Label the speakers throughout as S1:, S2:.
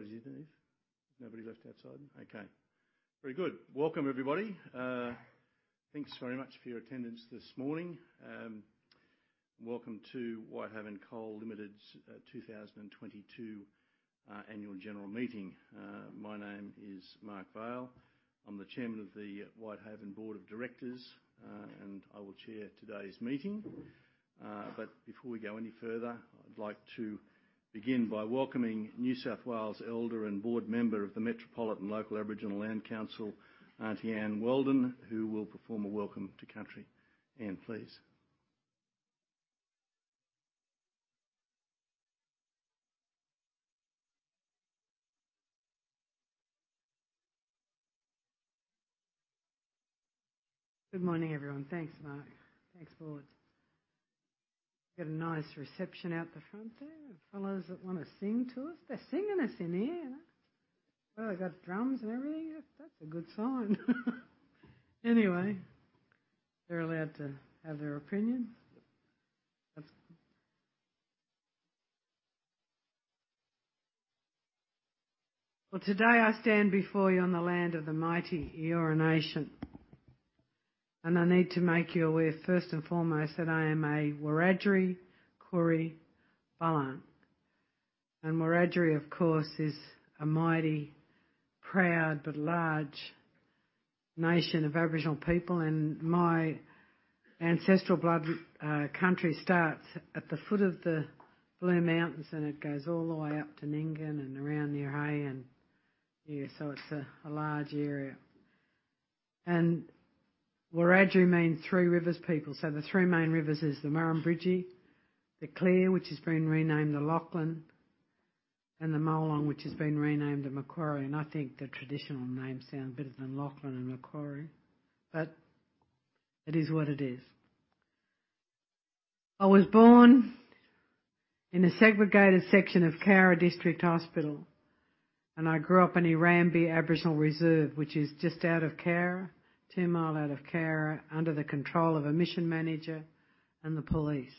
S1: Everybody's in there? Nobody left outside? Okay. Very good. Welcome, everybody. Thanks very much for your attendance this morning. Welcome to Whitehaven Coal Limited's 2022 Annual General Meeting. My name is Mark Vaile. I'm the Chairman of the Whitehaven Board of Directors, and I will chair today's meeting. But before we go any further, I'd like to begin by welcoming New South Wales Elder and Board Member of the Metropolitan Local Aboriginal Land Council, Aunty Ann Weldon, who will perform a Welcome to Country. Ann, please.
S2: Good morning, everyone. Thanks, Mark. Thanks, Board. We've got a nice reception out the front there. Fellows that want to sing to us, they're singing us in here. They've got drums and everything. That's a good sign. Anyway, they're allowed to have their opinion. That's good. Today I stand before you on the land of the mighty Eora Nation, and I need to make you aware first and foremost that I am a Wiradjuri Koori Balaang. Wiradjuri, of course, is a mighty, proud but large nation of Aboriginal people, and my ancestral blood country starts at the foot of the Blue Mountains, and it goes all the way up to Nyngan and around near Hay and here. So it's a large area. Wiradjuri means three rivers people. The three main rivers are the Murrumbidgee, the Kalare which has been renamed the Lachlan, and the Molong, which has been renamed the Macquarie. And I think the traditional name sounds better than Lachlan and Macquarie, but it is what it is. I was born in a segregated section of Cowra District Hospital, and I grew up in Erambie Aboriginal Reserve, which is just out of Cowra, two mile out of Cowra, under the control of a mission manager and the police.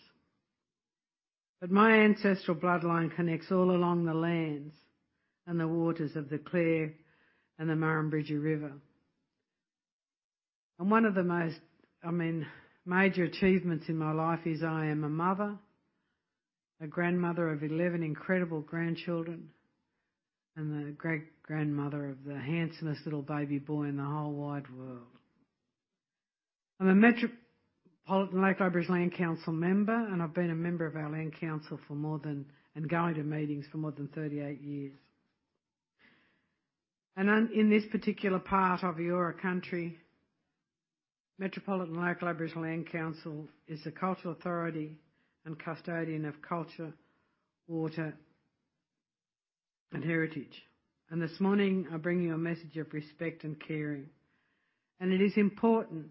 S2: But my ancestral bloodline connects all along the lands and the waters of the Kalare and the Murrumbidgee River. And one of the most, I mean, major achievements in my life is I am a mother, a grandmother of 11 incredible grandchildren, and the great-grandmother of the handsomest little baby boy in the whole wide world. I'm a Metropolitan Local Aboriginal Land Council member, and I've been a member of our land council for more than 38 years, going to meetings for more than 38 years. In this particular part of Eora Country, Metropolitan Local Aboriginal Land Council is a cultural authority and custodian of culture, water, and heritage. This morning, I bring you a message of respect and caring. It is important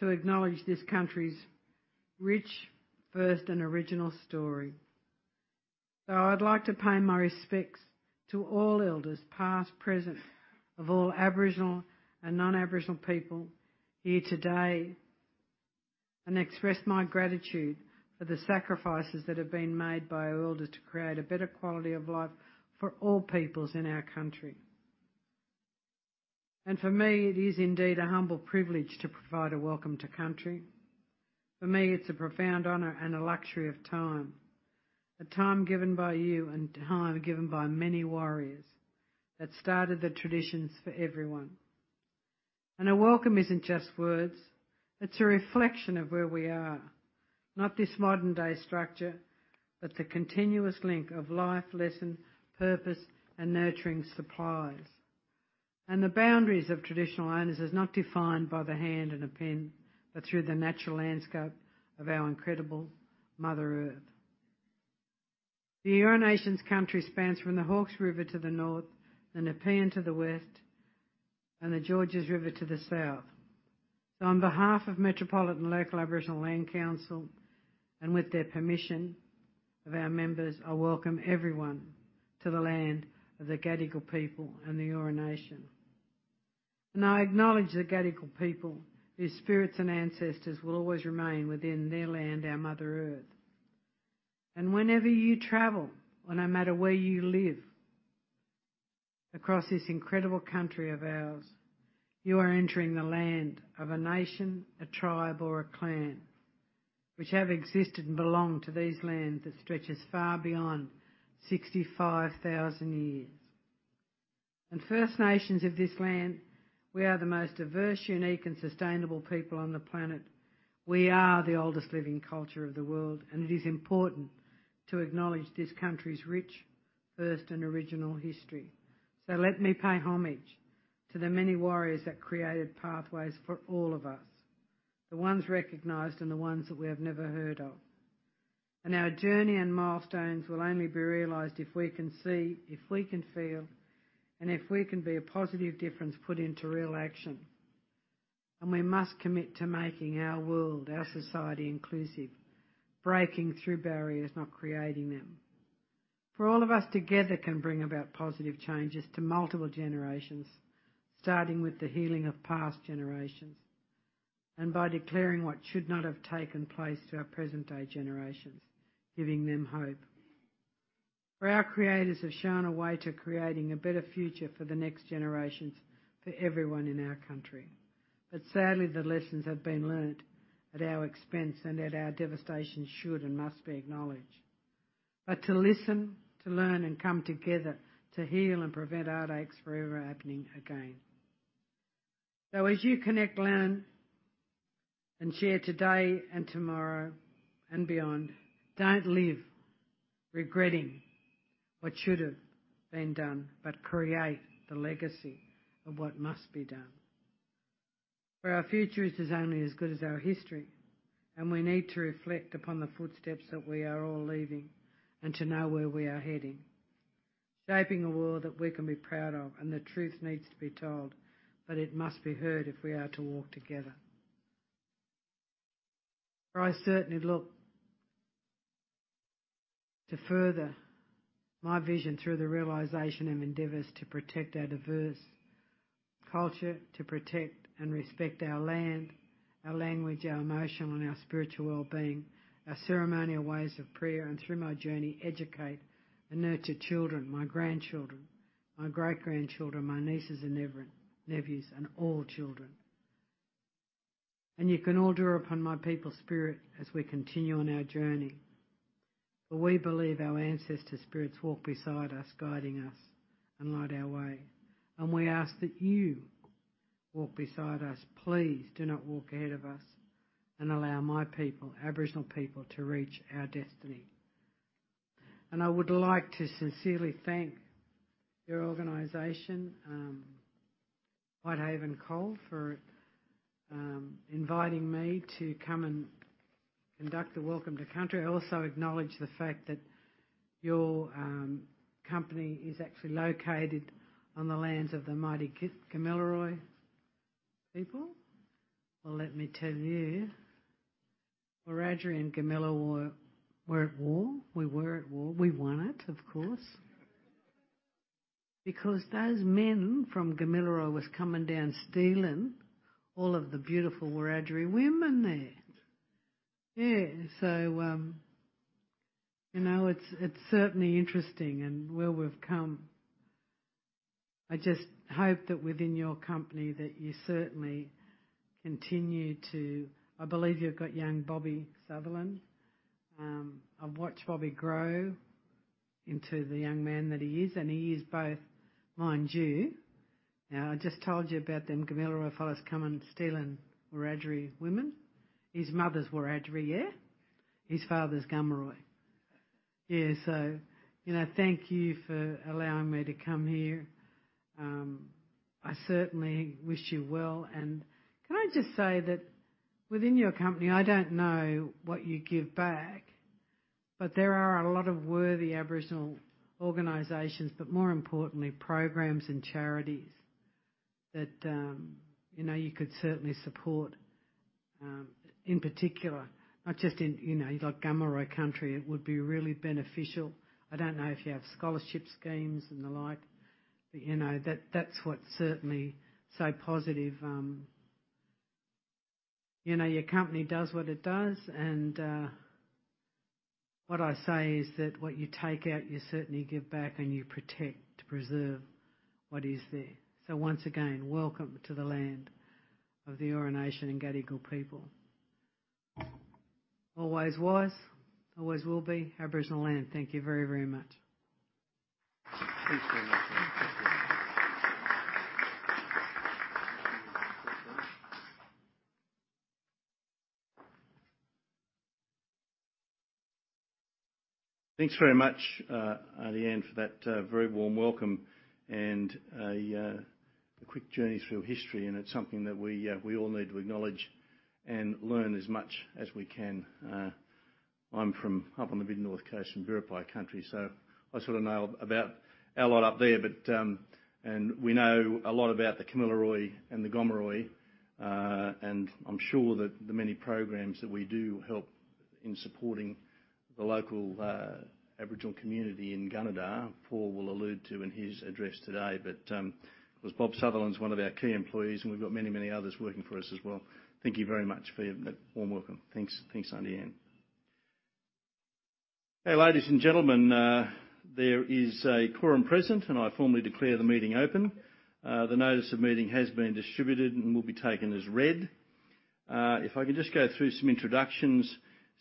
S2: to acknowledge this country's rich, first, and original story. I'd like to pay my respects to all elders, past, present, of all Aboriginal and non-Aboriginal people here today, and express my gratitude for the sacrifices that have been made by our elders to create a better quality of life for all peoples in our country. For me, it is indeed a humble privilege to provide a Welcome to Country. For me, it's a profound honor and a luxury of time, a time given by you and time given by many warriors that started the traditions for everyone. And a welcome isn't just words. It's a reflection of where we are, not this modern-day structure, but the continuous link of life, lesson, purpose, and nurturing supplies. And the boundaries of traditional owners are not defined by the hand and a pen, but through the natural landscape of our incredible Mother Earth. The Eora Nation's country spans from the Hawkesbury River to the north, the Nepean to the west, and the Georges River to the south. So on behalf of Metropolitan Local Aboriginal Land Council, and with the permission of our members, I welcome everyone to the land of the Gadigal people and the Eora Nation. I acknowledge the Gadigal people, whose spirits and ancestors will always remain within their land, our Mother Earth. Whenever you travel, no matter where you live, across this incredible country of ours, you are entering the land of a nation, a tribe, or a clan, which have existed and belong to these lands that stretch as far beyond 65,000 years. First Nations of this land, we are the most diverse, unique, and sustainable people on the planet. We are the oldest living culture of the world, and it is important to acknowledge this country's rich, first, and original history. Let me pay homage to the many warriors that created pathways for all of us, the ones recognized and the ones that we have never heard of. Our journey and milestones will only be realized if we can see, if we can feel, and if we can be a positive difference put into real action. We must commit to making our world, our society inclusive, breaking through barriers, not creating them. For all of us together can bring about positive changes to multiple generations, starting with the healing of past generations and by declaring what should not have taken place to our present-day generations, giving them hope. For our creators have shown a way to creating a better future for the next generations for everyone in our country. Sadly, the lessons have been learned at our expense and at our devastation should and must be acknowledged. To listen, to learn, and come together to heal and prevent heartaches from ever happening again. So as you connect land and share today and tomorrow and beyond, don't live regretting what should have been done, but create the legacy of what must be done. For our future is only as good as our history, and we need to reflect upon the footsteps that we are all leaving and to know where we are heading, shaping a world that we can be proud of. And the truth needs to be told, but it must be heard if we are to walk together. I certainly look to further my vision through the realization of endeavors to protect our diverse culture, to protect and respect our land, our language, our emotional, and our spiritual well-being, our ceremonial ways of prayer, and through my journey, educate and nurture children, my grandchildren, my great-grandchildren, my nieces and nephews, and all children. You can all draw upon my people's spirit as we continue on our journey. For we believe our ancestors' spirits walk beside us, guiding us and light our way. We ask that you walk beside us. Please do not walk ahead of us and allow my people, Aboriginal people, to reach our destiny. I would like to sincerely thank your organization, Whitehaven Coal, for inviting me to come and conduct the Welcome to Country. I also acknowledge the fact that your company is actually located on the lands of the mighty Kamilaroi people. Well, let me tell you, Wiradjuri and Kamilaroi were at war. We were at war. We won it, of course, because those men from Kamilaroi were coming down stealing all of the beautiful Wiradjuri women there. Yeah. So it's certainly interesting and where we've come. I just hope that within your company that you certainly continue to—I believe you've got young Bobby Sutherland. I've watched Bobby grow into the young man that he is, and he is both, mind you. Now, I just told you about them Kamilaroi fellas coming stealing Wiradjuri women. His mother's Wiradjuri, yeah? His father's Kamilaroi. Yeah. So thank you for allowing me to come here. I certainly wish you well. And can I just say that within your company, I don't know what you give back, but there are a lot of worthy Aboriginal organizations, but more importantly, programs and charities that you could certainly support. In particular, not just in Kamilaroi country, it would be really beneficial. I don't know if you have scholarship schemes and the like, but that's what's certainly so positive. Your company does what it does, and what I say is that what you take out, you certainly give back, and you protect, preserve what is there. So once again, welcome to the land of the Eora Nation and Gadigal people. Always was, always will be Aboriginal land. Thank you very, very much.
S1: Thanks very much. Thanks very much, Aunty Ann, for that very warm welcome and a quick journey through history. And it's something that we all need to acknowledge and learn as much as we can. I'm from up on the Mid North Coast in Biripi country, so I sort of know about our lot up there. And we know a lot about the Kamilaroi and the Gomeroi, and I'm sure that the many programs that we do help in supporting the local Aboriginal community in Gunnedah. Paul will allude to in his address today. But of course, Bobby Sutherland's one of our key employees, and we've got many, many others working for us as well. Thank you very much for your warm welcome. Thanks, Aunty Ann. Hey, ladies and gentlemen, there is a quorum present, and I formally declare the meeting open. The notice of meeting has been distributed and will be taken as read. If I can just go through some introductions.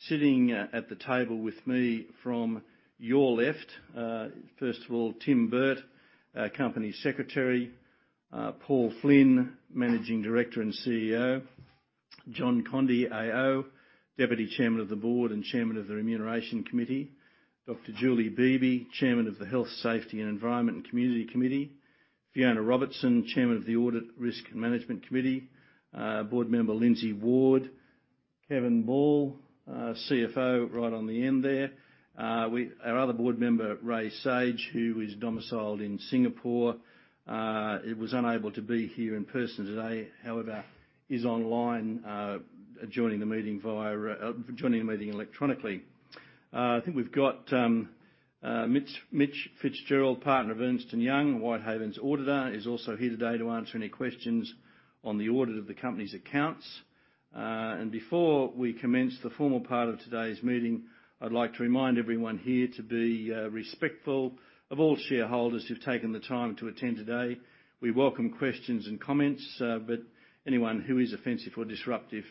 S1: Sitting at the table with me from your left, first of all, Tim Burt, Company Secretary, Paul Flynn, Managing Director and CEO, John Conde, AO, Deputy Chairman of the Board and Chairman of the Remuneration Committee, Dr. Julie Beeby, Chairman of the Health, Safety, Environment and Community Committee, Fiona Robertson, Chairman of the Audit, Risk and Management Committee, Board member Lindsay Ward, Kevin Ball, CFO, right on the end there. Our other Board member, Raymond Zage, who is domiciled in Singapore, was unable to be here in person today, however, is online joining the meeting electronically. I think we've got Mitchell Fitzgerald, partner of Ernst & Young, Whitehaven's auditor, is also here today to answer any questions on the audit of the company's accounts. And before we commence the formal part of today's meeting, I'd like to remind everyone here to be respectful of all shareholders who've taken the time to attend today. We welcome questions and comments, but anyone who is offensive or disruptive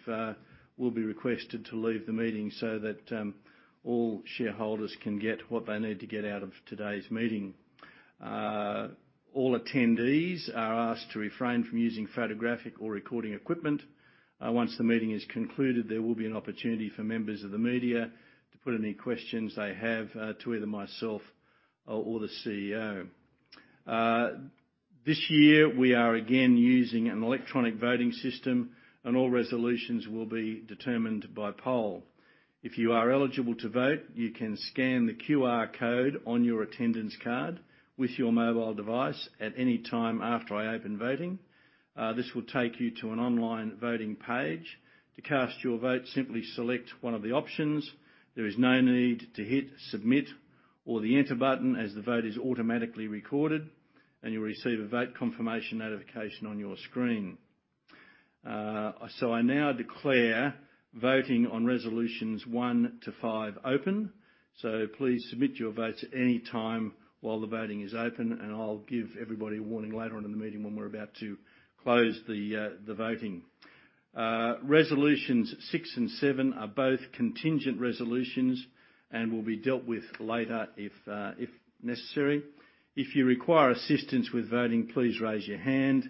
S1: will be requested to leave the meeting so that all shareholders can get what they need to get out of today's meeting. All attendees are asked to refrain from using photographic or recording equipment. Once the meeting is concluded, there will be an opportunity for members of the media to put any questions they have to either myself or the CEO. This year, we are again using an electronic voting system, and all resolutions will be determined by poll. If you are eligible to vote, you can scan the QR code on your attendance card with your mobile device at any time after I open voting. This will take you to an online voting page. To cast your vote, simply select one of the options. There is no need to hit submit or the enter button as the vote is automatically recorded, and you'll receive a vote confirmation notification on your screen. So I now declare voting on Resolutions 1-5 open. So please submit your votes at any time while the voting is open, and I'll give everybody a warning later on in the meeting when we're about to close the voting. Resolutions six and seven are both contingent resolutions and will be dealt with later if necessary. If you require assistance with voting, please raise your hand.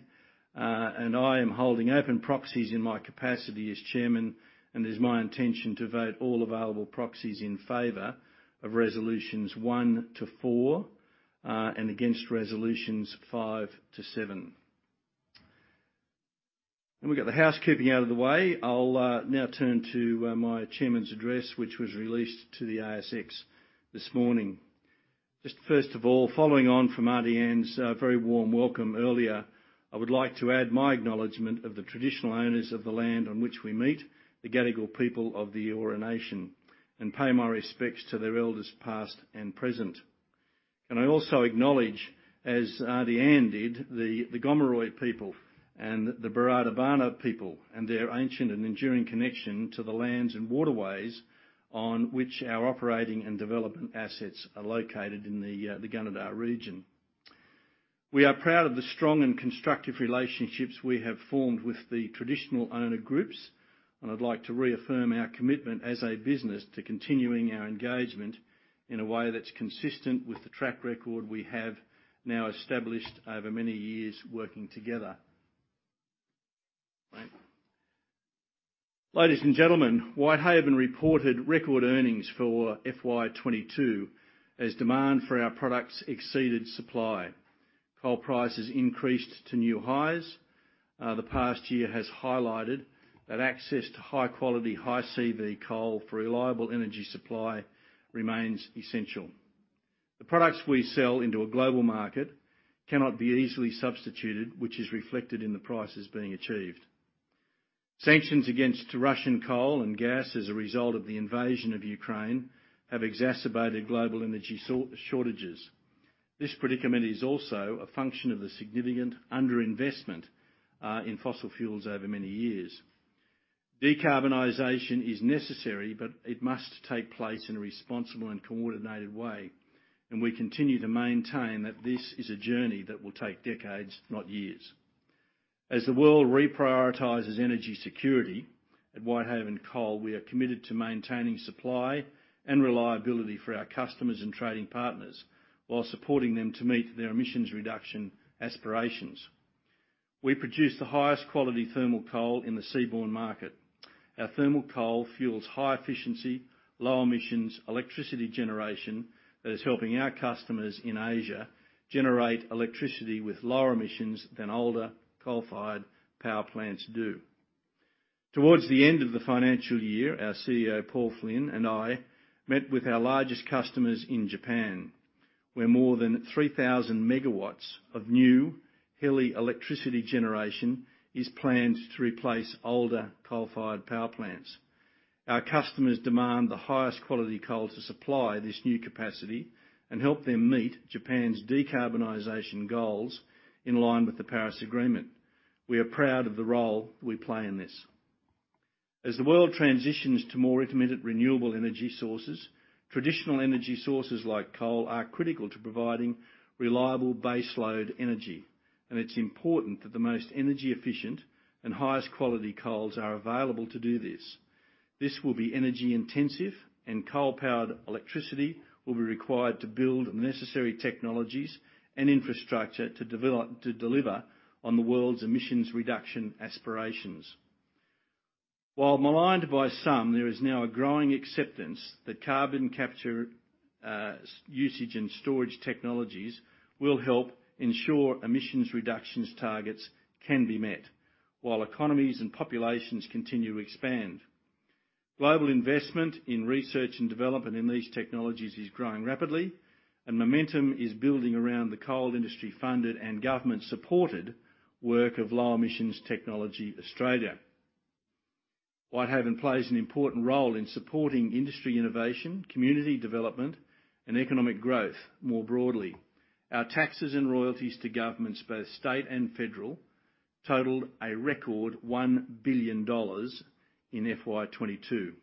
S1: And I am holding open proxies in my capacity as chairman, and it is my intention to vote all available proxies in favor of resolutions one to four and against resolutions five to seven. We've got the housekeeping out of the way. I'll now turn to my chairman's address, which was released to the ASX this morning. Just first of all, following on from Aunty Ann's very warm welcome earlier, I would like to add my acknowledgement of the traditional owners of the land on which we meet, the Gadigal people of the Eora Nation, and pay my respects to their elders past and present. I also acknowledge, as Aunty Ann did, the Gomeroi people and the Barada Barna people and their ancient and enduring connection to the lands and waterways on which our operating and development assets are located in the Gunnedah region. We are proud of the strong and constructive relationships we have formed with the traditional owner groups, and I'd like to reaffirm our commitment as a business to continuing our engagement in a way that's consistent with the track record we have now established over many years working together. Ladies and gentlemen, Whitehaven reported record earnings for FY 2022 as demand for our products exceeded supply. Coal prices increased to new highs. The past year has highlighted that access to high-quality, high-CV coal for reliable energy supply remains essential. The products we sell into a global market cannot be easily substituted, which is reflected in the prices being achieved. Sanctions against Russian coal and gas as a result of the invasion of Ukraine have exacerbated global energy shortages. This predicament is also a function of the significant underinvestment in fossil fuels over many years. Decarbonization is necessary, but it must take place in a responsible and coordinated way. We continue to maintain that this is a journey that will take decades, not years. As the world reprioritizes energy security at Whitehaven Coal, we are committed to maintaining supply and reliability for our customers and trading partners while supporting them to meet their emissions reduction aspirations. We produce the highest quality thermal coal in the seaborne market. Our thermal coal fuels high efficiency, low emissions electricity generation that is helping our customers in Asia generate electricity with lower emissions than older coal-fired power plants do. Towards the end of the financial year, our CEO, Paul Flynn, and I met with our largest customers in Japan, where more than 3,000 megawatts of new HELE electricity generation is planned to replace older coal-fired power plants. Our customers demand the highest quality coal to supply this new capacity and help them meet Japan's decarbonization goals in line with the Paris Agreement. We are proud of the role we play in this. As the world transitions to more intermittent renewable energy sources, traditional energy sources like coal are critical to providing reliable baseload energy, and it's important that the most energy-efficient and highest quality coals are available to do this. This will be energy-intensive, and coal-powered electricity will be required to build the necessary technologies and infrastructure to deliver on the world's emissions reduction aspirations. While maligned by some, there is now a growing acceptance that carbon capture usage and storage technologies will help ensure emissions reductions targets can be met while economies and populations continue to expand. Global investment in research and development in these technologies is growing rapidly, and momentum is building around the coal industry-funded and government-supported work of Low Emission Technology Australia. Whitehaven plays an important role in supporting industry innovation, community development, and economic growth more broadly. Our taxes and royalties to governments, both state and federal, totaled a record 1 billion dollars in FY 2022,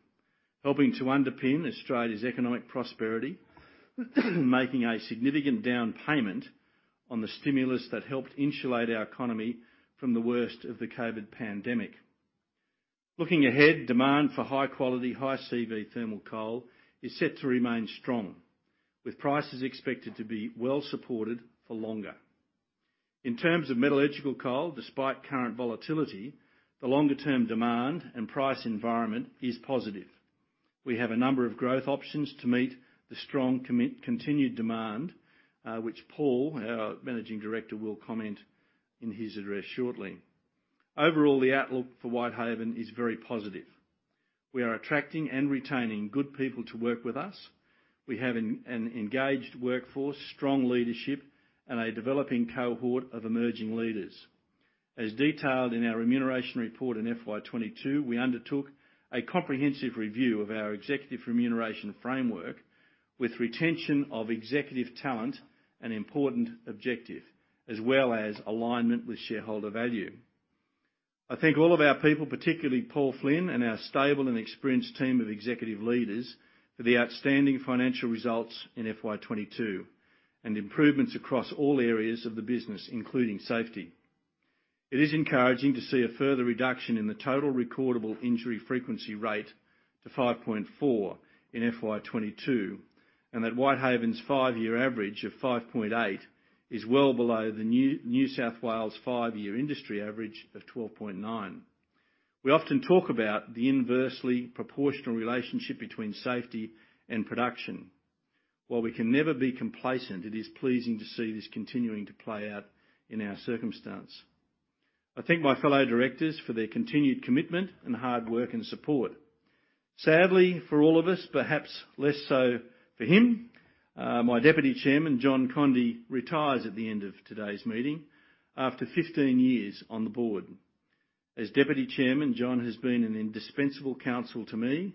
S1: helping to underpin Australia's economic prosperity, making a significant down payment on the stimulus that helped insulate our economy from the worst of the COVID pandemic. Looking ahead, demand for high-quality, high-CV thermal coal is set to remain strong, with prices expected to be well-supported for longer. In terms of metallurgical coal, despite current volatility, the longer-term demand and price environment is positive. We have a number of growth options to meet the strong continued demand, which Paul, our Managing Director, will comment on in his address shortly. Overall, the outlook for Whitehaven is very positive. We are attracting and retaining good people to work with us. We have an engaged workforce, strong leadership, and a developing cohort of emerging leaders. As detailed in our remuneration report in FY 2022, we undertook a comprehensive review of our executive remuneration framework with retention of executive talent an important objective, as well as alignment with shareholder value. I thank all of our people, particularly Paul Flynn, and our stable and experienced team of executive leaders for the outstanding financial results in FY 2022 and improvements across all areas of the business, including safety. It is encouraging to see a further reduction in the Total Recordable Injury Frequency Rate to 5.4 in FY 2022 and that Whitehaven's five-year average of 5.8 is well below the New South Wales five-year industry average of 12.9. We often talk about the inversely proportional relationship between safety and production. While we can never be complacent, it is pleasing to see this continuing to play out in our circumstance. I thank my fellow directors for their continued commitment and hard work and support. Sadly for all of us, perhaps less so for him, my Deputy Chairman, John Conde, retires at the end of today's meeting after 15 years on the Board. As deputy chairman, John has been an indispensable counsel to me,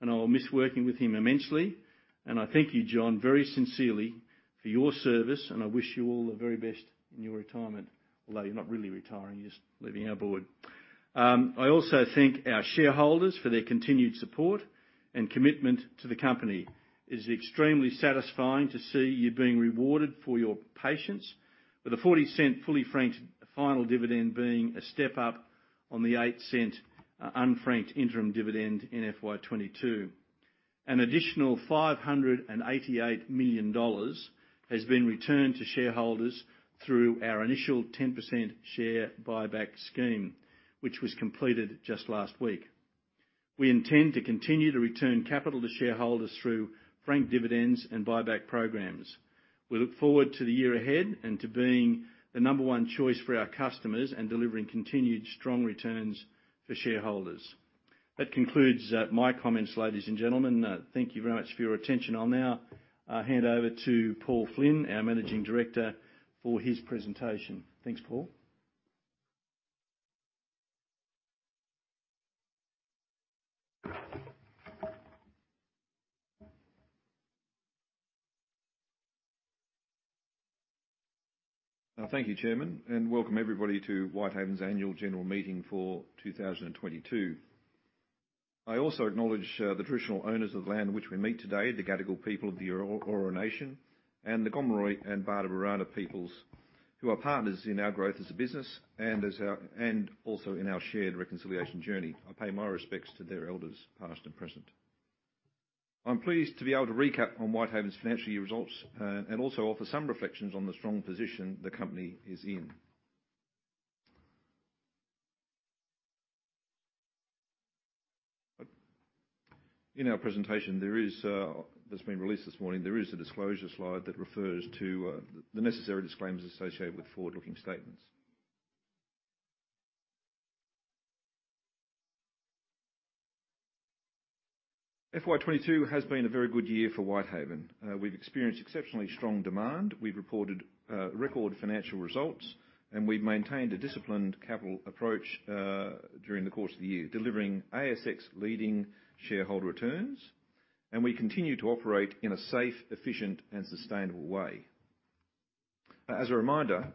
S1: and I will miss working with him immensely. I thank you, John, very sincerely for your service, and I wish you all the very best in your retirement, although you're not really retiring, you're just leaving our Board. I also thank our shareholders for their continued support and commitment to the company. It is extremely satisfying to see you being rewarded for your patience, with an 0.40 fully-franked final dividend being a step up on the 0.08 unfranked interim dividend in FY 2022. An additional AUD 588 million has been returned to shareholders through our initial 10% share buyback scheme, which was completed just last week. We intend to continue to return capital to shareholders through franked dividends and buyback programs. We look forward to the year ahead and to being the number one choice for our customers and delivering continued strong returns for shareholders. That concludes my comments, ladies and gentlemen. Thank you very much for your attention. I'll now hand over to Paul Flynn, our Managing Director, for his presentation. Thanks, Paul.
S3: Thank you, Chairman, and welcome everybody to Whitehaven's Annual General Meeting for 2022. I also acknowledge the traditional owners of the land on which we meet today, the Gadigal people of the Eora Nation, and the Gomeroi and Barada peoples who are partners in our growth as a business and also in our shared reconciliation journey. I pay my respects to their elders, past and present. I'm pleased to be able to recap on Whitehaven's financial year results and also offer some reflections on the strong position the company is in. In our presentation that's been released this morning, there is a disclosure slide that refers to the necessary disclaimers associated with forward-looking statements. FY 2022 has been a very good year for Whitehaven. We've experienced exceptionally strong demand. We've reported record financial results, and we've maintained a disciplined capital approach during the course of the year, delivering ASX-leading shareholder returns, and we continue to operate in a safe, efficient, and sustainable way. As a reminder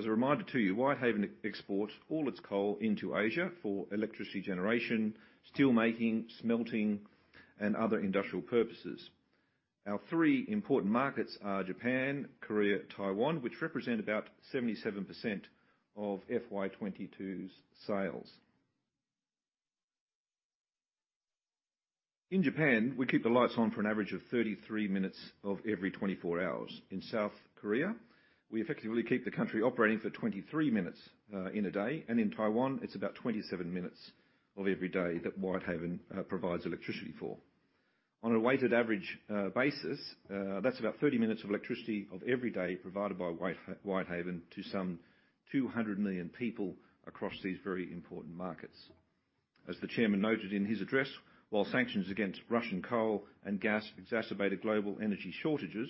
S3: to you, Whitehaven exports all its coal into Asia for electricity generation, steelmaking, smelting, and other industrial purposes. Our three important markets are Japan, Korea, and Taiwan, which represent about 77% of FY 2022's Sales. In Japan, we keep the lights on for an average of 33 minutes of every 24 hours. In South Korea, we effectively keep the country operating for 23 minutes in a day, and in Taiwan, it's about 27 minutes of every day that Whitehaven provides electricity for. On a weighted average basis, that's about 30 minutes of electricity of every day provided by Whitehaven to some 200 million people across these very important markets. As the chairman noted in his address, while sanctions against Russian coal and gas exacerbated global energy shortages,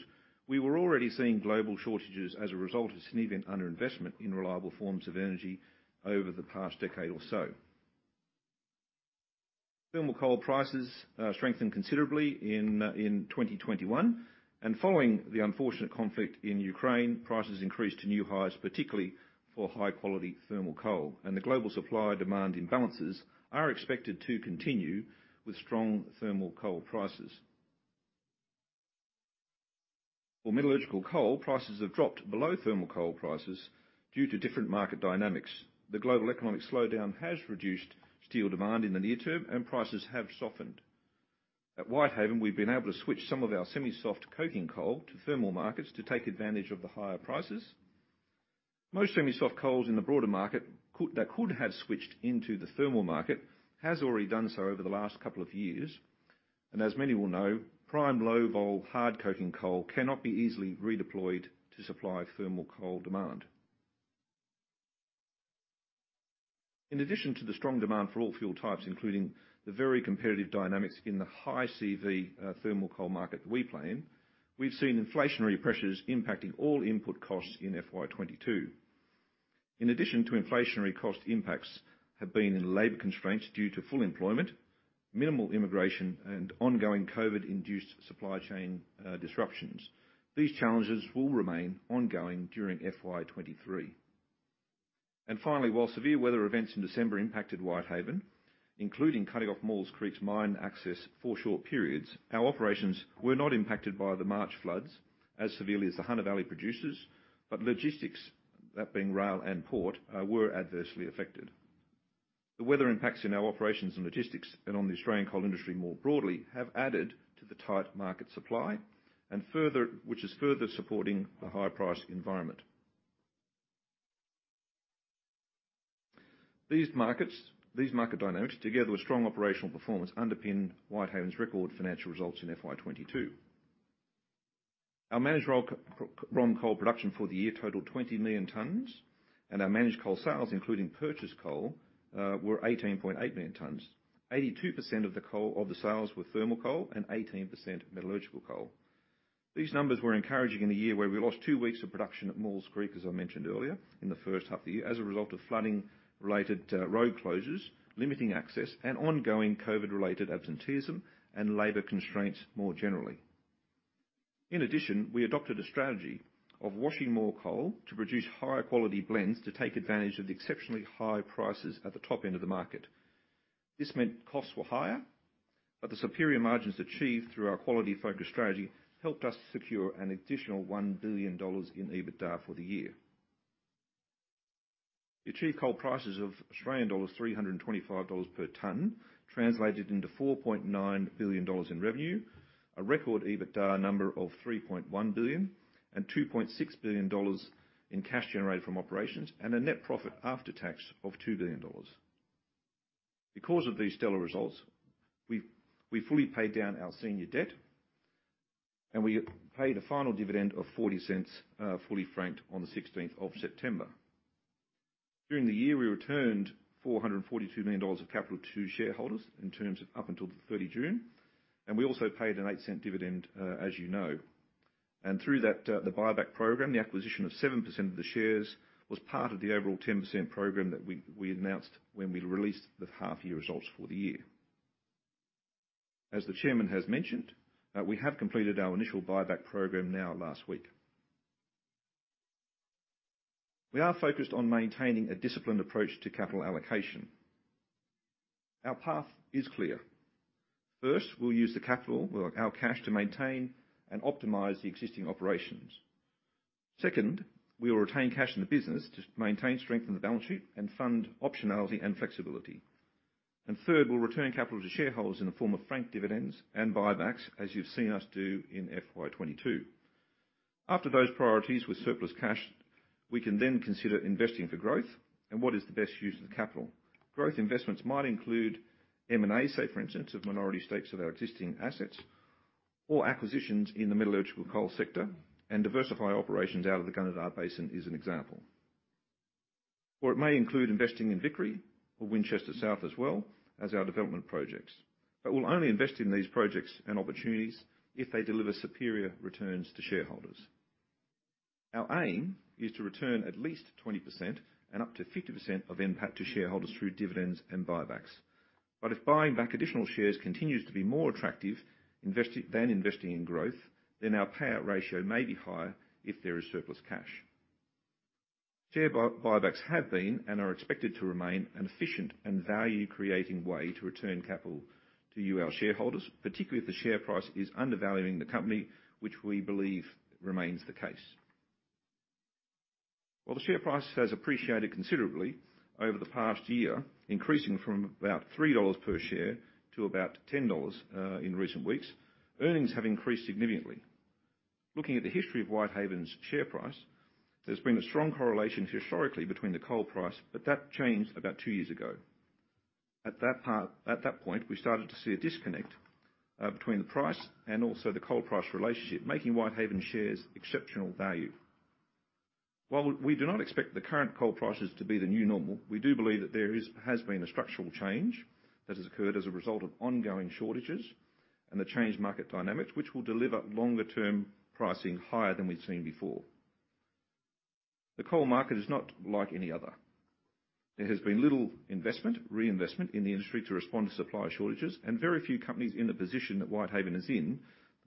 S3: we were already seeing global shortages as a result of significant underinvestment in reliable forms of energy over the past decade or so. Thermal coal prices strengthened considerably in 2021, and following the unfortunate conflict in Ukraine, prices increased to new highs, particularly for high-quality thermal coal, and the global supply-demand imbalances are expected to continue with strong thermal coal prices. For metallurgical coal, prices have dropped below thermal coal prices due to different market dynamics. The global economic slowdown has reduced steel demand in the near term, and prices have softened. At Whitehaven, we've been able to switch some of our semi-soft coking coal to thermal markets to take advantage of the higher prices. Most semi-soft coals in the broader market that could have switched into the thermal market have already done so over the last couple of years. And as many will know, prime low-vol hard coking coal cannot be easily redeployed to supply thermal coal demand. In addition to the strong demand for all fuel types, including the very competitive dynamics in the high-CV thermal coal market that we play in, we've seen inflationary pressures impacting all input costs in FY 2022. In addition to inflationary cost impacts have been in labor constraints due to full employment, minimal immigration, and ongoing COVID-induced supply chain disruptions. These challenges will remain ongoing during FY 202 3. Finally, while severe weather events in December impacted Whitehaven, including cutting off Maules Creek's mine access for short periods, our operations were not impacted by the March floods as severely as the Hunter Valley producers, but logistics, that being rail and port, were adversely affected. The weather impacts in our operations and logistics and on the Australian coal industry more broadly have added to the tight market supply, which is further supporting the high-price environment. These market dynamics, together with strong operational performance, underpin Whitehaven's record financial results in FY 2022. Our managed ROM coal production for the year totaled 20 million tons, and our managed coal sales, including purchased coal, were 18.8 million tons. 82% of the sales were thermal coal and 18% metallurgical coal. These numbers were encouraging in a year where we lost two weeks of production at Maules Creek, as I mentioned earlier, in the first half of the year as a result of flooding-related road closures, limiting access, and ongoing COVID-related absenteeism and labor constraints more generally. In addition, we adopted a strategy of washing more coal to produce higher-quality blends to take advantage of the exceptionally high prices at the top end of the market. This meant costs were higher, but the superior margins achieved through our quality-focused strategy helped us secure an additional $1 billion in EBITDA for the year. We achieved coal prices of $325 per ton, translated into $4.9 billion in revenue, a record EBITDA number of $3.1 billion, and $2.6 billion in cash generated from operations, and a net profit after tax of $2 billion. Because of these stellar results, we fully paid down our senior debt, and we paid a final dividend of 0.40 fully franked on the 16th of September. During the year, we returned 442 million dollars of capital to shareholders in terms of up until the 30th of June, and we also paid an 0.08 dividend, as you know. And through the buyback program, the acquisition of 7% of the shares was part of the overall 10% program that we announced when we released the half-year results for the year. As the chairman has mentioned, we have completed our initial buyback program now last week. We are focused on maintaining a disciplined approach to capital allocation. Our path is clear. First, we'll use the capital, our cash, to maintain and optimize the existing operations. Second, we will retain cash in the business to maintain strength in the balance sheet and fund optionality and flexibility. Third, we'll return capital to shareholders in the form of franked dividends and buybacks, as you've seen us do in FY 2022. After those priorities with surplus cash, we can then consider investing for growth and what is the best use of the capital. Growth investments might include M&A, say, for instance, of minority stakes of our existing assets or acquisitions in the metallurgical coal sector and diversify operations out of the Gunnedah Basin as an example. Or it may include investing in Vickery or Winchester South as well as our development projects. But we'll only invest in these projects and opportunities if they deliver superior returns to shareholders. Our aim is to return at least 20% and up to 50% of impact to shareholders through dividends and buybacks. But if buying back additional shares continues to be more attractive than investing in growth, then our payout ratio may be higher if there is surplus cash. Share buybacks have been and are expected to remain an efficient and value-creating way to return capital to our shareholders, particularly if the share price is undervaluing the company, which we believe remains the case. While the share price has appreciated considerably over the past year, increasing from about $3 per share to about $10 in recent weeks, earnings have increased significantly. Looking at the history of Whitehaven's share price, there's been a strong correlation historically between the coal price, but that changed about two years ago. At that point, we started to see a disconnect between the price and also the coal price relationship, making Whitehaven's shares exceptional value. While we do not expect the current coal prices to be the new normal, we do believe that there has been a structural change that has occurred as a result of ongoing shortages and the changed market dynamics, which will deliver longer-term pricing higher than we've seen before. The coal market is not like any other. There has been little investment, reinvestment in the industry to respond to supply shortages, and very few companies in the position that Whitehaven is in,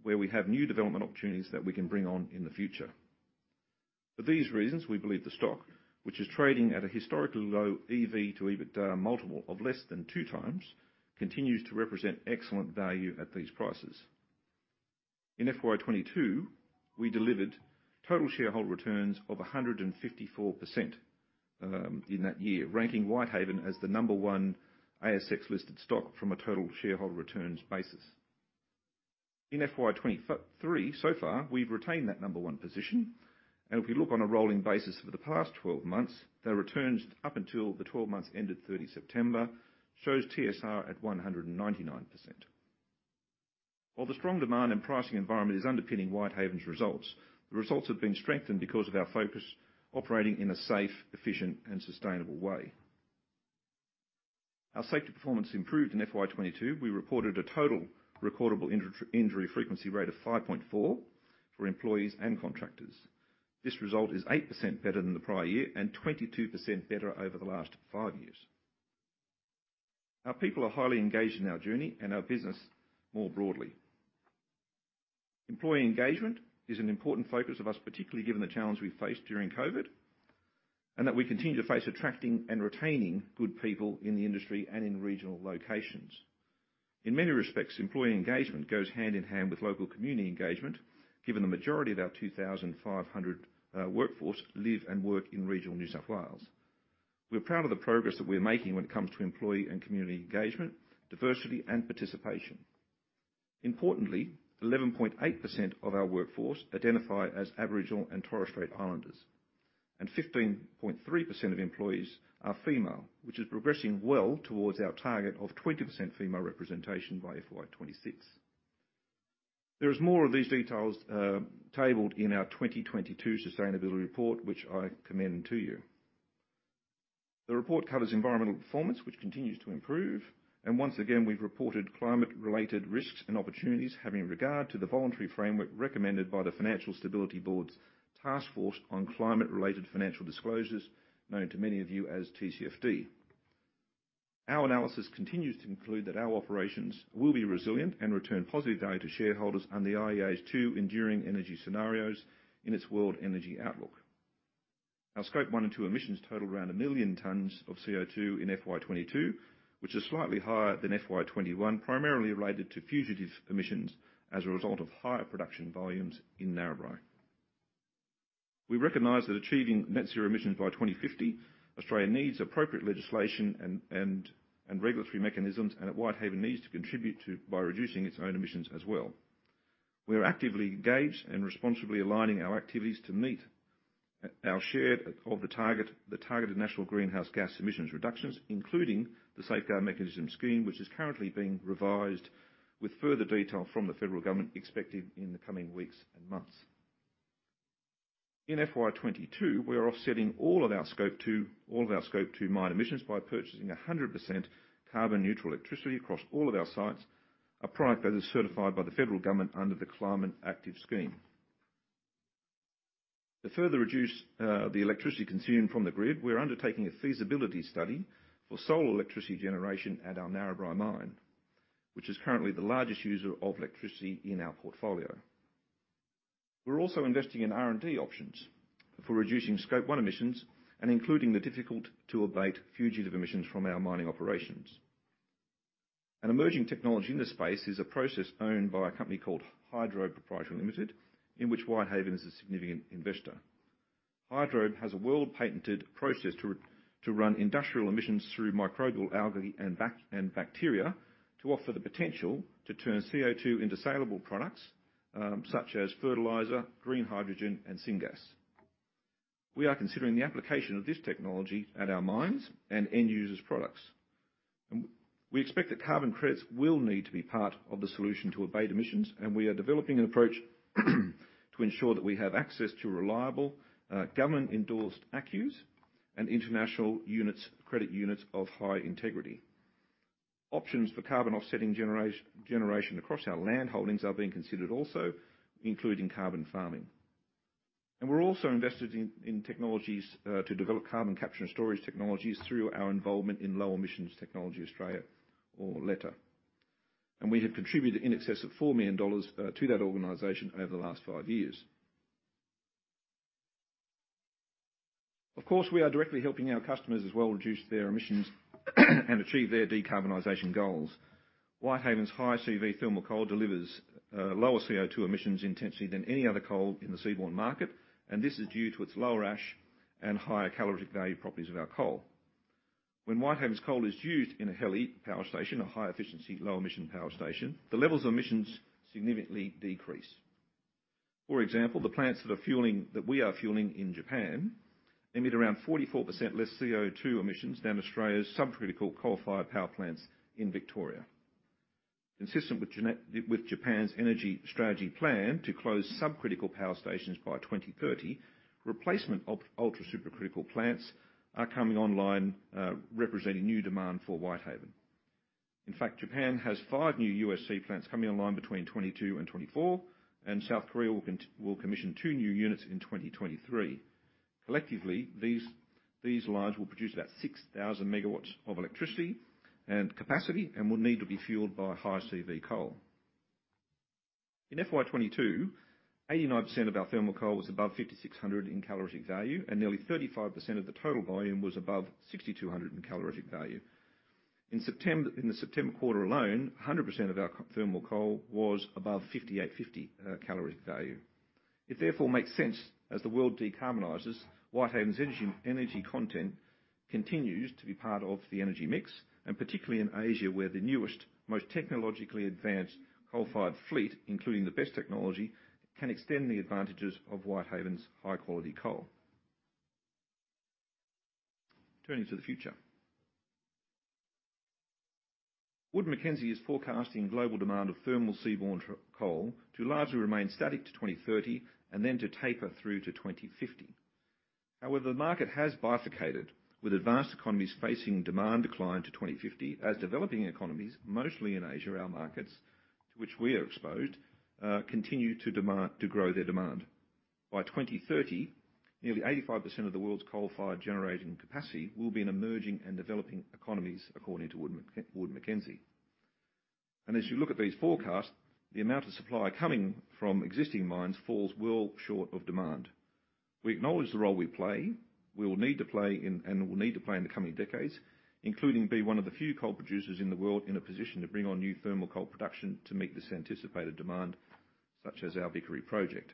S3: where we have new development opportunities that we can bring on in the future. For these reasons, we believe the stock, which is trading at a historically low EV to EBITDA multiple of less than two times, continues to represent excellent value at these prices. In FY 2022, we delivered total shareholder returns of 154% in that year, ranking Whitehaven as the number one ASX-listed stock from a total shareholder returns basis. In FY 2023, so far, we've retained that number one position, and if we look on a rolling basis for the past 12 months, the returns up until the 12 months ended 30 September show TSR at 199%. While the strong demand and pricing environment is underpinning Whitehaven's results, the results have been strengthened because of our focus operating in a safe, efficient, and sustainable way. Our safety performance improved in FY 2022. We reported a total recordable injury frequency rate of 5.4 for employees and contractors. This result is 8% better than the prior year and 22% better over the last five years. Our people are highly engaged in our journey and our business more broadly. Employee engagement is an important focus of us, particularly given the challenge we faced during COVID and that we continue to face attracting and retaining good people in the industry and in regional locations. In many respects, employee engagement goes hand in hand with local community engagement, given the majority of our 2,500 workforce live and work in regional New South Wales. We're proud of the progress that we're making when it comes to employee and community engagement, diversity, and participation. Importantly, 11.8% of our workforce identify as Aboriginal and Torres Strait Islanders, and 15.3% of employees are female, which is progressing well towards our target of 20% female representation by FY 2026. There is more of these details tabled in our 2022 sustainability report, which I commend to you. The report covers environmental performance, which continues to improve, and once again, we've reported climate-related risks and opportunities having regard to the voluntary framework recommended by the Financial Stability Board's Task Force on Climate-Related Financial Disclosures, known to many of you as TCFD. Our analysis continues to conclude that our operations will be resilient and return positive value to shareholders under the IEA's two enduring energy scenarios in its World Energy Outlook. Our Scope 1 and 2 emissions totaled around a million tons of CO2 in FY 2022, which is slightly higher than FY 2021, primarily related to fugitive emissions as a result of higher production volumes in Narrabri. We recognize that achieving net zero emissions by 2050, Australia needs appropriate legislation and regulatory mechanisms, and Whitehaven needs to contribute by reducing its own emissions as well. We are actively engaged and responsibly aligning our activities to meet our shared targeted national greenhouse gas emissions reductions, including the Safeguard Mechanism Scheme, which is currently being revised with further detail from the federal government expected in the coming weeks and months. In FY 2022, we are offsetting all of our Scope 2 mine emissions by purchasing 100% carbon-neutral electricity across all of our sites, a product that is certified by the federal government under the Climate Active Scheme. To further reduce the electricity consumed from the grid, we are undertaking a feasibility study for solar electricity generation at our Narrabri Mine, which is currently the largest user of electricity in our portfolio. We're also investing in R&D options for reducing Scope 1 emissions and including the difficult-to-abate fugitive emissions from our mining operations. An emerging technology in this space is a process owned by a company called Hydrobe Proprietary Limited, in which Whitehaven is a significant investor. Hydrobe has a world-patented process to run industrial emissions through microbial algae and bacteria to offer the potential to turn CO2 into salable products such as fertilizer, green hydrogen, and syngas. We are considering the application of this technology at our mines and end-users' products. We expect that carbon credits will need to be part of the solution to abate emissions, and we are developing an approach to ensure that we have access to reliable government-endorsed ACCUs and international credit units of high integrity. Options for carbon offsetting generation across our land holdings are being considered also, including carbon farming, and we're also invested in technologies to develop carbon capture and storage technologies through our involvement in Low Emission Technology Australia, or LETA. We have contributed in excess of 4 million dollars to that organization over the last five years. Of course, we are directly helping our customers as well reduce their emissions and achieve their decarbonization goals. Whitehaven's high-CV thermal coal delivers lower CO2 emissions intensity than any other coal in the seaborne market, and this is due to its lower ash and higher calorific value properties of our coal. When Whitehaven's coal is used in a HELE power station, a high-efficiency, low-emission power station, the levels of emissions significantly decrease. For example, the plants that we are fueling in Japan emit around 44% less CO2 emissions than Australia's subcritical coal-fired power plants in Victoria. Consistent with Japan's energy strategy plan to close subcritical power stations by 2030, replacement of ultra-supercritical plants are coming online, representing new demand for Whitehaven. In fact, Japan has five new USC plants coming online between 2022 and 2024, and South Korea will commission two new units in 2023. Collectively, these lines will produce about 6,000 megawatts of electricity and capacity and will need to be fueled by high CV coal. In FY 2022, 89% of our thermal coal was above 5,600 in calorific value, and nearly 35% of the total volume was above 6,200 in calorific value. In the September quarter alone, 100% of our thermal coal was above 5,850 calorific value. It therefore makes sense, as the world decarbonizes, Whitehaven's energy content continues to be part of the energy mix, and particularly in Asia, where the newest, most technologically advanced coal-fired fleet, including the best technology, can extend the advantages of Whitehaven's high-quality coal. Turning to the future, Wood Mackenzie is forecasting global demand of thermal seaborne coal to largely remain static to 2030 and then to taper through to 2050. However, the market has bifurcated, with advanced economies facing demand decline to 2050, as developing economies, mostly in Asia, our markets, to which we are exposed, continue to grow their demand. By 2030, nearly 85% of the world's coal-fired generating capacity will be in emerging and developing economies, according to Wood Mackenzie, and as you look at these forecasts, the amount of supply coming from existing mines falls well short of demand. We acknowledge the role we play, we will need to play, and will need to play in the coming decades, including being one of the few coal producers in the world in a position to bring on new thermal coal production to meet this anticipated demand, such as our Vickery project.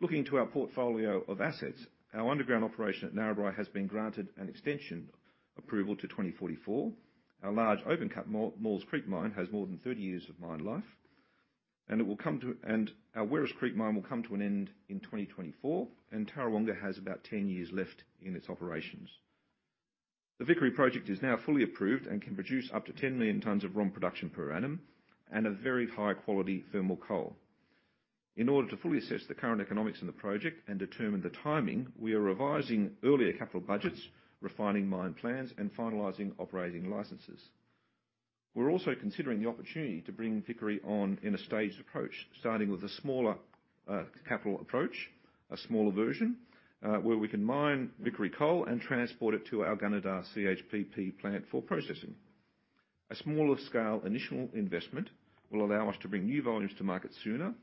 S3: Looking to our portfolio of assets, our underground operation at Narrabri has been granted an extension approval to 2044. Our large open-cut Maules Creek mine has more than 30 years of mine life, and our Werris Creek mine will come to an end in 2024, and Tarawonga has about 10 years left in its operations. The Vickery project is now fully approved and can produce up to 10 million tons of ROM production per annum and a very high-quality thermal coal. In order to fully assess the current economics in the project and determine the timing, we are revising earlier capital budgets, refining mine plans, and finalizing operating licenses. We're also considering the opportunity to bring Vickery on in a staged approach, starting with a smaller capital approach, a smaller version, where we can mine Vickery coal and transport it to our Gunnedah CHPP plant for processing. A smaller-scale initial investment will allow us to bring new volumes to market sooner,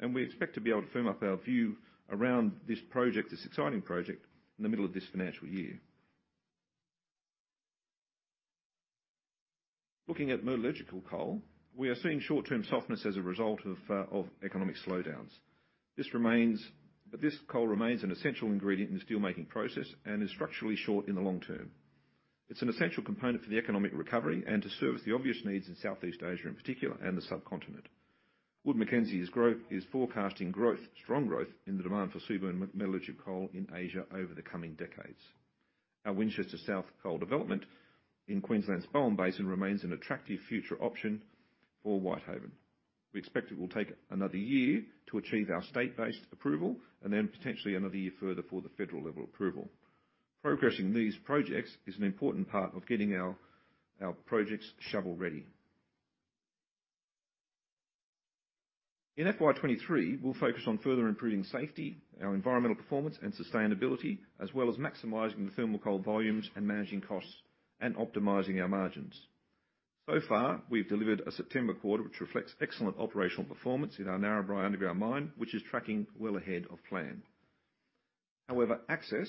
S3: and we expect to be able to firm up our view around this project, this exciting project, in the middle of this financial year. Looking at metallurgical coal, we are seeing short-term softness as a result of economic slowdowns. This coal remains an essential ingredient in the steelmaking process and is structurally short in the long term. It's an essential component for the economic recovery and to service the obvious needs in Southeast Asia in particular and the subcontinent. Wood Mackenzie is forecasting strong growth in the demand for seaborne metallurgical coal in Asia over the coming decades. Our Winchester South coal development in Queensland's Bowen Basin remains an attractive future option for Whitehaven. We expect it will take another year to achieve our state-based approval and then potentially another year further for the federal-level approval. Progressing these projects is an important part of getting our projects shovel ready. In FY 2023, we'll focus on further improving safety, our environmental performance, and sustainability, as well as maximizing the thermal coal volumes and managing costs and optimizing our margins. So far, we've delivered a September quarter, which reflects excellent operational performance in our Narrabri underground mine, which is tracking well ahead of plan. However, access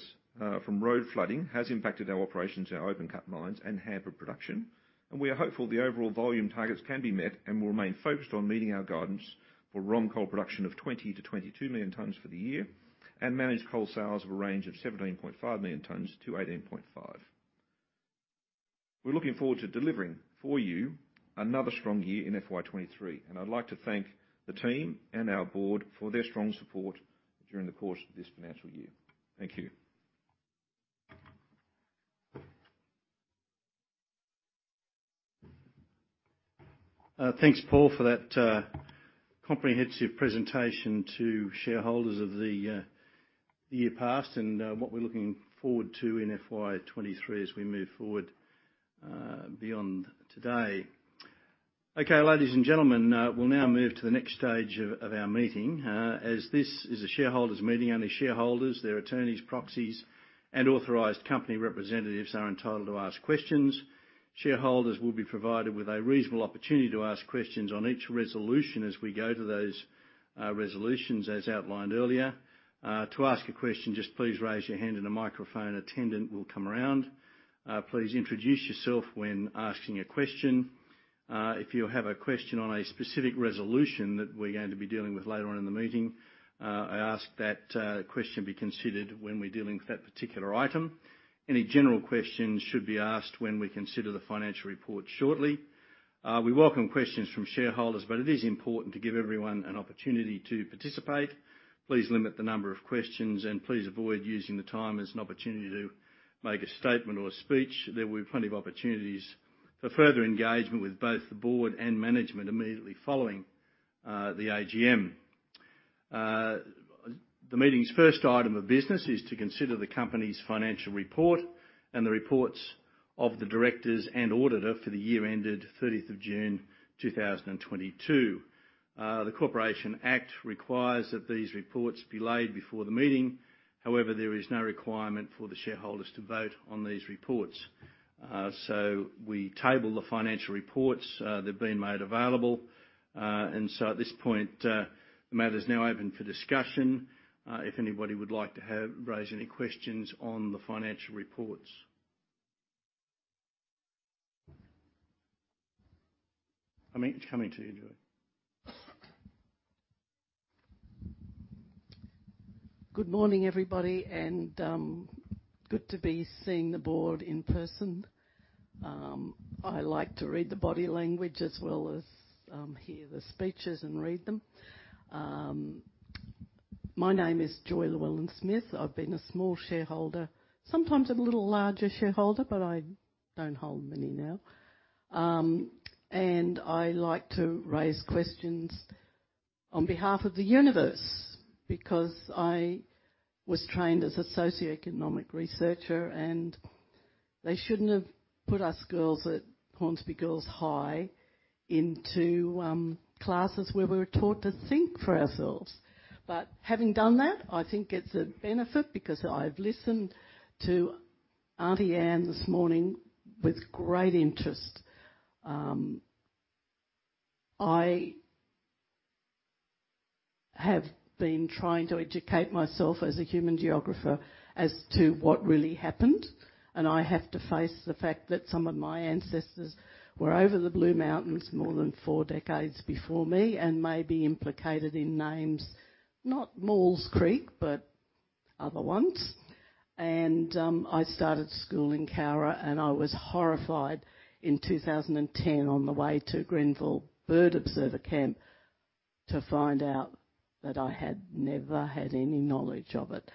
S3: from road flooding has impacted our operations in our open-cut mines and hampered production, and we are hopeful the overall volume targets can be met and will remain focused on meeting our guidance for ROM coal production of 20-22 million tons for the year and manage coal sales of a range of 17.5-18.5 million tons. We're looking forward to delivering for you another strong year in FY 2023, and I'd like to thank the team and our Board for their strong support during the course of this financial year. Thank you.
S1: Thanks, Paul, for that comprehensive presentation to shareholders of the year past and what we're looking forward to in FY 2023 as we move forward beyond today. Okay, ladies and gentlemen, we'll now move to the next stage of our meeting. As this is a shareholders' meeting, only shareholders, their attorneys, proxies, and authorized company representatives are entitled to ask questions. Shareholders will be provided with a reasonable opportunity to ask questions on each resolution as we go to those resolutions, as outlined earlier. To ask a question, just please raise your hand and a microphone attendant will come around. Please introduce yourself when asking a question. If you have a question on a specific resolution that we're going to be dealing with later on in the meeting, I ask that question be considered when we're dealing with that particular item. Any general questions should be asked when we consider the financial report shortly. We welcome questions from shareholders, but it is important to give everyone an opportunity to participate. Please limit the number of questions, and please avoid using the time as an opportunity to make a statement or a speech. There will be plenty of opportunities for further engagement with both the Board and management immediately following the AGM. The meeting's first item of business is to consider the company's financial report and the reports of the directors and auditor for the year ended 30th of June 2022. The Corporations Act requires that these reports be laid before the meeting. However, there is no requirement for the shareholders to vote on these reports. So we table the financial reports. They've been made available. And so at this point, the matter is now open for discussion. If anybody would like to raise any questions on the financial reports. I mean, it'scoming to you, Joy.
S4: Good morning, everybody, and good to be seeing the Board in person. I like to read the body language as well as hear the speeches and read them. My name is Joy Llewellyn-Smith. I've been a small shareholder, sometimes a little larger shareholder, but I don't hold many now. And I like to raise questions on behalf of the universe because I was trained as a socioeconomic researcher, and they shouldn't have put us girls at Hornsby Girls High into classes where we were taught to think for ourselves. But having done that, I think it's a benefit because I've listened to Aunty Ann this morning with great interest. I have been trying to educate myself as a human geographer as to what really happened, and I have to face the fact that some of my ancestors were over the Blue Mountains more than four decades before me and may be implicated in names, not Maules Creek, but other ones. I started school in Cowra, and I was horrified in 2010 on the way to Grenfell Bird Observer Camp to find out that I had never had any knowledge of it.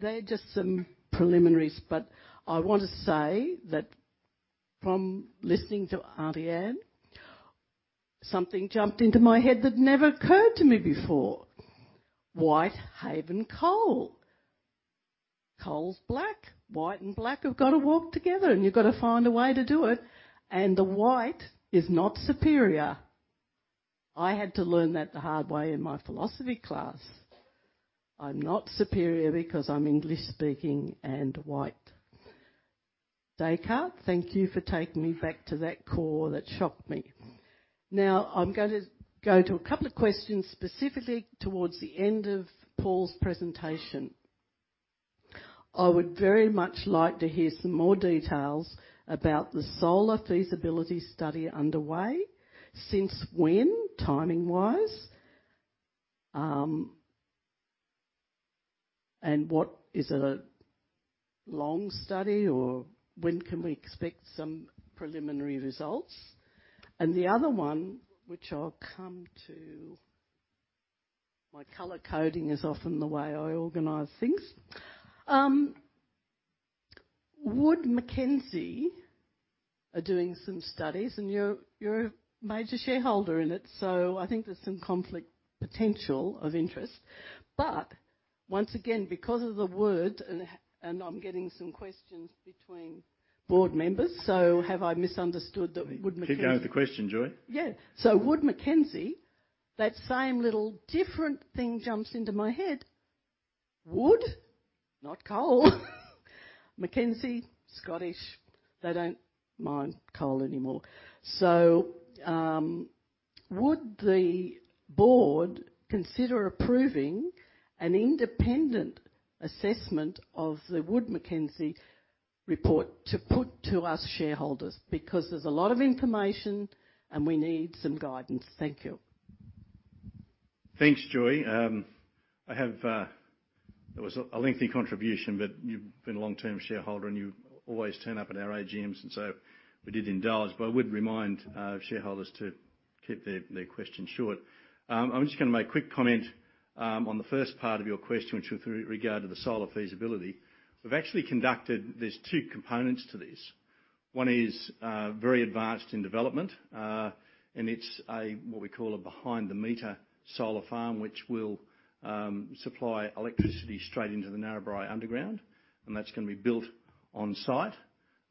S4: They're just some preliminaries, but I want to say that from listening to Aunty Ann, something jumped into my head that never occurred to me before: Whitehaven Coal. Coal's black. White and black have got to work together, and you've got to find a way to do it, and the white is not superior. I had to learn that the hard way in my philosophy class. I'm not superior because I'm English-speaking and white. Descartes, thank you for taking me back to that core that shocked me. Now, I'm going to go to a couple of questions specifically towards the end of Paul's presentation. I would very much like to hear some more details about the solar feasibility study underway. Since when? Timing-wise? And what is a long study, or when can we expect some preliminary results? And the other one, which I'll come to, my color coding is often the way I organize things. Wood Mackenzie are doing some studies, and you're a major shareholder in it, so I think there's some potential conflict of interest. But once again, because of the word, and I'm getting some questions between Board members, so have I misunderstood that Wood Mackenzie?
S1: Keep going with the question, Joy.
S4: Yeah. So Wood Mackenzie, that same little different thing jumps into my head. Wood, not coal. Mackenzie, Scottish. They don't mind coal anymore. So would the Board consider approving an independent assessment of the Wood Mackenzie report to put to us shareholders? Because there's a lot of information, and we need some guidance. Thank you.
S1: Thanks, Joy. There was a lengthy contribution, but you've been a long-term shareholder, and you always turn up at our AGMs, and so we did indulge. But I would remind shareholders to keep their questions short. I'm just going to make a quick comment on the first part of your question, which was with regard to the solar feasibility. We've actually conducted. There's two components to this. One is very advanced in development, and it's what we call a behind-the-meter solar farm, which will supply electricity straight into the Narrabri underground, and that's going to be built on-site.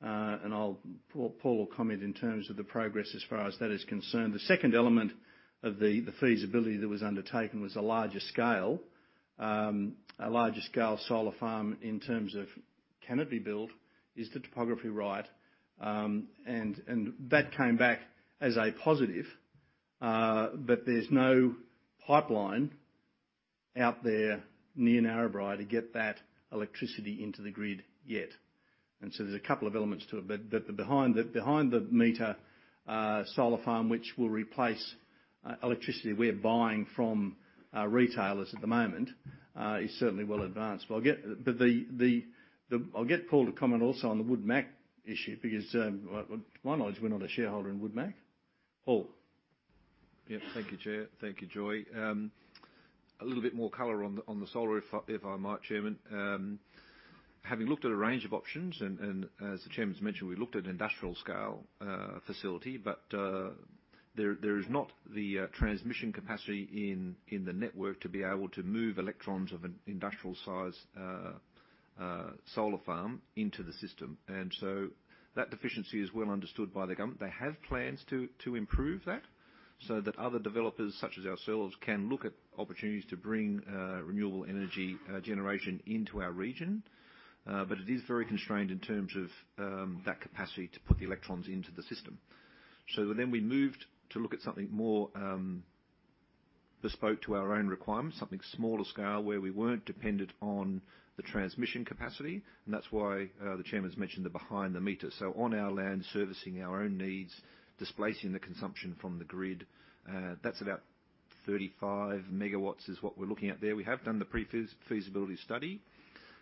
S1: And Paul will comment in terms of the progress as far as that is concerned. The second element of the feasibility that was undertaken was a larger scale, a larger scale solar farm in terms of can it be built, is the topography right? And that came back as a positive, but there's no pipeline out there near Narrabri to get that electricity into the grid yet. And so there's a couple of elements to it. But the behind-the-meter solar farm, which will replace electricity we're buying from retailers at the moment, is certainly well advanced. But I'll get Paul to comment also on the Wood Mac issue because, to my knowledge, we're not a shareholder in Wood Mac.
S3: Yep. Thank you, Joy. A little bit more color on the solar, if I might, Chairman. Having looked at a range of options, and as the Chairman's mentioned, we looked at an industrial-scale facility, but there is not the transmission capacity in the network to be able to move electrons of an industrial-size solar farm into the system. And so that deficiency is well understood by the government. They have plans to improve that so that other developers, such as ourselves, can look at opportunities to bring renewable energy generation into our region. But it is very constrained in terms of that capacity to put the electrons into the system. So then we moved to look at something more bespoke to our own requirements, something smaller scale where we weren't dependent on the transmission capacity. And that's why the Chairman's mentioned the behind-the-meter. So on our land, servicing our own needs, displacing the consumption from the grid, that's about 35 megawatts is what we're looking at there. We have done the pre-feasibility study.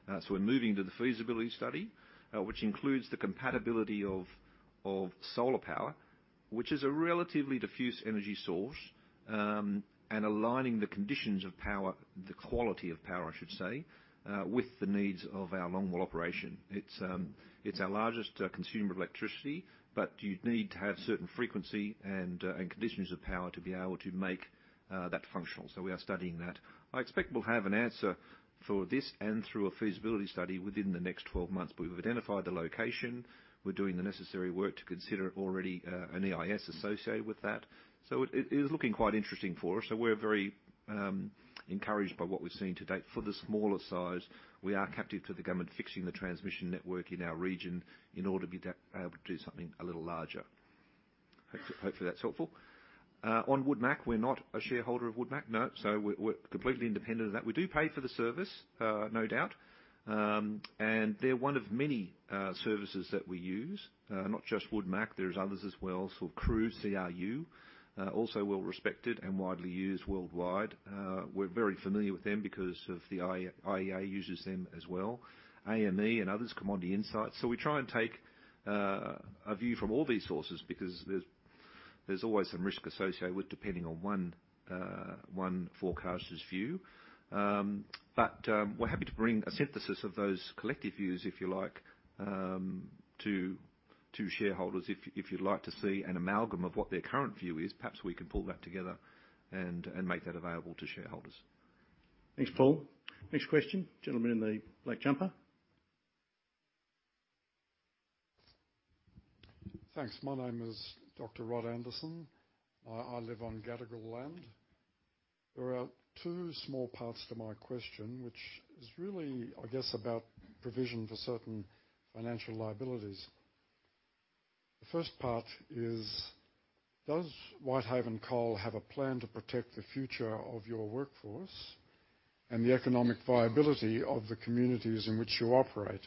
S3: So we're moving to the feasibility study, which includes the compatibility of solar power, which is a relatively diffuse energy source, and aligning the conditions of power, the quality of power, I should say, with the needs of our long-haul operation. It's our largest consumer of electricity, but you'd need to have certain frequency and conditions of power to be able to make that functional. So we are studying that. I expect we'll have an answer for this and through a feasibility study within the next 12 months. But we've identified the location. We're doing the necessary work to consider already an EIS associated with that. So it is looking quite interesting for us. So we're very encouraged by what we've seen to date. For the smaller size, we are captive to the government fixing the transmission network in our region in order to be able to do something a little larger. Hopefully, that's helpful. On Wood Mac, we're not a shareholder of Wood Mac, no. So we're completely independent of that. We do pay for the service, no doubt. And they're one of many services that we use, not just Wood Mac. There's others as well, sort of CRU, also well-respected and widely used worldwide. We're very familiar with them because of the IEA uses them as well. AME and others, Commodity Insights. So we try and take a view from all these sources because there's always some risk associated with depending on one forecaster's view. But we're happy to bring a synthesis of those collective views, if you like, to shareholders. If you'd like to see an amalgam of what their current view is, perhaps we can pull that together and make that available to shareholders.
S1: Thanks, Paul. Next question, gentleman in the blue jumper.
S5: Thanks. My name is Dr. Rod Anderson. I live on Gadigal land. There are two small parts to my question, which is really, I guess, about provision for certain financial liabilities. The first part is, does Whitehaven Coal have a plan to protect the future of your workforce and the economic viability of the communities in which you operate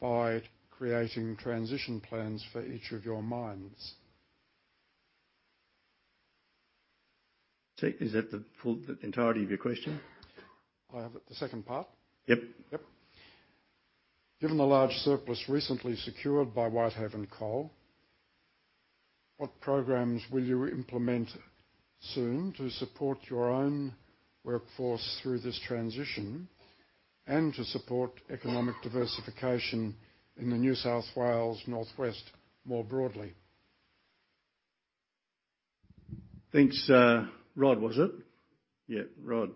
S5: by creating transition plans for each of your mines? Is that the entirety of your question? I have the second part.
S1: Yep. Yep.
S5: Given the large surplus recently secured by Whitehaven Coal, what programs will you implement soon to support your own workforce through this transition and to support economic diversification in the New South Wales Northwest more broadly?
S1: Thanks. Rod, was it?
S5: Yeah, Rod.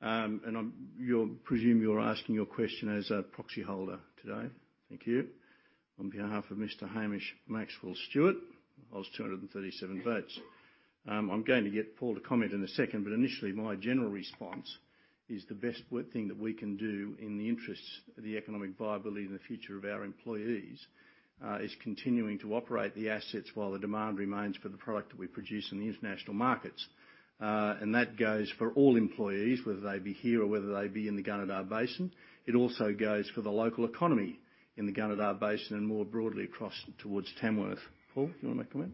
S1: And I presume you're asking your question as a proxy holder today. Thank you. On behalf of Mr. Hamish Maxwell-Stewart, I was 237 votes. I'm going to get Paul to comment in a second, but initially, my general response is the best thing that we can do in the interests of the economic viability and the future of our employees is continuing to operate the assets while the demand remains for the product that we produce in the international markets. And that goes for all employees, whether they be here or whether they be in the Gunnedah Basin. It also goes for the local economy in the Gunnedah Basin and more broadly across towards Tamworth. Paul, do you want to make a comment?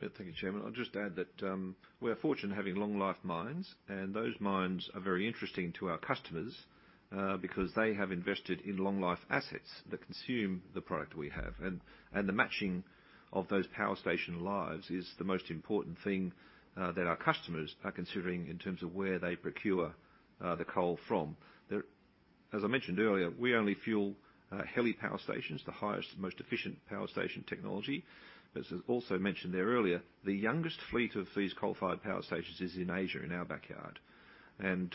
S3: Thank you, Chairman. I'll just add that we're fortunate in having long-life mines, and those mines are very interesting to our customers because they have invested in long-life assets that consume the product we have. And the matching of those power station lives is the most important thing that our customers are considering in terms of where they procure the coal from. As I mentioned earlier, we only fuel HELE power stations, the highest, most efficient power station technology. But as I also mentioned there earlier, the youngest fleet of these coal-fired power stations is in Asia in our backyard. And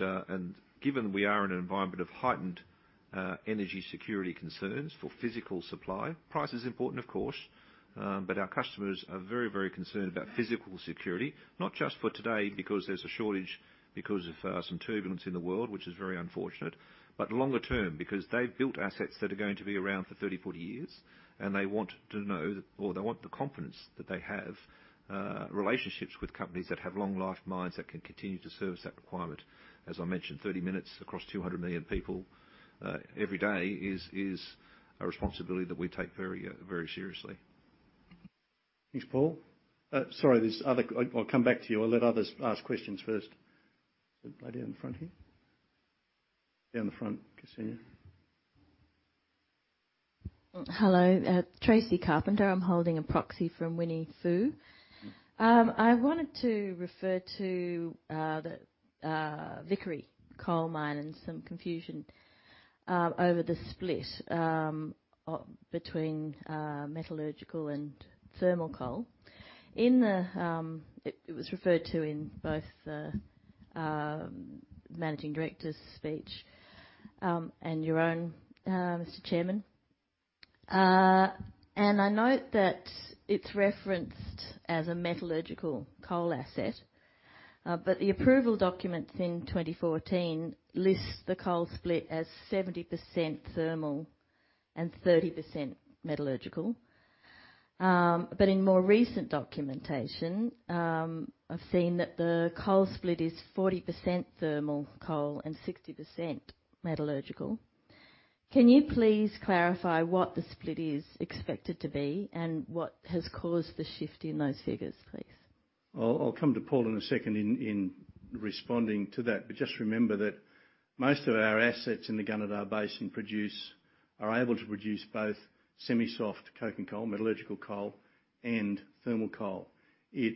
S3: given we are in an environment of heightened energy security concerns for physical supply, price is important, of course, but our customers are very, very concerned about physical security, not just for today because there's a shortage because of some turbulence in the world, which is very unfortunate, but longer term because they've built assets that are going to be around for 30, 40 years, and they want to know or they want the confidence that they have relationships with companies that have long-life mines that can continue to service that requirement. As I mentioned, 30 minutes across 200 million people every day is a responsibility that we take very, very seriously.
S1: Thanks, Paul. Sorry, there's other. I'll come back to you. I'll let others ask questions first. Is it right there in the front here? Down the front, Tracy.
S6: Hello. Tracy Carpenter. I'm holding a proxy from Winnie Foo. I wanted to refer to the Vickery Coal Mine and some confusion over the split between metallurgical and thermal coal. It was referred to in both the Managing Director's speech and your own, Mr. Chairman, and I note that it's referenced as a metallurgical coal asset, but the approval documents in 2014 list the coal split as 70% thermal and 30% metallurgical, but in more recent documentation, I've seen that the coal split is 40% thermal coal and 60% metallurgical. Can you please clarify what the split is expected to be and what has caused the shift in those figures, please?
S1: I'll come to Paul in a second in responding to that, but just remember that most of our assets in the Gunnedah Basin are able to produce both semi-soft coking coal, metallurgical coal, and thermal coal. It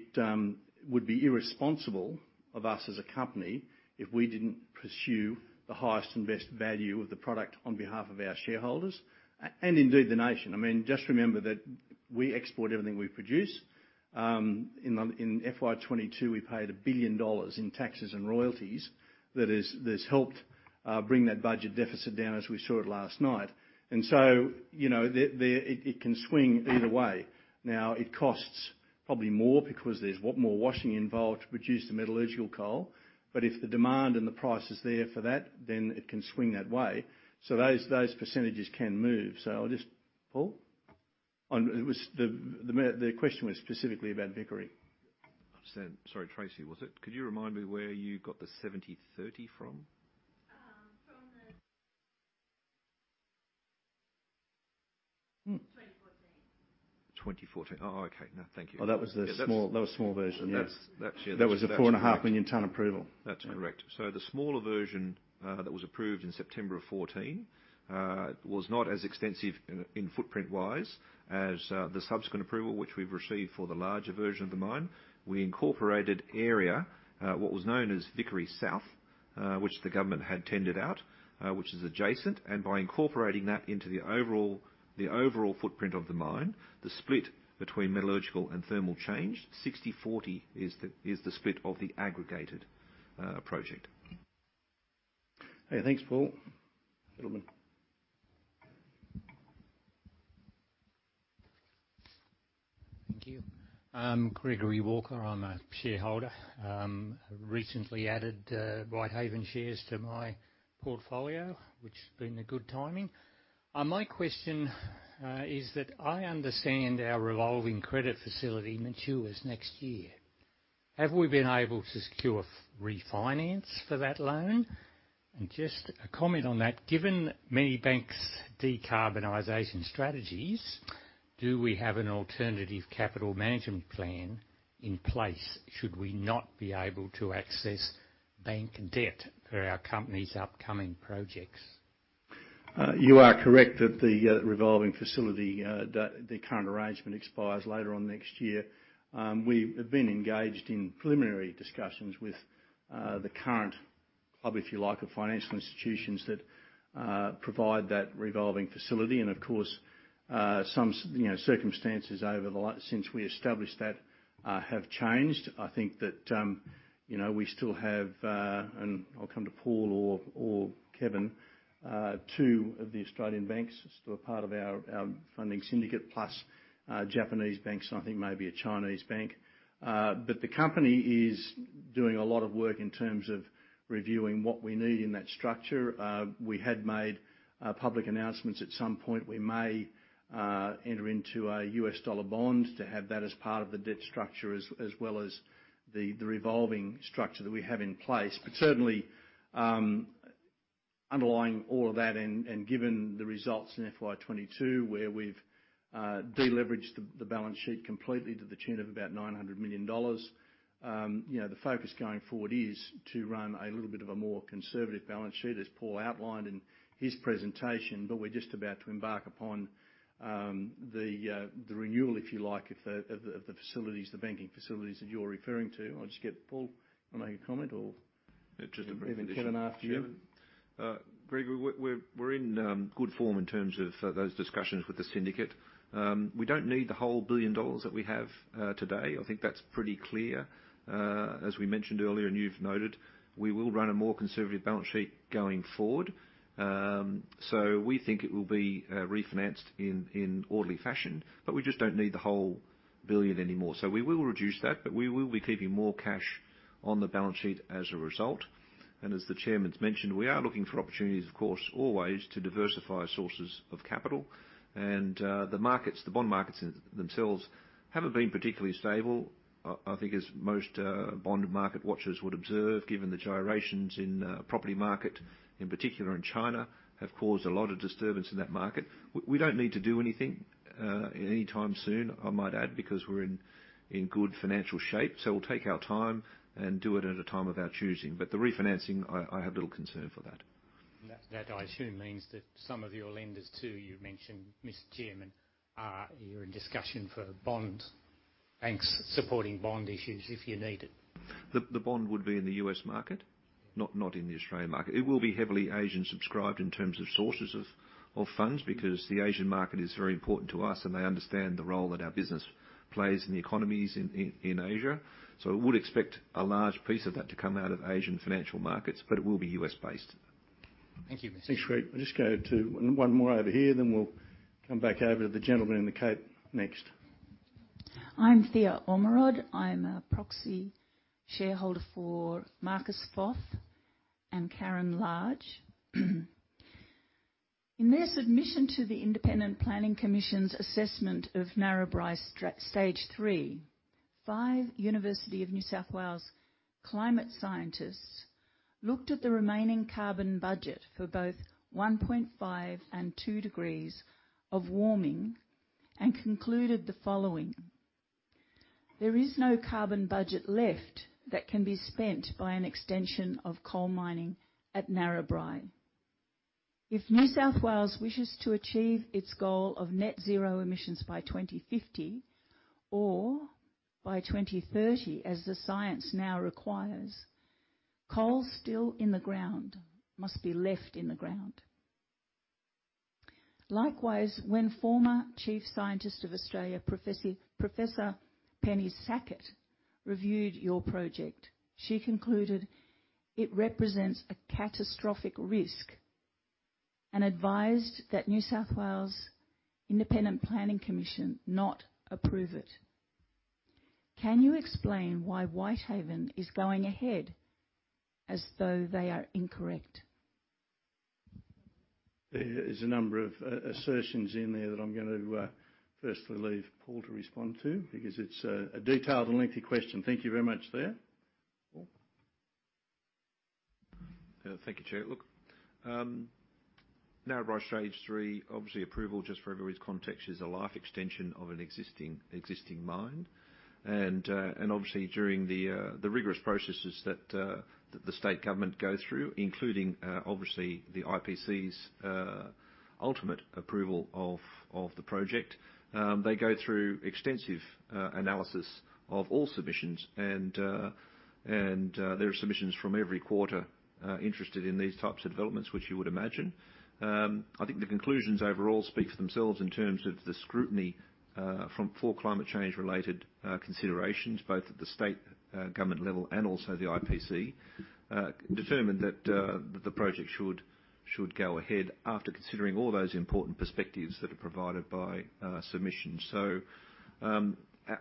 S1: would be irresponsible of us as a company if we didn't pursue the highest and best value of the product on behalf of our shareholders and indeed the nation. I mean, just remember that we export everything we produce. In FY 2022, we paid 1 billion dollars in taxes and royalties that has helped bring that budget deficit down as we saw it last night. So it can swing either way. Now, it costs probably more because there's more washing involved to produce the metallurgical coal, but if the demand and the price is there for that, then it can swing that way. So those percentages can move. So I'll just Paul?
S3: The question was specifically about Vickery. I understand. Sorry, Tracy, was it? Could you remind me where you got the 70/30 from? From the 2014. 2014. Oh, okay. No, thank you. Oh, that was the small version.
S1: That was the 4.5 million ton approval.
S3: That's correct. So the smaller version that was approved in September of 2014 was not as extensive in footprint-wise as the subsequent approval which we've received for the larger version of the mine. We incorporated area, what was known as Vickery South, which the government had tended out, which is adjacent. And by incorporating that into the overall footprint of the mine, the split between metallurgical and thermal changed, 60/40 is the split of the aggregated project.
S1: Okay. Thanks, Paul. Thank you.
S7: Gregory Walker. I'm a shareholder. I recently added Whitehaven shares to my portfolio, which has been a good timing. My question is that I understand our revolving credit facility matures next year. Have we been able to secure refinance for that loan? And just a comment on that. Given many banks' decarbonization strategies, do we have an alternative capital management plan in place should we not be able to access bank debt for our company's upcoming projects?
S1: You are correct that the revolving facility, the current arrangement expires later on next year. We have been engaged in preliminary discussions with the current club, if you like, of financial institutions that provide that revolving facility. And of course, some circumstances over the last since we established that have changed. I think that we still have, and I'll come to Paul or Kevin, two of the Australian banks are still a part of our funding syndicate, plus Japanese banks, and I think maybe a Chinese bank. But the company is doing a lot of work in terms of reviewing what we need in that structure. We had made public announcements at some point we may enter into a US dollar bond to have that as part of the debt structure as well as the revolving structure that we have in place. But certainly, underlying all of that and given the results in FY 2022 where we've deleveraged the balance sheet completely to the tune of about $900 million, the focus going forward is to run a little bit of a more conservative balance sheet as Paul outlined in his presentation. But we're just about to embark upon the renewal, if you like, of the facilities, the banking facilities that you're referring to. I'll just get Paul.
S3: I'll make a comment or just a brief interjection.
S1: Kevin, after you.
S3: Gregory, we're in good form in terms of those discussions with the syndicate. We don't need the whole billion dollars that we have today. I think that's pretty clear. As we mentioned earlier and you've noted, we will run a more conservative balance sheet going forward. So we think it will be refinanced in orderly fashion, but we just don't need the whole 1 billion anymore. So we will reduce that, but we will be keeping more cash on the balance sheet as a result. And as the chairman's mentioned, we are looking for opportunities, of course, always to diversify sources of capital. And the bond markets themselves haven't been particularly stable. I think as most bond market watchers would observe, given the gyrations in property market, in particular in China, have caused a lot of disturbance in that market. We don't need to do anything anytime soon, I might add, because we're in good financial shape. So we'll take our time and do it at a time of our choosing.
S1: But the refinancing, I have little concern for that.
S7: That, I assume, means that some of your lenders too, you mentioned, Mr. Chairman, are in discussion for bond banks supporting bond issues if you need it. The bond would be in the U.S. market, not in the Australian market. It will be heavily Asian-subscribed in terms of sources of funds because the Asian market is very important to us, and they understand the role that our business plays in the economies in Asia. So we would expect a large piece of that to come out of Asian financial markets, but it will be U.S.-based. Thank you.
S1: Thanks, Greg. I'll just go to one more over here, then we'll come back over to the gentleman in the coat next.
S8: I'm Thea Ormerod. I'm a proxy shareholder for Marcus Foth and Karen Large. In their submission to the Independent Planning Commission's assessment of Narrabri Stage 3, five University of New South Wales climate scientists looked at the remaining carbon budget for both 1.5 and 2 degrees of warming and concluded the following: There is no carbon budget left that can be spent by an extension of coal mining at Narrabri. If New South Wales wishes to achieve its goal of net zero emissions by 2050 or by 2030, as the science now requires, coal still in the ground must be left in the ground. Likewise, when former Chief Scientist of Australia, Professor Penny Sackett, reviewed your project, she concluded it represents a catastrophic risk and advised that New South Wales Independent Planning Commission not approve it. Can you explain why Whitehaven is going ahead as though they are incorrect?
S1: There is a number of assertions in there that I'm going to firstly leave Paul to respond to because it's a detailed and lengthy question. Thank you very much there. Paul?
S3: Thank you, Chair. Look, Narrabri Stage 3, obviously approval, just for everybody's context, is a life extension of an existing mine. And obviously, during the rigorous processes that the state government go through, including obviously the IPC's ultimate approval of the project, they go through extensive analysis of all submissions. And there are submissions from every quarter interested in these types of developments, which you would imagine. I think the conclusions overall speak for themselves in terms of the scrutiny for climate change-related considerations, both at the state government level and also the IPC, determined that the project should go ahead after considering all those important perspectives that are provided by submissions. So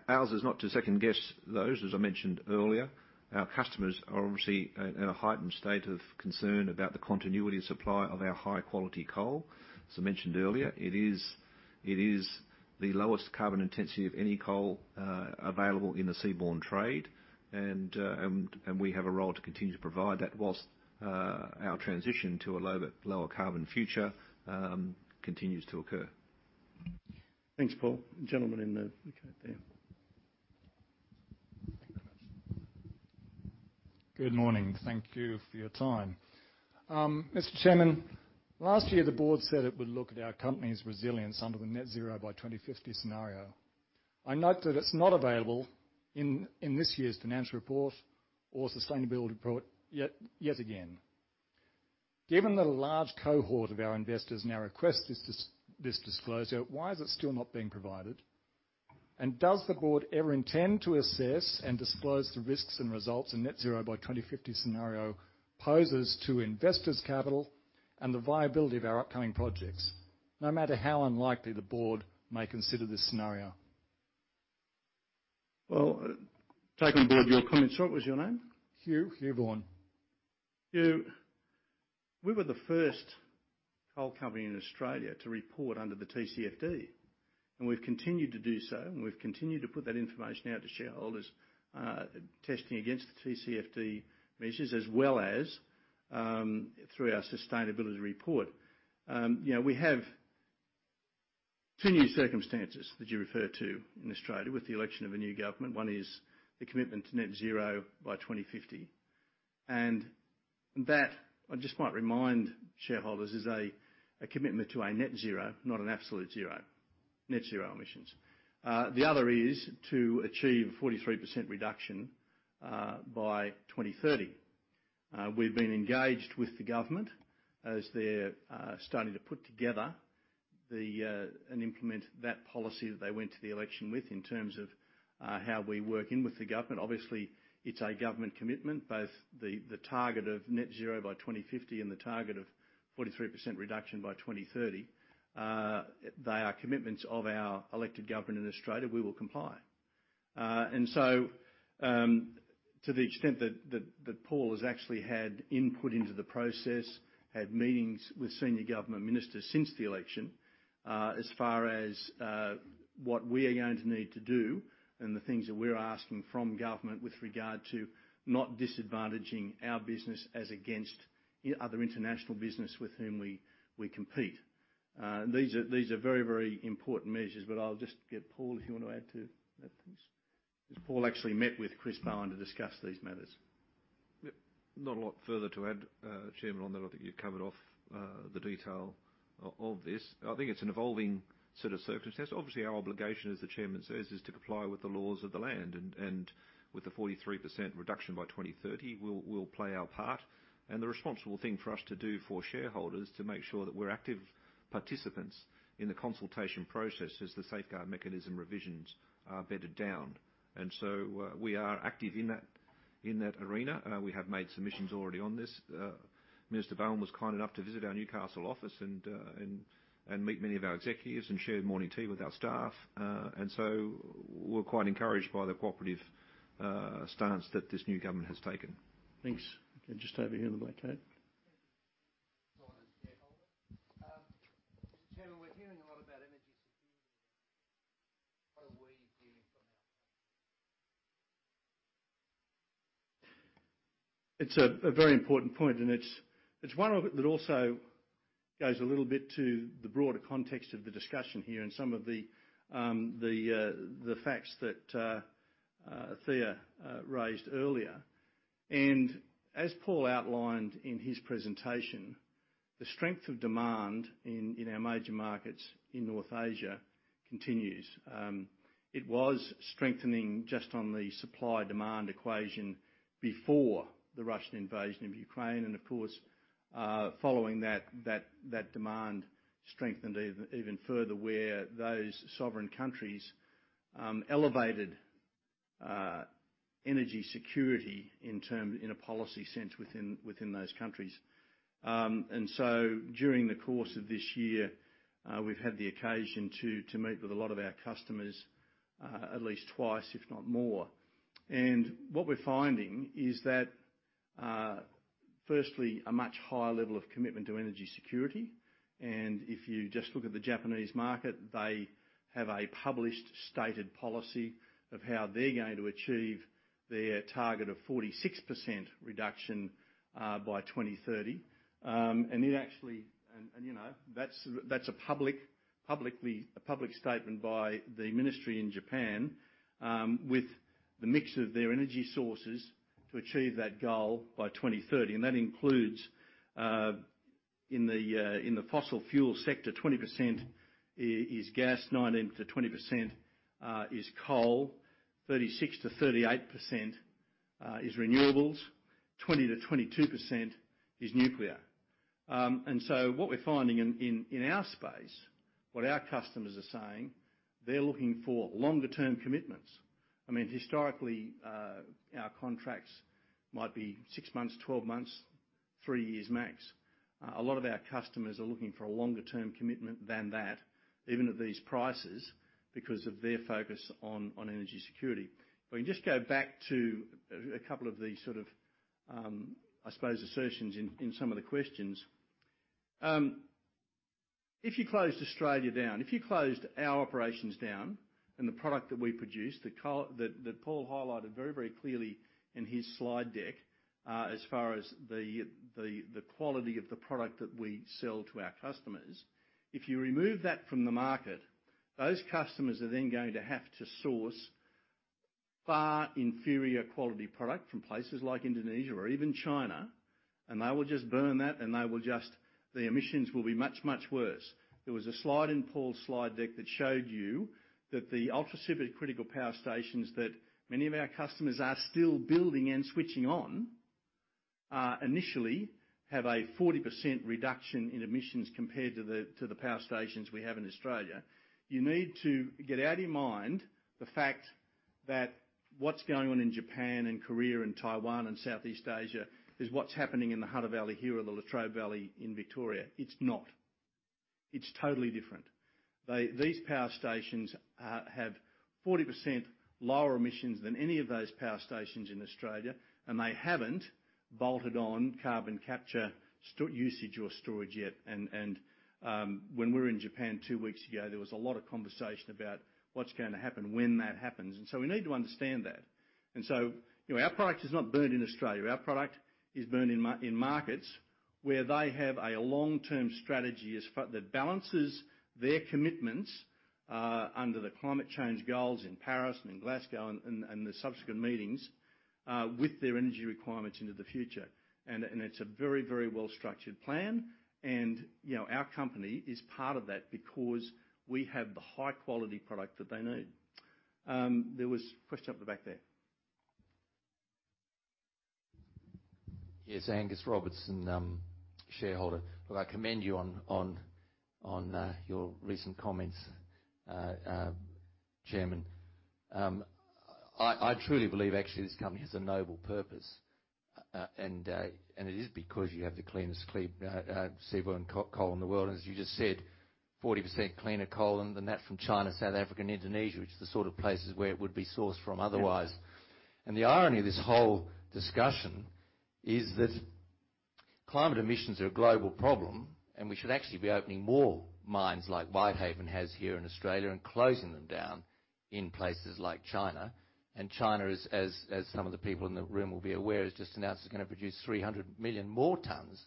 S3: ours is not to second guess those. As I mentioned earlier, our customers are obviously in a heightened state of concern about the continuity of supply of our high-quality coal. As I mentioned earlier, it is the lowest carbon intensity of any coal available in the seaborne trade. And we have a role to continue to provide that while our transition to a lower carbon future continues to occur.
S1: Thanks, Paul. Gentleman in the coat there.
S9: Good morning. Thank you for your time. Mr. Chairman, last year, the Board said it would look at our company's resilience under the net zero by 2050 scenario. I note that it's not available in this year's financial report or sustainability report yet again. Given that a large cohort of our investors now request this disclosure, why is it still not being provided? Does the Board ever intend to assess and disclose the risks and results of a net zero by 2050 scenario poses to investors' capital and the viability of our upcoming projects, no matter how unlikely the Board may consider this scenario?
S1: Taken on Board your comment. So, what was your name?
S9: Hugh Hornbrook.
S1: Hugh, we were the first coal company in Australia to report under the TCFD. We've continued to do so, and we've continued to put that information out to shareholders, testing against the TCFD measures as well as through our sustainability report. We have two new circumstances that you refer to in Australia with the election of a new government. One is the commitment to net zero by 2050. That, I just might remind shareholders, is a commitment to a net zero, not an absolute zero, net zero emissions. The other is to achieve a 43% reduction by 2030. We've been engaged with the government as they're starting to put together and implement that policy that they went to the election with in terms of how we work in with the government. Obviously, it's a government commitment, both the target of net zero by 2050 and the target of 43% reduction by 2030. They are commitments of our elected government in Australia. We will comply. And so to the extent that Paul has actually had input into the process, had meetings with senior government ministers since the election, as far as what we are going to need to do and the things that we're asking from government with regard to not disadvantaging our business as against other international business with whom we compete. These are very, very important measures. But I'll just get Paul, if you want to add to that. Paul actually met with Chris Bowen to discuss these matters.
S3: Not a lot further to add, Chairman, on that. I think you've covered off the detail of this. I think it's an evolving set of circumstances. Obviously, our obligation, as the chairman says, is to comply with the laws of the land. And with the 43% reduction by 2030, we'll play our part. And the responsible thing for us to do for shareholders is to make sure that we're active participants in the consultation process as the Safeguard Mechanism revisions are bedded down. And so we are active in that arena. We have made submissions already on this. Mr. Bowen was kind enough to visit our Newcastle office and meet many of our executives and share morning tea with our staff. And so we're quite encouraged by the cooperative stance that this new government has taken.
S1: Thanks. Just over here in the white coat.
S10: As long as shareholders. Mr. Chairman, we're hearing a lot about energy security. What are we hearing from our customers?
S1: It's a very important point. And it's one that also goes a little bit to the broader context of the discussion here and some of the facts that Thea raised earlier. And as Paul outlined in his presentation, the strength of demand in our major markets in North Asia continues. It was strengthening just on the supply-demand equation before the Russian invasion of Ukraine. And of course, following that, that demand strengthened even further where those sovereign countries elevated energy security in a policy sense within those countries. And so during the course of this year, we've had the occasion to meet with a lot of our customers at least twice, if not more. And what we're finding is that, firstly, a much higher level of commitment to energy security. And if you just look at the Japanese market, they have a published stated policy of how they're going to achieve their target of 46% reduction by 2030. And it actually—and that's a public statement by the ministry in Japan with the mix of their energy sources to achieve that goal by 2030. And that includes in the fossil fuel sector, 20% is gas, 19%-20% is coal, 36%-38% is renewables, 20%-22% is nuclear. And so what we're finding in our space, what our customers are saying, they're looking for longer-term commitments. I mean, historically, our contracts might be six months, twelve months, three years max. A lot of our customers are looking for a longer-term commitment than that, even at these prices, because of their focus on energy security. If we can just go back to a couple of these sort of, I suppose, assertions in some of the questions. If you closed Australia down, if you closed our operations down and the product that we produce, that Paul highlighted very, very clearly in his slide deck as far as the quality of the product that we sell to our customers, if you remove that from the market, those customers are then going to have to source far inferior quality product from places like Indonesia or even China. And they will just burn that, the emissions will be much, much worse. There was a slide in Paul's slide deck that showed you that the ultra-supercritical power stations that many of our customers are still building and switching on initially have a 40% reduction in emissions compared to the power stations we have in Australia. You need to get out of your mind the fact that what's going on in Japan and Korea and Taiwan and Southeast Asia is what's happening in the Hunter Valley here or the Latrobe Valley in Victoria. It's not. It's totally different. These power stations have 40% lower emissions than any of those power stations in Australia, and they haven't bolted on carbon capture, usage and storage yet, and when we were in Japan two weeks ago, there was a lot of conversation about what's going to happen when that happens, so we need to understand that. Our product is not burned in Australia. Our product is burned in markets where they have a long-term strategy that balances their commitments under the climate change goals in Paris and in Glasgow and the subsequent meetings with their energy requirements into the future. It is a very, very well-structured plan. Our company is part of that because we have the high-quality product that they need. There was a question up the back there.
S11: Yes, Angus Robinson, shareholder. Look, I commend you on your recent comments, Chairman. I truly believe, actually, this company has a noble purpose. It is because you have the cleanest seaborne coal in the world. As you just said, 40% cleaner coal than that from China, South Africa, and Indonesia, which are the sort of places where it would be sourced from otherwise. The irony of this whole discussion is that climate emissions are a global problem, and we should actually be opening more mines like Whitehaven has here in Australia and closing them down in places like China. China, as some of the people in the room will be aware, has just announced it's going to produce 300 million more tons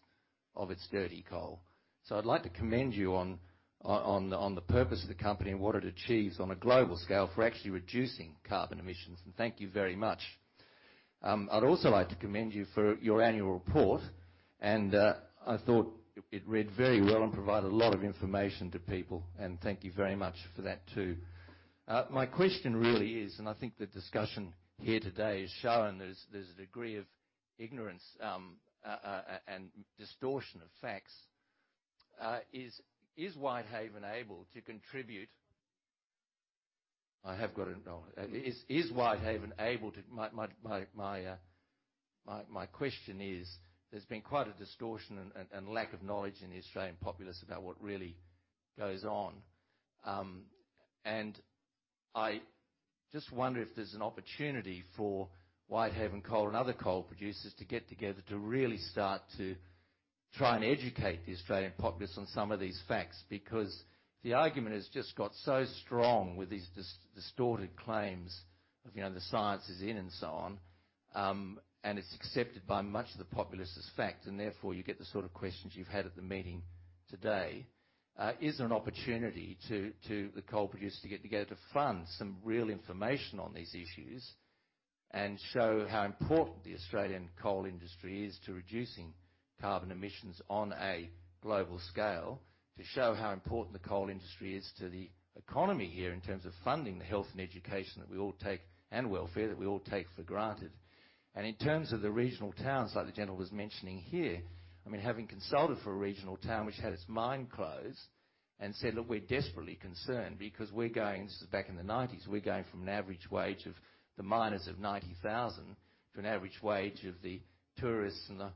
S11: of its dirty coal. So I'd like to commend you on the purpose of the company and what it achieves on a global scale for actually reducing carbon emissions. And thank you very much. I'd also like to commend you for your annual report. And I thought it read very well and provided a lot of information to people. And thank you very much for that too. My question really is, and I think the discussion here today has shown there's a degree of ignorance and distortion of facts. Is Whitehaven able to contribute? My question is there's been quite a distortion and lack of knowledge in the Australian populace about what really goes on. And I just wonder if there's an opportunity for Whitehaven Coal and other coal producers to get together to really start to try and educate the Australian populace on some of these facts because the argument has just got so strong with these distorted claims of the science is in and so on, and it's accepted by much of the populace as fact. And therefore, you get the sort of questions you've had at the meeting today. Is there an opportunity for the coal producers to get together to fund some real information on these issues and show how important the Australian coal industry is to reducing carbon emissions on a global scale, to show how important the coal industry is to the economy here in terms of funding the health and education that we all take and welfare that we all take for granted? And in terms of the regional towns like the gentleman's mentioning here, I mean, having consulted for a regional town which had its mine closed and said, "Look, we're desperately concerned because we're going, this is back in the 1990s, we're going from an average wage of the miners of 90,000 to an average wage of the tourists and the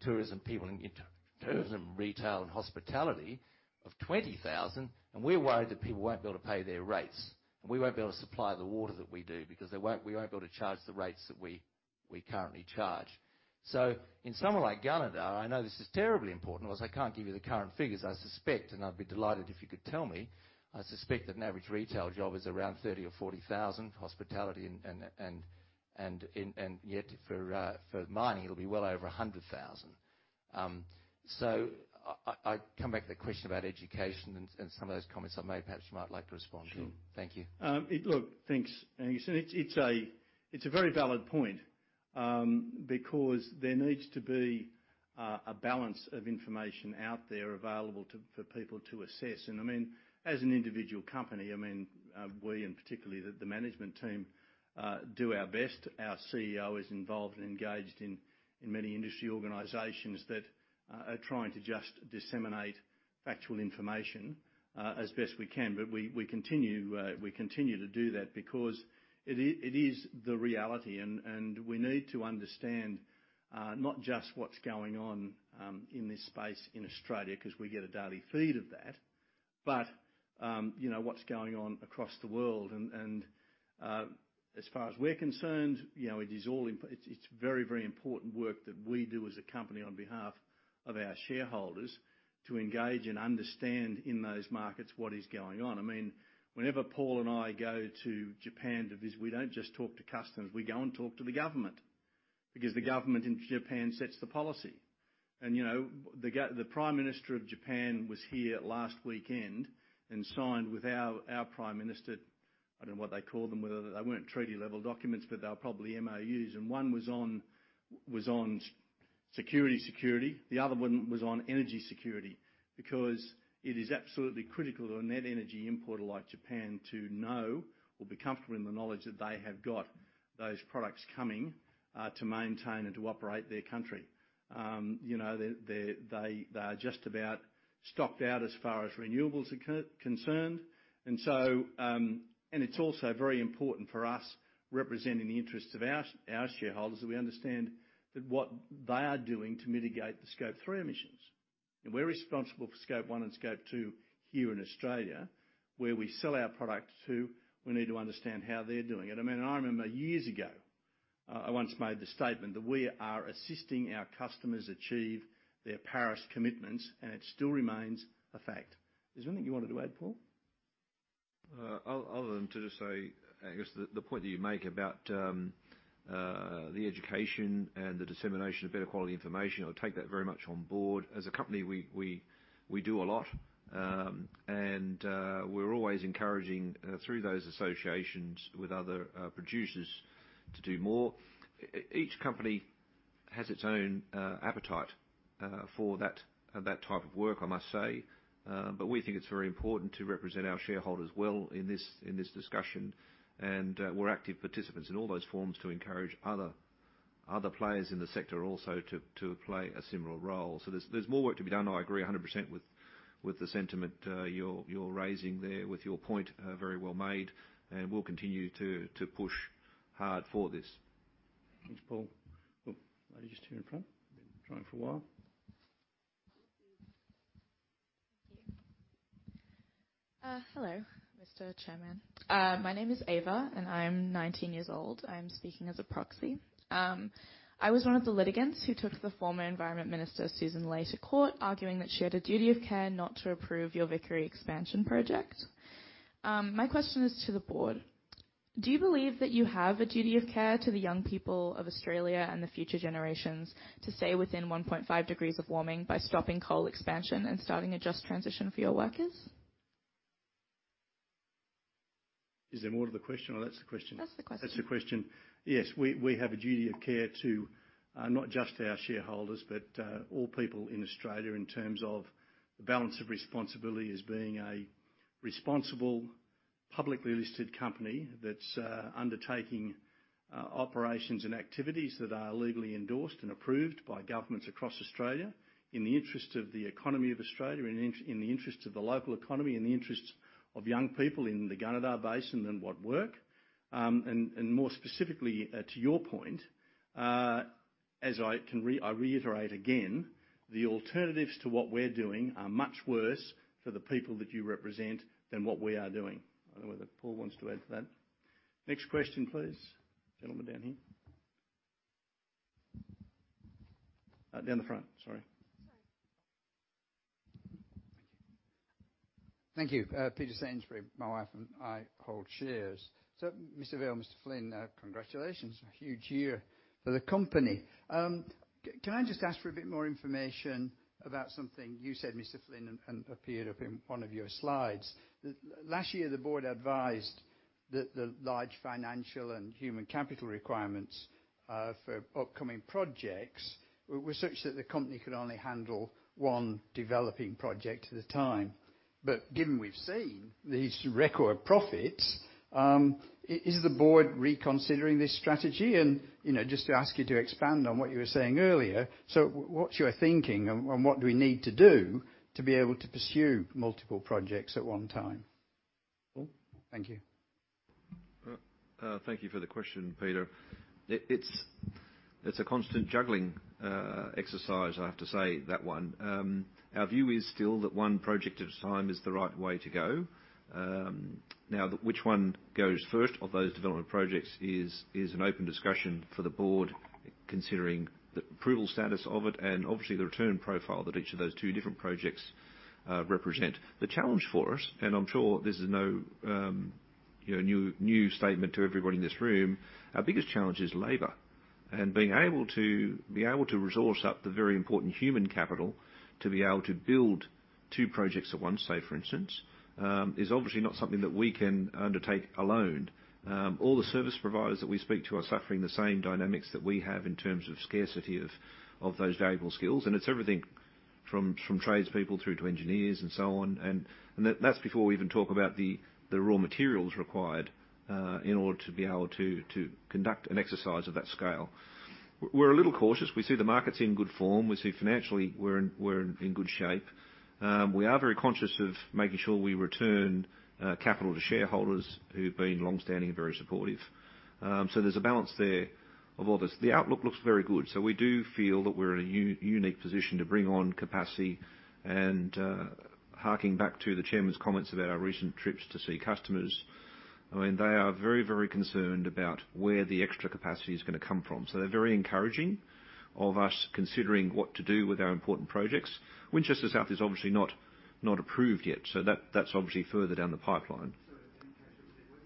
S11: tourism people in tourism retail and hospitality of 20,000. And we're worried that people won't be able to pay their rates. And we won't be able to supply the water that we do because we won't be able to charge the rates that we currently charge." So in somewhere like Gunnedah, though, I know this is terribly important. Of course, I can't give you the current figures, I suspect, and I'd be delighted if you could tell me. I suspect that an average retail job is around 30 or 40 thousand, hospitality and yet for mining, it'll be well over 100,000. So I come back to the question about education and some of those comments I made. Perhaps you might like to respond to. Thank you.
S1: Sure. Look, thanks, Angus. And it's a very valid point because there needs to be a balance of information out there available for people to assess. And I mean, as an individual company, I mean, we and particularly the management team do our best. Our CEO is involved and engaged in many industry organizations that are trying to just disseminate factual information as best we can. But we continue to do that because it is the reality. And we need to understand not just what's going on in this space in Australia because we get a daily feed of that, but what's going on across the world. And as far as we're concerned, it is all, it's very, very important work that we do as a company on behalf of our shareholders to engage and understand in those markets what is going on. I mean, whenever Paul and I go to Japan to visit, we don't just talk to customers. We go and talk to the government because the government in Japan sets the policy. The Prime Minister of Japan was here last weekend and signed with our Prime Minister. I don't know what they call them, whether they weren't treaty-level documents, but they were probably MOUs. One was on security. The other one was on energy security because it is absolutely critical to a net energy importer like Japan to know or be comfortable in the knowledge that they have got those products coming to maintain and to operate their country. They are just about stocked out as far as renewables are concerned. It's also very important for us, representing the interests of our shareholders, that we understand that what they are doing to mitigate the Scope 3 emissions. We're responsible for Scope 1 and Scope 2 here in Australia, where we sell our product to. We need to understand how they're doing it. I mean, I remember years ago, I once made the statement that we are assisting our customers achieve their Paris commitments, and it still remains a fact. Is there anything you wanted to add, Paul?
S3: Other than to just say, Angus, the point that you make about the education and the dissemination of better quality information, I take that very much on Board. As a company, we do a lot. And we're always encouraging through those associations with other producers to do more. Each company has its own appetite for that type of work, I must say. But we think it's very important to represent our shareholders well in this discussion. And we're active participants in all those forums to encourage other players in the sector also to play a similar role. So there's more work to be done. I agree 100% with the sentiment you're raising there with your point very well made, and we'll continue to push hard for this.
S1: Thanks, Paul. Look, are you just here in front? Been trying for a while. Thank you.
S12: Hello, Mr. Chairman. My name is Ava, and I'm 19 years old. I'm speaking as a proxy. I was one of the litigants who took the former Environment Minister, Sussan Ley, to court arguing that she had a duty of care not to approve your Vickery expansion project. My question is to the Board. Do you believe that you have a duty of care to the young people of Australia and the future generations to stay within 1.5 degrees of warming by stopping coal expansion and starting a just transition for your workers? Is there more to the question, or that's the question? That's the question.
S1: That's the question. Yes, we have a duty of care to not just our shareholders, but all people in Australia in terms of the balance of responsibility as being a responsible publicly listed company that's undertaking operations and activities that are legally endorsed and approved by governments across Australia in the interest of the economy of Australia, in the interest of the local economy, in the interest of young people in the Gunnedah Basin and the workforce. And more specifically, to your point, as I reiterate again, the alternatives to what we're doing are much worse for the people that you represent than what we are doing. I don't know whether Paul wants to add to that. Next question, please. Gentlemen down here. Down the front. Sorry. Thank you.
S13: Thank you. Peter Sainsbury, my wife and I hold shares. So Mr. Vaile, Mr. Flynn, congratulations. A huge year for the company. Can I just ask for a bit more information about something you said, Mr. Flynn, that appeared in one of your slides? Last year, the Board advised that the large financial and human capital requirements for upcoming projects were such that the company could only handle one developing project at a time. But given we've seen these record profits, is the Board reconsidering this strategy? And just to ask you to expand on what you were saying earlier, so what's your thinking, and what do we need to do to be able to pursue multiple projects at one time? Thank you.
S3: Thank you for the question, Peter. It's a constant juggling exercise, I have to say, that one. Our view is still that one project at a time is the right way to go. Now, which one goes first of those development projects is an open discussion for the Board considering the approval status of it and obviously the return profile that each of those two different projects represent. The challenge for us, and I'm sure this is no new statement to everyone in this room, our biggest challenge is labor, and being able to resource up the very important human capital to be able to build two projects at once, say, for instance, is obviously not something that we can undertake alone. All the service providers that we speak to are suffering the same dynamics that we have in terms of scarcity of those valuable skills, and it's everything from tradespeople through to engineers and so on, and that's before we even talk about the raw materials required in order to be able to conduct an exercise of that scale. We're a little cautious. We see the market's in good form. We see financially we're in good shape. We are very conscious of making sure we return capital to shareholders who've been long-standing and very supportive. So there's a balance there of all this. The outlook looks very good. So we do feel that we're in a unique position to bring on capacity. And harking back to the chairman's comments about our recent trips to see customers, I mean, they are very, very concerned about where the extra capacity is going to come from. So they're very encouraging of us considering what to do with our important projects. Winchester South is obviously not approved yet. So that's obviously further down the pipeline.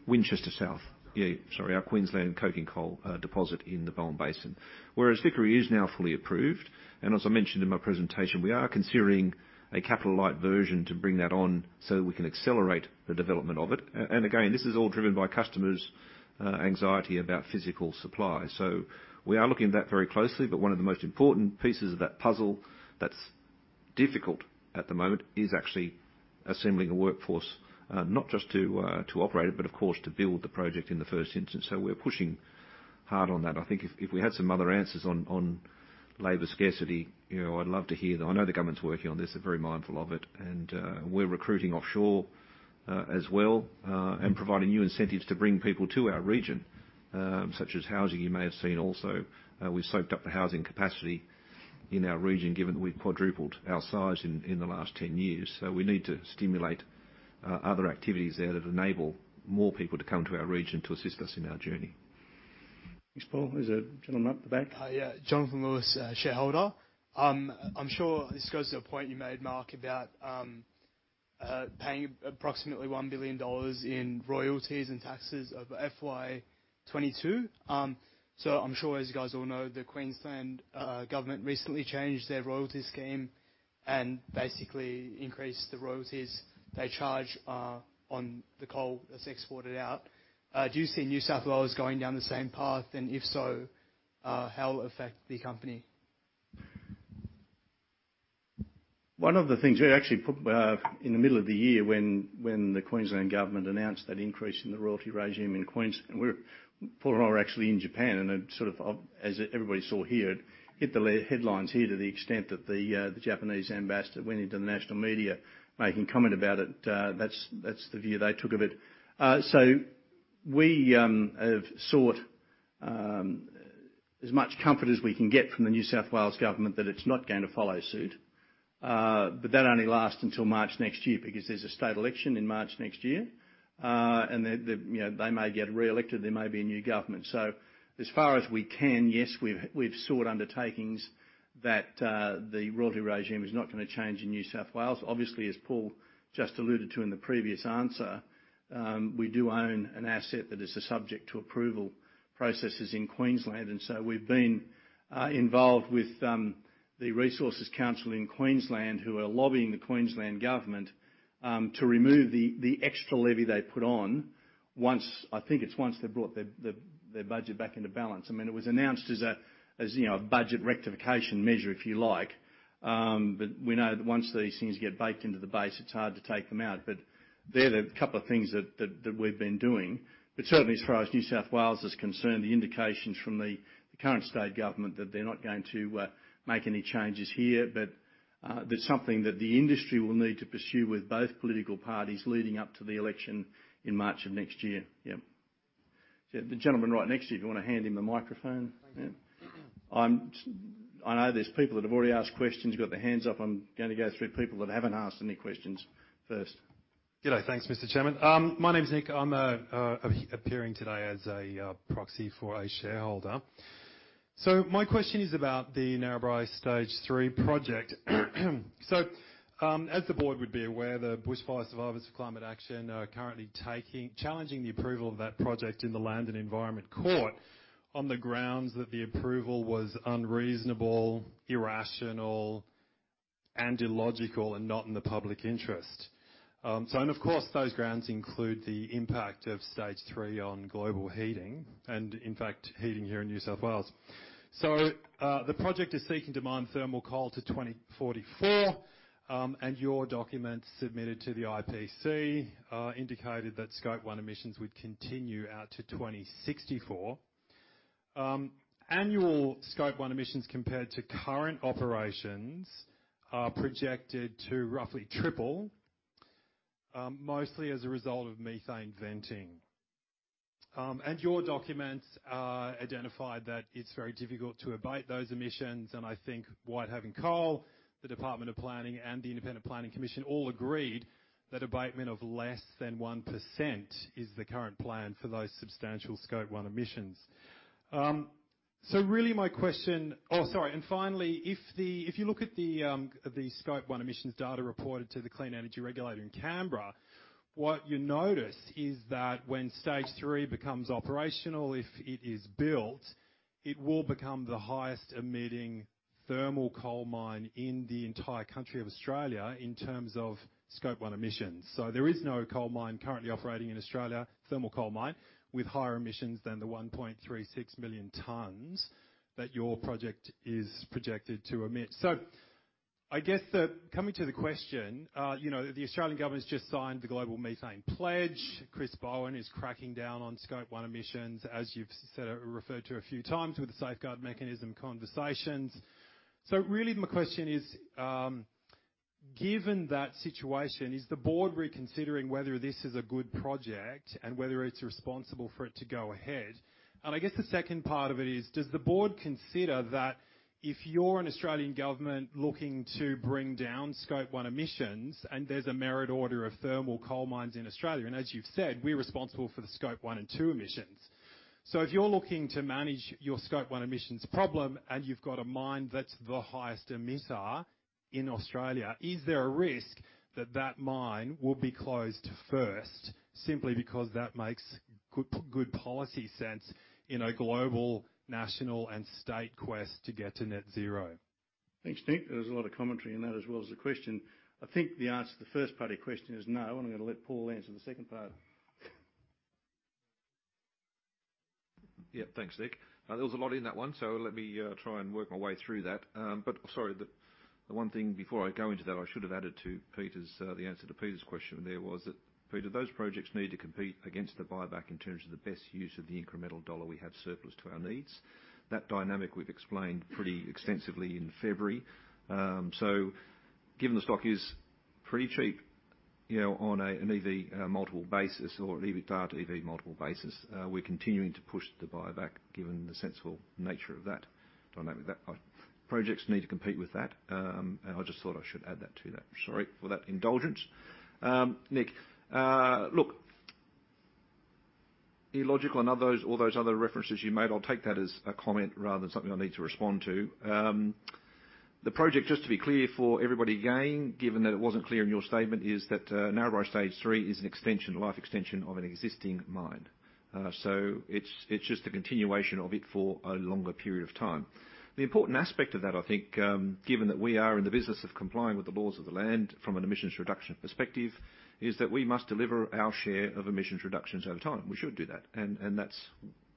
S3: Winchester South. Yeah. Sorry. Our Queensland Coking Coal Deposit in the Bowen Basin. Whereas Vickery is now fully approved. As I mentioned in my presentation, we are considering a capital-light version to bring that on so that we can accelerate the development of it. Again, this is all driven by customers' anxiety about physical supply. We are looking at that very closely. One of the most important pieces of that puzzle that's difficult at the moment is actually assembling a workforce, not just to operate it, but of course, to build the project in the first instance. We're pushing hard on that. I think if we had some other answers on labor scarcity, I'd love to hear them. I know the government's working on this. They're very mindful of it. We're recruiting offshore as well and providing new incentives to bring people to our region, such as housing. You may have seen also. We've soaked up the housing capacity in our region, given that we've quadrupled our size in the last 10 years. So we need to stimulate other activities there that enable more people to come to our region to assist us in our journey.
S1: Thanks, Paul. There's a gentleman up the back.
S14: Yeah. Jonathon Lewis, shareholder. I'm sure this goes to a point you made, Mark, about paying approximately 1 billion dollars in royalties and taxes of FY 2022. So I'm sure, as you guys all know, the Queensland government recently changed their royalty scheme and basically increased the royalties they charge on the coal that's exported out. Do you see New South Wales going down the same path? And if so, how will it affect the company?
S1: One of the things we actually put in the middle of the year when the Queensland government announced that increase in the royalty regime in Queensland, Paul and I were actually in Japan, and sort of as everybody saw here, it hit the headlines here to the extent that the Japanese ambassador went into the national media making a comment about it. That's the view they took of it, so we have sought as much comfort as we can get from the New South Wales government that it's not going to follow suit, but that only lasts until March next year because there's a state election in March next year, and they may get re-elected. There may be a new government, so as far as we can, yes, we've sought undertakings that the royalty regime is not going to change in New South Wales. Obviously, as Paul just alluded to in the previous answer, we do own an asset that is subject to approval processes in Queensland. And so we've been involved with the Resources Council in Queensland, who are lobbying the Queensland government to remove the extra levy they put on once they brought their budget back into balance. I mean, it was announced as a budget rectification measure, if you like. But we know that once these things get baked into the base, it's hard to take them out. But they're the couple of things that we've been doing. But certainly, as far as New South Wales is concerned, the indications from the current state government that they're not going to make any changes here, but that's something that the industry will need to pursue with both political parties leading up to the election in March of next year. Yeah. The gentleman right next to you, if you want to hand him the microphone. Thank you. I know there's people that have already asked questions. You've got their hands up. I'm going to go through people that haven't asked any questions first.
S15: Good day, thanks, Mr. Chairman. My name's Nic. I'm appearing today as a proxy for a shareholder. So my question is about the Narrabri Stage 3 project. As the Board would be aware, the Bushfire Survivors for Climate Action are currently challenging the approval of that project in the Land and Environment Court on the grounds that the approval was unreasonable, irrational, and illogical, and not in the public interest. Of course, those grounds include the impact of Stage 3 on global heating and, in fact, heating here in New South Wales. The project is seeking to mine thermal coal to 2044. Your document submitted to the IPC indicated that Scope 1 emissions would continue out to 2064. Annual Scope 1 emissions compared to current operations are projected to roughly triple, mostly as a result of methane venting. Your documents identified that it's very difficult to abate those emissions. I think Whitehaven Coal, the Department of Planning, and the Independent Planning Commission all agreed that abatement of less than 1% is the current plan for those substantial Scope 1 emissions. Really, my question oh, sorry. Finally, if you look at the Scope 1 emissions data reported to the Clean Energy Regulator in Canberra, what you notice is that when Stage 3 becomes operational, if it is built, it will become the highest-emitting thermal coal mine in the entire country of Australia in terms of Scope 1 emissions. There is no coal mine currently operating in Australia, thermal coal mine, with higher emissions than the 1.36 million tons that your project is projected to emit. I guess coming to the question, the Australian government has just signed the Global Methane Pledge. Chris Bowen is cracking down on Scope 1 emissions, as you've referred to a few times with the Safeguard Mechanism conversations. So really, my question is, given that situation, is the Board reconsidering whether this is a good project and whether it's responsible for it to go ahead? And I guess the second part of it is, does the Board consider that if you're an Australian government looking to bring down Scope 1 emissions and there's a merit order of thermal coal mines in Australia? And as you've said, we're responsible for the Scope 1 and 2 emissions. So if you're looking to manage your Scope 1 emissions problem and you've got a mine that's the highest emitter in Australia, is there a risk that that mine will be closed first simply because that makes good policy sense in a global, national, and state quest to get to net zero?
S1: Thanks, Nic. There was a lot of commentary in that as well as the question. I think the answer to the first part of your question is no, and I'm going to let Paul answer the second part.
S3: Yeah. Thanks, Nic. There was a lot in that one, so let me try and work my way through that. But sorry, the one thing before I go into that, I should have added to the answer to Peter's question there was that, Peter, those projects need to compete against the buyback in terms of the best use of the incremental dollar we have surplus to our needs. That dynamic we've explained pretty extensively in February. So given the stock is pretty cheap on an EV multiple basis or an EV multiple basis, we're continuing to push the buyback given the sensible nature of that dynamic. Projects need to compete with that. I just thought I should add that to that. Sorry for that indulgence. Nic, look, illogical and all those other references you made, I'll take that as a comment rather than something I need to respond to. The project, just to be clear for everybody again, given that it wasn't clear in your statement, is that Narrabri Stage 3 is a life extension of an existing mine. So it's just a continuation of it for a longer period of time. The important aspect of that, I think, given that we are in the business of complying with the laws of the land from an emissions reduction perspective, is that we must deliver our share of emissions reductions over time. We should do that. And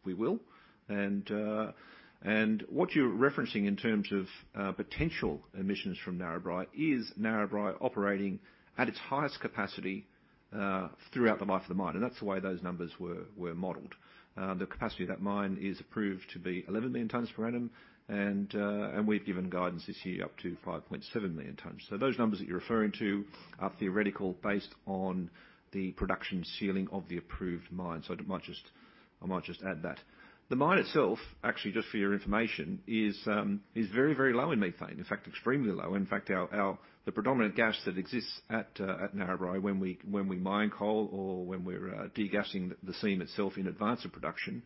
S3: we will. What you're referencing in terms of potential emissions from Narrabri is Narrabri operating at its highest capacity throughout the life of the mine. That's the way those numbers were modelled. The capacity of that mine is approved to be 11 million tons per annum. We've given guidance this year up to 5.7 million tons. Those numbers that you're referring to are theoretical based on the production ceiling of the approved mine. I might just add that. The mine itself, actually, just for your information, is very, very low in methane. In fact, extremely low. In fact, the predominant gas that exists at Narrabri when we mine coal or when we're degassing the seam itself in advance of production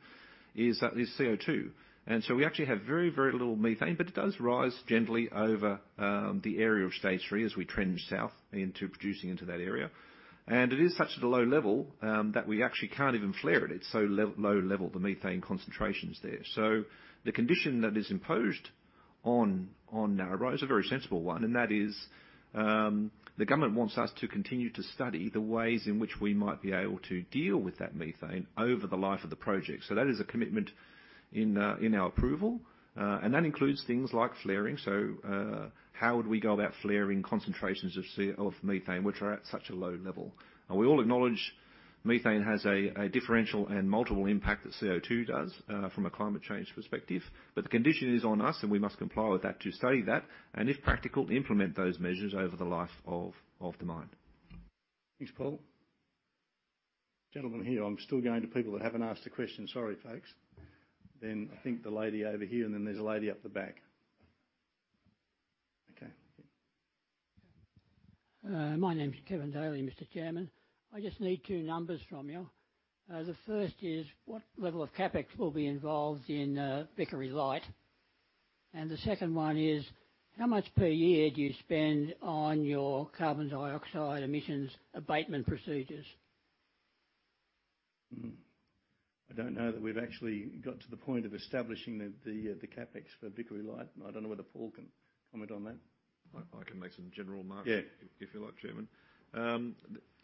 S3: is CO2. We actually have very, very little methane. But it does rise gently over the area of Stage 3 as we trend south into producing into that area. And it is such a low level that we actually can't even flare it. It's so low level, the methane concentrations there. So the condition that is imposed on Narrabri is a very sensible one. And that is the government wants us to continue to study the ways in which we might be able to deal with that methane over the life of the project. So that is a commitment in our approval. And that includes things like flaring. So how would we go about flaring concentrations of methane, which are at such a low level? We all acknowledge methane has a differential and multiple impact that CO2 does from a climate change perspective. But the condition is on us, and we must comply with that to study that and, if practical, implement those measures over the life of the mine.
S1: Thanks, Paul. Gentlemen here, I'm still going to people that haven't asked a question. Sorry, folks. Then I think the lady over here, and then there's a lady up the back. Okay.
S16: My name's Kevin Daly, Mr. Chairman. I just need two numbers from you. The first is what level of CapEx will be involved in Vickery Light? And the second one is how much per year do you spend on your carbon dioxide emissions abatement procedures? I don't know that we've actually got to the point of establishing the CapEx for Vickery Light.
S1: I don't know whether Paul can comment on that.
S3: I can make some general marks, if you like, Chairman.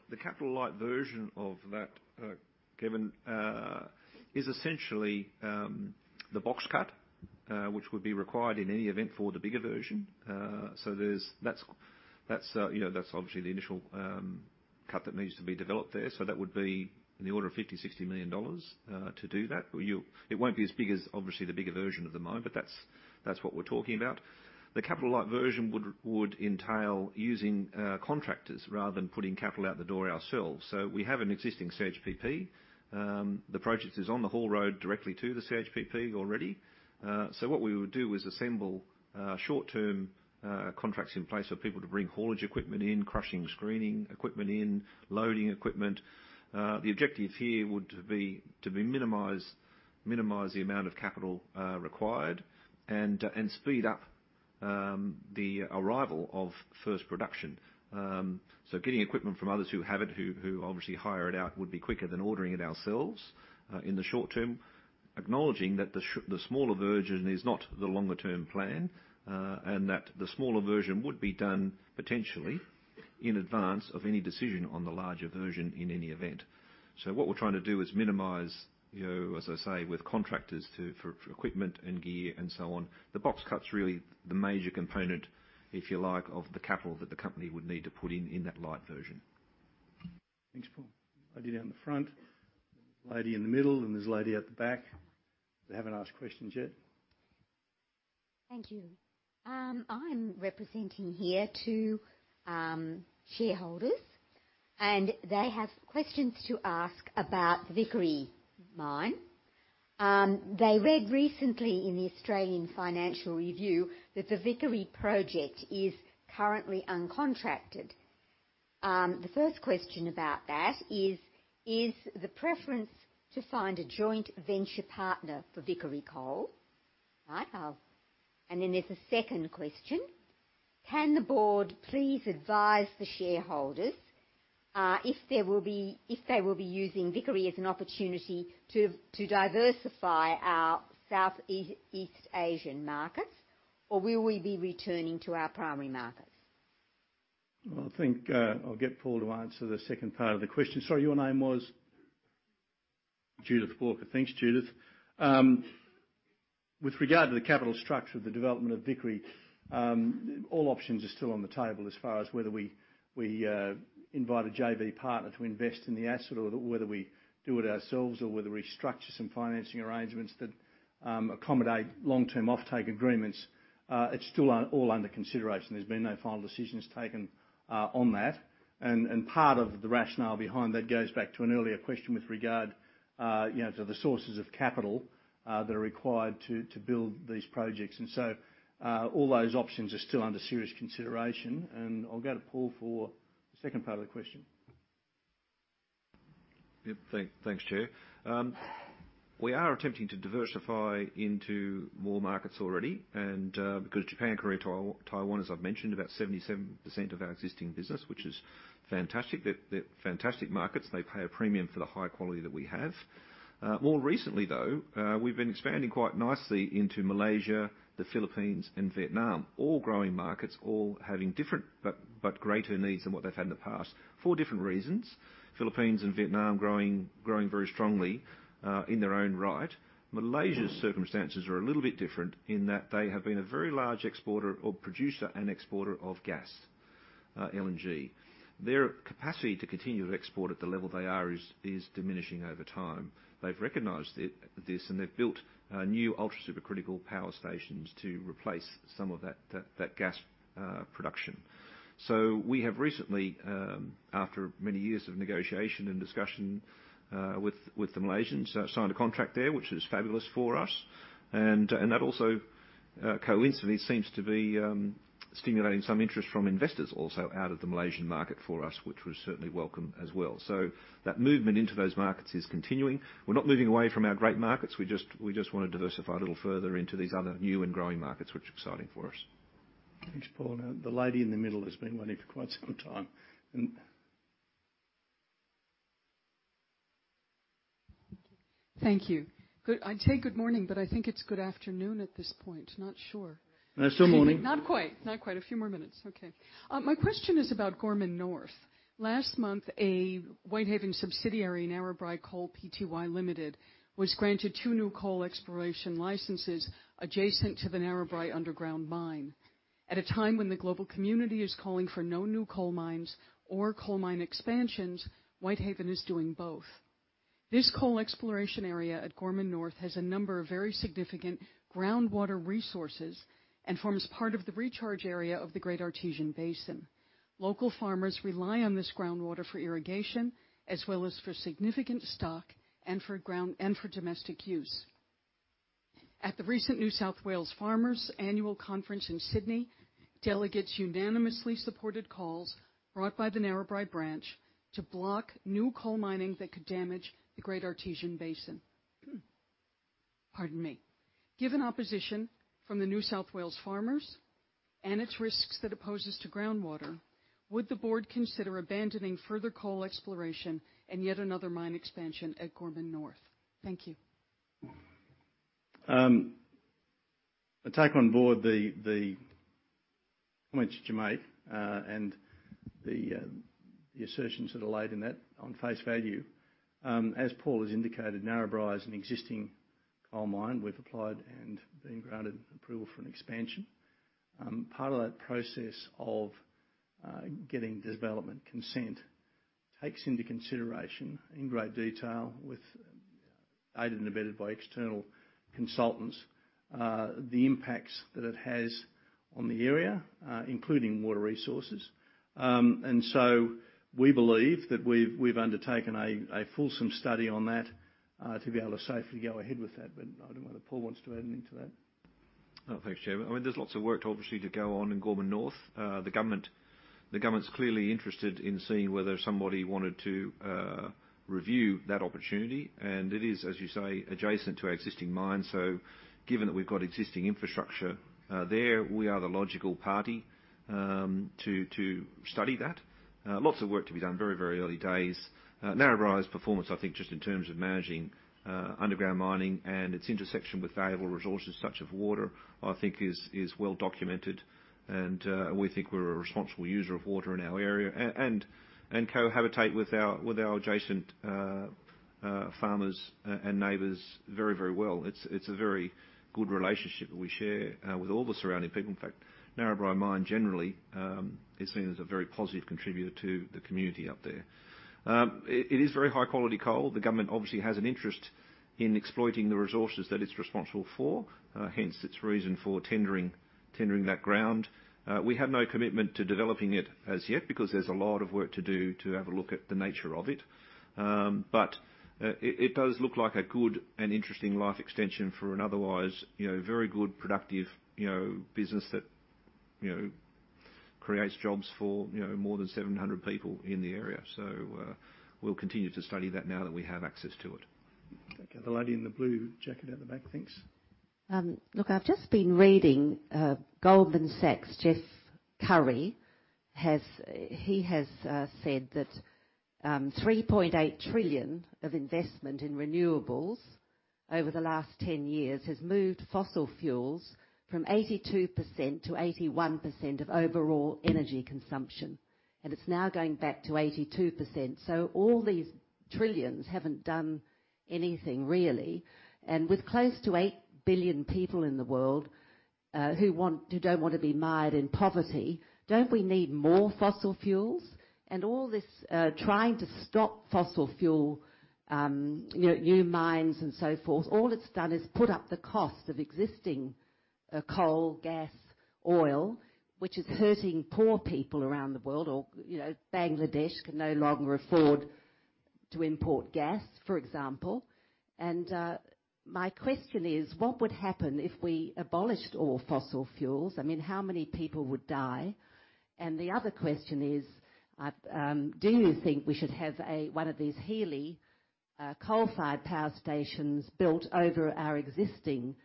S3: The capital light version of that, Kevin, is essentially the box cut, which would be required in any event for the bigger version, so that's obviously the initial cut that needs to be developed there, so that would be in the order of 50 million-60 million dollars to do that. It won't be as big as, obviously, the bigger version at the moment, but that's what we're talking about. The capital light version would entail using contractors rather than putting capital out the door ourselves. So we have an existing CHPP. The project is on the haul road directly to the CHPP already. So what we would do is assemble short-term contracts in place for people to bring haulage equipment in, crushing screening equipment in, loading equipment. The objective here would be to minimize the amount of capital required and speed up the arrival of first production. So getting equipment from others who have it, who obviously hire it out, would be quicker than ordering it ourselves in the short term, acknowledging that the smaller version is not the longer-term plan and that the smaller version would be done potentially in advance of any decision on the larger version in any event. So what we're trying to do is minimize, as I say, with contractors for equipment and gear and so on. The box cut's really the major component, if you like, of the capital that the company would need to put in that light version.
S1: Thanks, Paul. Lady down the front, lady in the middle, and there's a lady at the back. They haven't asked questions yet.
S17: Thank you. I'm representing here two shareholders. And they have questions to ask about the Vickery mine. They read recently in the Australian Financial Review that the Vickery project is currently uncontracted. The first question about that is, is the preference to find a joint venture partner for Vickery coal? And then there's a second question. Can the Board please advise the shareholders if they will be using Vickery as an opportunity to diversify our Southeast Asian markets, or will we be returning to our primary markets?
S1: Well, I think I'll get Paul to answer the second part of the question. Sorry, your name was? Judith Walker. Thanks, Judith. With regard to the capital structure of the development of Vickery, all options are still on the table as far as whether we invite a JV partner to invest in the asset or whether we do it ourselves or whether we structure some financing arrangements that accommodate long-term offtake agreements. It's still all under consideration. There's been no final decisions taken on that. And part of the rationale behind that goes back to an earlier question with regard to the sources of capital that are required to build these projects. And so all those options are still under serious consideration. And I'll go to Paul for the second part of the question.
S3: Yep. Thanks, Chair. We are attempting to diversify into more markets already because Japan, Korea, Taiwan, as I've mentioned, about 77% of our existing business, which is fantastic. They're fantastic markets. They pay a premium for the high quality that we have. More recently, though, we've been expanding quite nicely into Malaysia, the Philippines, and Vietnam, all growing markets, all having different but greater needs than what they've had in the past for different reasons. Philippines and Vietnam growing very strongly in their own right. Malaysia's circumstances are a little bit different in that they have been a very large exporter or producer and exporter of gas, LNG. Their capacity to continue to export at the level they are is diminishing over time. They've recognized this, and they've built new ultra-supercritical power stations to replace some of that gas production. So we have recently, after many years of negotiation and discussion with the Malaysians, signed a contract there, which is fabulous for us. And that also coincidentally seems to be stimulating some interest from investors also out of the Malaysian market for us, which was certainly welcome as well. So that movement into those markets is continuing. We're not moving away from our great markets. We just want to diversify a little further into these other new and growing markets, which is exciting for us.
S1: Thanks, Paul. The lady in the middle has been waiting for quite some time.
S18: Thank you. I'd say good morning, but I think it's good afternoon at this point. Not sure. Not quite. A few more minutes. Okay. My question is about Gorman North. Last month, a Whitehaven subsidiary in Narrabri Coal Pty Ltd was granted two new coal exploration licenses adjacent to the Narrabri underground mine. At a time when the global community is calling for no new coal mines or coal mine expansions, Whitehaven is doing both. This coal exploration area at Gorman North has a number of very significant groundwater resources and forms part of the recharge area of the Great Artesian Basin. Local farmers rely on this groundwater for irrigation as well as for significant stock and for domestic use. At the recent New South Wales Farmers Annual Conference in Sydney, delegates unanimously supported calls brought by the Narrabri branch to block new coal mining that could damage the Great Artesian Basin. Given opposition from the New South Wales Farmers and its risks that it poses to groundwater, would the Board consider abandoning further coal exploration and yet another mine expansion at Gorman North? Thank you.
S1: I take on Board the comments you made and the assertions that are laid out in that at face value. As Paul has indicated, Narrabri is an existing coal mine. We've applied and been granted approval for an expansion. Part of that process of getting development consent takes into consideration in great detail, aided and abetted by external consultants, the impacts that it has on the area, including water resources. And so we believe that we've undertaken a fulsome study on that to be able to safely go ahead with that. But I don't know whether Paul wants to add anything to that.
S3: Thanks, Chair. I mean, there's lots of work, obviously, to go on in Gorman North. The government's clearly interested in seeing whether somebody wanted to review that opportunity. And it is, as you say, adjacent to our existing mine. So given that we've got existing infrastructure there, we are the logical party to study that. Lots of work to be done. Very, very early days. Narrabri's performance, I think, just in terms of managing underground mining and its intersection with valuable resources such as water, I think, is well documented. And we think we're a responsible user of water in our area and cohabit with our adjacent farmers and neighbors very, very well. It's a very good relationship that we share with all the surrounding people. In fact, Narrabri Mine generally is seen as a very positive contributor to the community up there. It is very high-quality coal. The government obviously has an interest in exploiting the resources that it's responsible for. Hence, its reason for tendering that ground. We have no commitment to developing it as yet because there's a lot of work to do to have a look at the nature of it. But it does look like a good and interesting life extension for an otherwise very good, productive business that creates jobs for more than 700 people in the area. So we'll continue to study that now that we have access to it. Thank you.
S1: The lady in the blue jacket at the back. Thanks.
S19: Look, I've just been reading Goldman Sachs. Jeff Currie has said that 3.8 trillion of investment in renewables over the last 10 years has moved fossil fuels from 82% to 81% of overall energy consumption, and it's now going back to 82%, so all these trillions haven't done anything really, and with close to eight billion people in the world who don't want to be mired in poverty, don't we need more fossil fuels, and all this trying to stop fossil fuel, new mines and so forth, all it's done is put up the cost of existing coal, gas, oil, which is hurting poor people around the world, or Bangladesh can no longer afford to import gas, for example, and my question is, what would happen if we abolished all fossil fuels? I mean, how many people would die? The other question is, do you think we should have one of these HELE coal-fired power stations built over our existing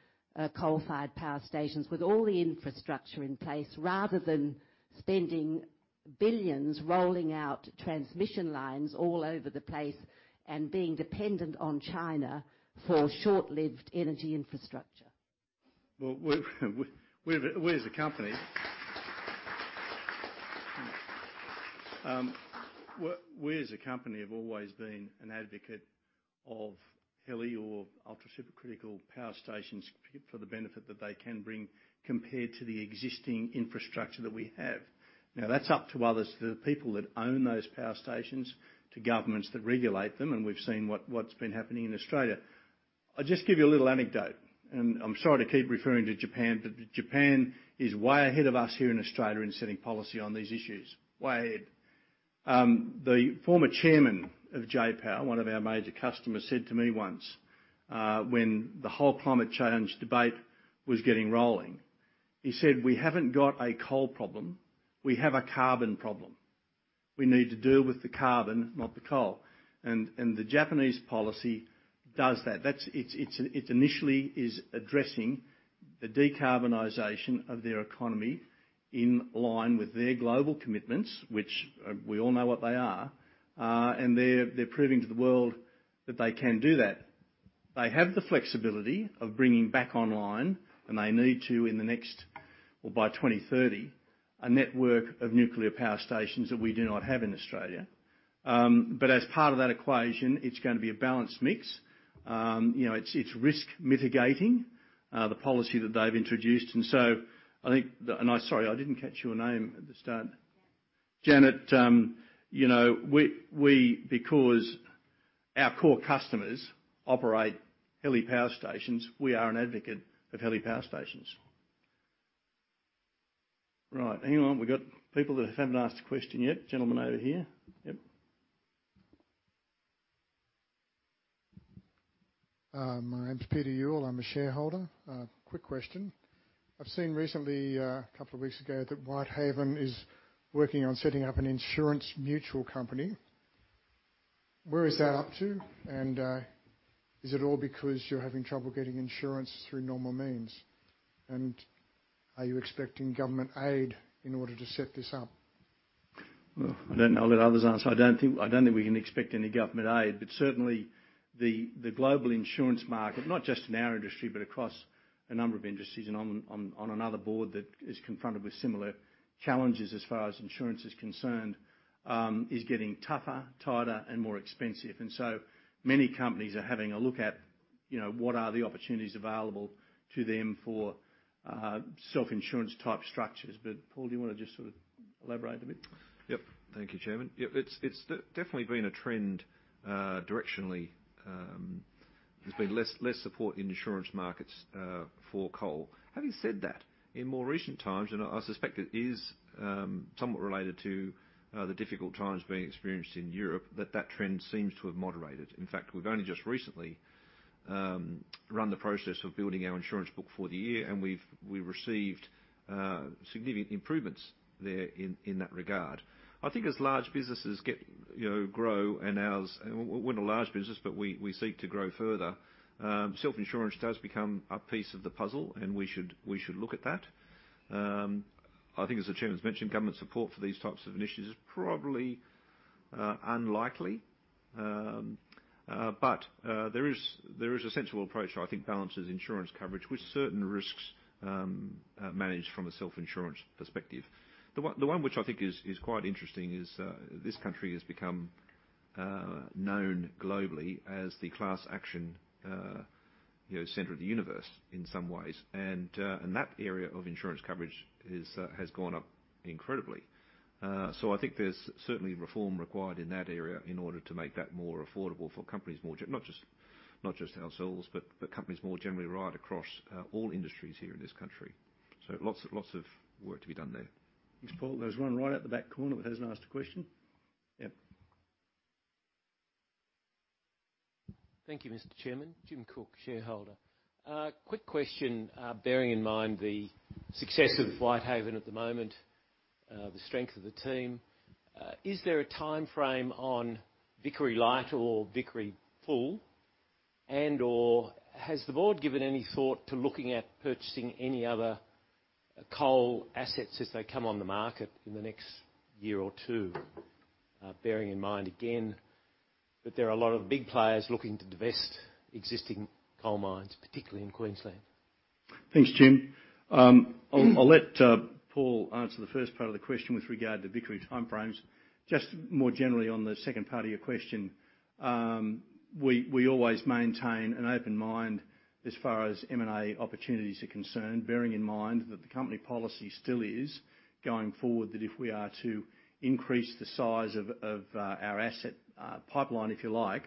S19: coal-fired power stations with all the infrastructure in place rather than spending billions rolling out transmission lines all over the place and being dependent on China for short-lived energy infrastructure?
S1: We as a company have always been an advocate of HELE or ultra-supercritical power stations for the benefit that they can bring compared to the existing infrastructure that we have. Now, that's up to others, the people that own those power stations, to governments that regulate them. We've seen what's been happening in Australia. I'll just give you a little anecdote. I'm sorry to keep referring to Japan, but Japan is way ahead of us here in Australia in setting policy on these issues. Way ahead. The former chairman of J-Power, one of our major customers, said to me once when the whole climate change debate was getting rolling, he said, "We haven't got a coal problem. We have a carbon problem. We need to deal with the carbon, not the coal." And the Japanese policy does that. It initially is addressing the decarbonization of their economy in line with their global commitments, which we all know what they are. And they're proving to the world that they can do that. They have the flexibility of bringing back online, and they need to in the next or by 2030, a network of nuclear power stations that we do not have in Australia. But as part of that equation, it's going to be a balanced mix. It's risk mitigating, the policy that they've introduced. And so I think, and I'm sorry, I didn't catch your name at the start. Janet, because our core customers operate HELE power stations, we are an advocate of HELE power stations. Right. Hang on. We've got people that haven't asked a question yet. Gentlemen over here. Yep.
S20: My name's Peter Youll. I'm a shareholder. Quick question. I've seen recently, a couple of weeks ago, that Whitehaven is working on setting up an insurance mutual company. Where is that up to? And is it all because you're having trouble getting insurance through normal means? And are you expecting government aid in order to set this up?
S1: Well, I don't know that others are. So I don't think we can expect any government aid. But certainly, the global insurance market, not just in our industry, but across a number of industries and on another Board that is confronted with similar challenges as far as insurance is concerned, is getting tougher, tighter, and more expensive. And so many companies are having a look at what are the opportunities available to them for self-insurance type structures. But Paul, do you want to just sort of elaborate a bit?
S3: Yep. Thank you, Chairman. Yep. It's definitely been a trend directionally. There's been less support in insurance markets for coal. Having said that, in more recent times, and I suspect it is somewhat related to the difficult times being experienced in Europe, that the trend seems to have moderated. In fact, we've only just recently run the process of building our insurance book for the year, and we've received significant improvements there in that regard. I think as large businesses grow, and ours—and we're not large business, but we seek to grow further—self-insurance does become a piece of the puzzle, and we should look at that. I think, as the Chairman's mentioned, government support for these types of initiatives is probably unlikely. But there is a sensible approach, I think, balances insurance coverage with certain risks managed from a self-insurance perspective. The one which I think is quite interesting is this country has become known globally as the class action center of the universe in some ways. And that area of insurance coverage has gone up incredibly. So I think there's certainly reform required in that area in order to make that more affordable for companies, not just ourselves, but companies more generally right across all industries here in this country. So lots of work to be done there.
S1: Thanks, Paul. There's one right at the back corner that hasn't asked a question. Yep.
S21: Thank you, Mr. Chairman. Jim Cook, shareholder. Quick question, bearing in mind the success of Whitehaven at the moment, the strength of the team, is there a timeframe on Vickery Light or Vickery full? And/or has the Board given any thought to looking at purchasing any other coal assets as they come on the market in the next year or two, bearing in mind, again, that there are a lot of big players looking to divest existing coal mines, particularly in Queensland?
S1: Thanks, Jim. I'll let Paul answer the first part of the question with regard to Vickery timeframes. Just more generally on the second part of your question, we always maintain an open mind as far as M&A opportunities are concerned, bearing in mind that the company policy still is going forward that if we are to increase the size of our asset pipeline, if you like,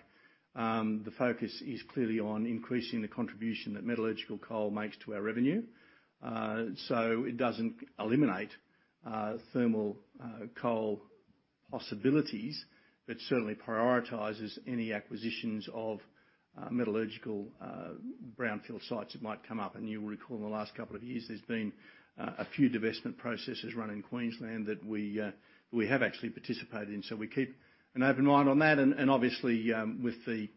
S1: the focus is clearly on increasing the contribution that metallurgical coal makes to our revenue. So it doesn't eliminate thermal coal possibilities, but certainly prioritises any acquisitions of metallurgical brownfield sites that might come up. And you'll recall in the last couple of years, there's been a few divestment processes run in Queensland that we have actually participated in. So we keep an open mind on that. Obviously, with the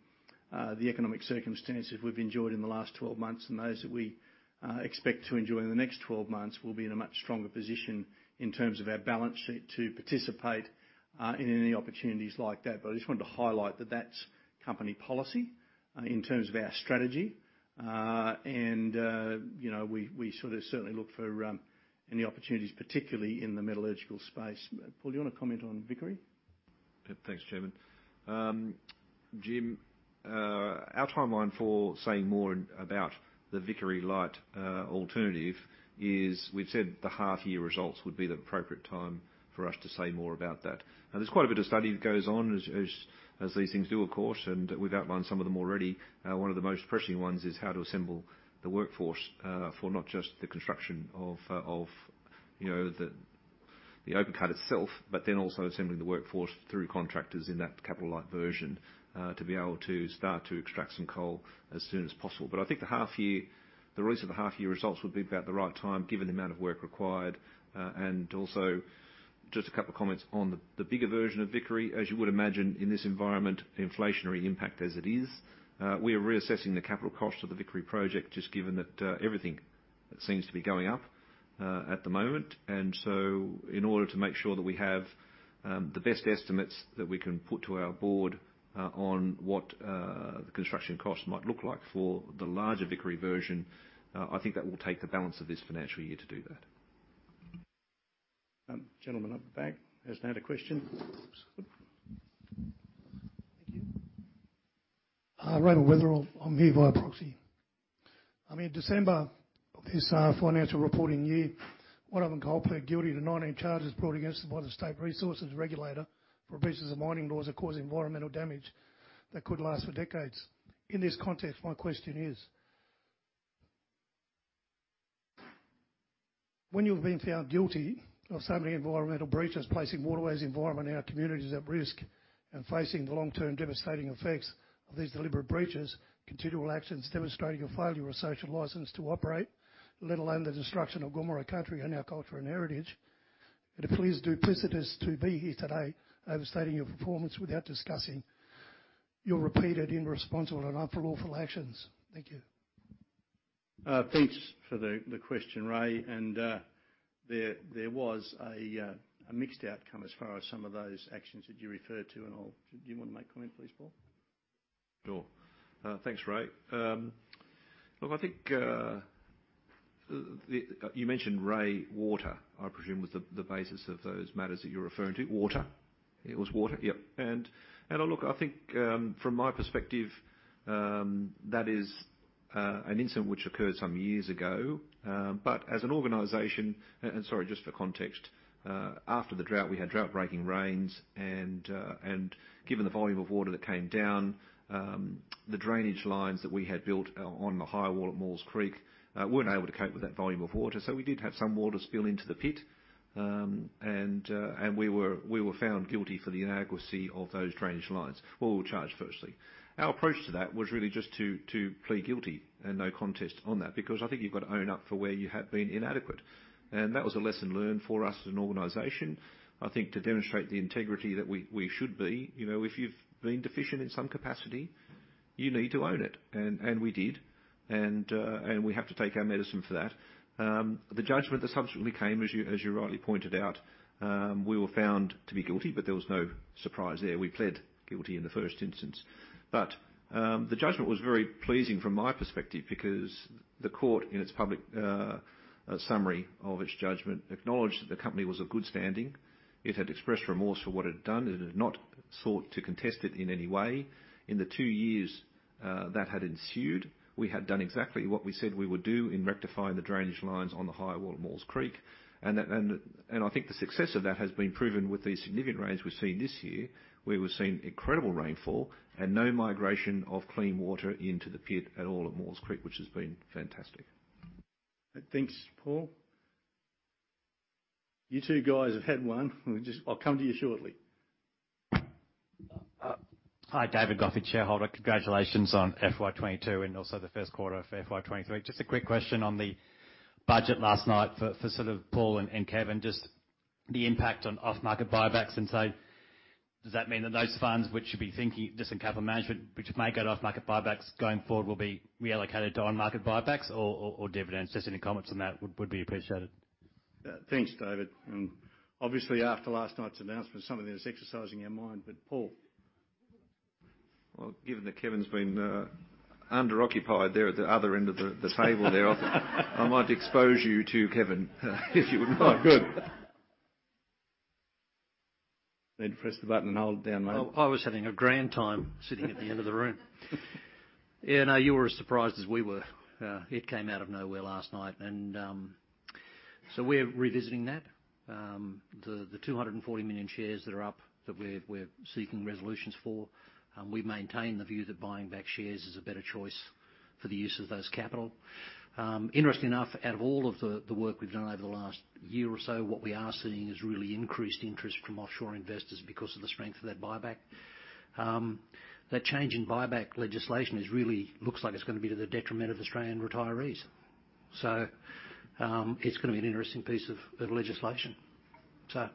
S1: economic circumstances we've enjoyed in the last 12 months and those that we expect to enjoy in the next 12 months, we'll be in a much stronger position in terms of our balance sheet to participate in any opportunities like that. But I just wanted to highlight that that's company policy in terms of our strategy. We sort of certainly look for any opportunities, particularly in the metallurgical space. Paul, do you want to comment on Vickery?
S3: Yep. Thanks, Chairman. Jim, our timeline for saying more about the Vickery Light alternative is we've said the half-year results would be the appropriate time for us to say more about that. Now, there's quite a bit of study that goes on as these things do, of course. We've outlined some of them already. One of the most pressing ones is how to assemble the workforce for not just the construction of the open cut itself, but then also assembling the workforce through contractors in that capital light version to be able to start to extract some coal as soon as possible, but I think the release of the half-year results would be about the right time given the amount of work required, and also just a couple of comments on the bigger version of Vickery. As you would imagine, in this environment, inflationary impact as it is, we are reassessing the capital cost of the Vickery project just given that everything seems to be going up at the moment. In order to make sure that we have the best estimates that we can put to our Board on what the construction cost might look like for the larger Vickery version, I think that will take the balance of this financial year to do that.
S1: Gentlemen up the back hasn't had a question.
S22: Thank you. Raymond Weatherall. I'm here via proxy. I mean, December of this financial reporting year, one of them called to plead guilty to 19 charges brought by the State Resources Regulator for abuses of mining laws that cause environmental damage that could last for decades. In this context, my question is, when you've been found guilty of so many environmental breaches placing waterways, environment, and our communities at risk and facing the long-term devastating effects of these deliberate breaches, continual actions demonstrating a failure of social license to operate, let alone the destruction of Gomeroi Country and our culture and heritage, it appears duplicitous to be here today overstating your performance without discussing your repeated irresponsible and unlawful actions. Thank you.
S1: Thanks for the question, Ray. There was a mixed outcome as far as some of those actions that you referred to. Do you want to make a comment, please, Paul?
S3: Sure. Thanks, Ray. Look, I think you mentioned the water, I presume, was the basis of those matters that you're referring to. Water? It was water.
S22: Yep.
S3: Look, I think from my perspective, that is an incident which occurred some years ago. But as an organization, and sorry, just for context, after the drought, we had drought-breaking rains. And given the volume of water that came down, the drainage lines that we had built on the high wall at Maules Creek weren't able to cope with that volume of water. So we did have some water spill into the pit. And we were found guilty for the inadequacy of those drainage lines. What were we charged firstly? Our approach to that was really just to plead guilty and no contest on that because I think you've got to own up for where you have been inadequate. And that was a lesson learned for us as an organization, I think, to demonstrate the integrity that we should be. If you've been deficient in some capacity, you need to own it. And we did. And we have to take our medicine for that. The judgment that subsequently came, as you rightly pointed out, we were found to be guilty, but there was no surprise there. We pled guilty in the first instance. But the judgment was very pleasing from my perspective because the court, in its public summary of its judgment, acknowledged that the company was of good standing. It had expressed remorse for what it had done. It had not sought to contest it in any way. In the two years that had ensued, we had done exactly what we said we would do in rectifying the drainage lines on the high wall at Maules Creek. And I think the success of that has been proven with the significant rains we've seen this year. We were seeing incredible rainfall and no migration of clean water into the pit at all at Maules Creek, which has been fantastic.
S1: Thanks, Paul. You two guys have had one. I'll come to you shortly.
S23: Hi, David Giffin, shareholder. Congratulations on FY 2022 and also the first quarter of FY 2023. Just a quick question on the budget last night for sort of Paul and Kevin, just the impact on off-market buybacks. And so does that mean that those funds, which should be thinking just in capital management, which may get off-market buybacks going forward, will be reallocated to on-market buybacks or dividends? Just any comments on that would be appreciated.
S1: Thanks, David. And obviously, after last night's announcement, some of this exercising your mind. But Paul? Given that Kevin's been underoccupied there at the other end of the table there, I might expose you to Kevin if you would like.
S23: Good.
S1: Need to press the button and hold it down, mate.
S3: I was having a grand time sitting at the end of the room. Yeah. No, you were as surprised as we were. It came out of nowhere last night. So we're revisiting that. The 240 million shares that are up that we're seeking resolutions for, we maintain the view that buying back shares is a better choice for the use of those capital. Interestingly enough, out of all of the work we've done over the last year or so, what we are seeing is really increased interest from offshore investors because of the strength of that buyback. That change in buyback legislation really looks like it's going to be to the detriment of Australian retirees. So it's going to be an interesting piece of legislation. So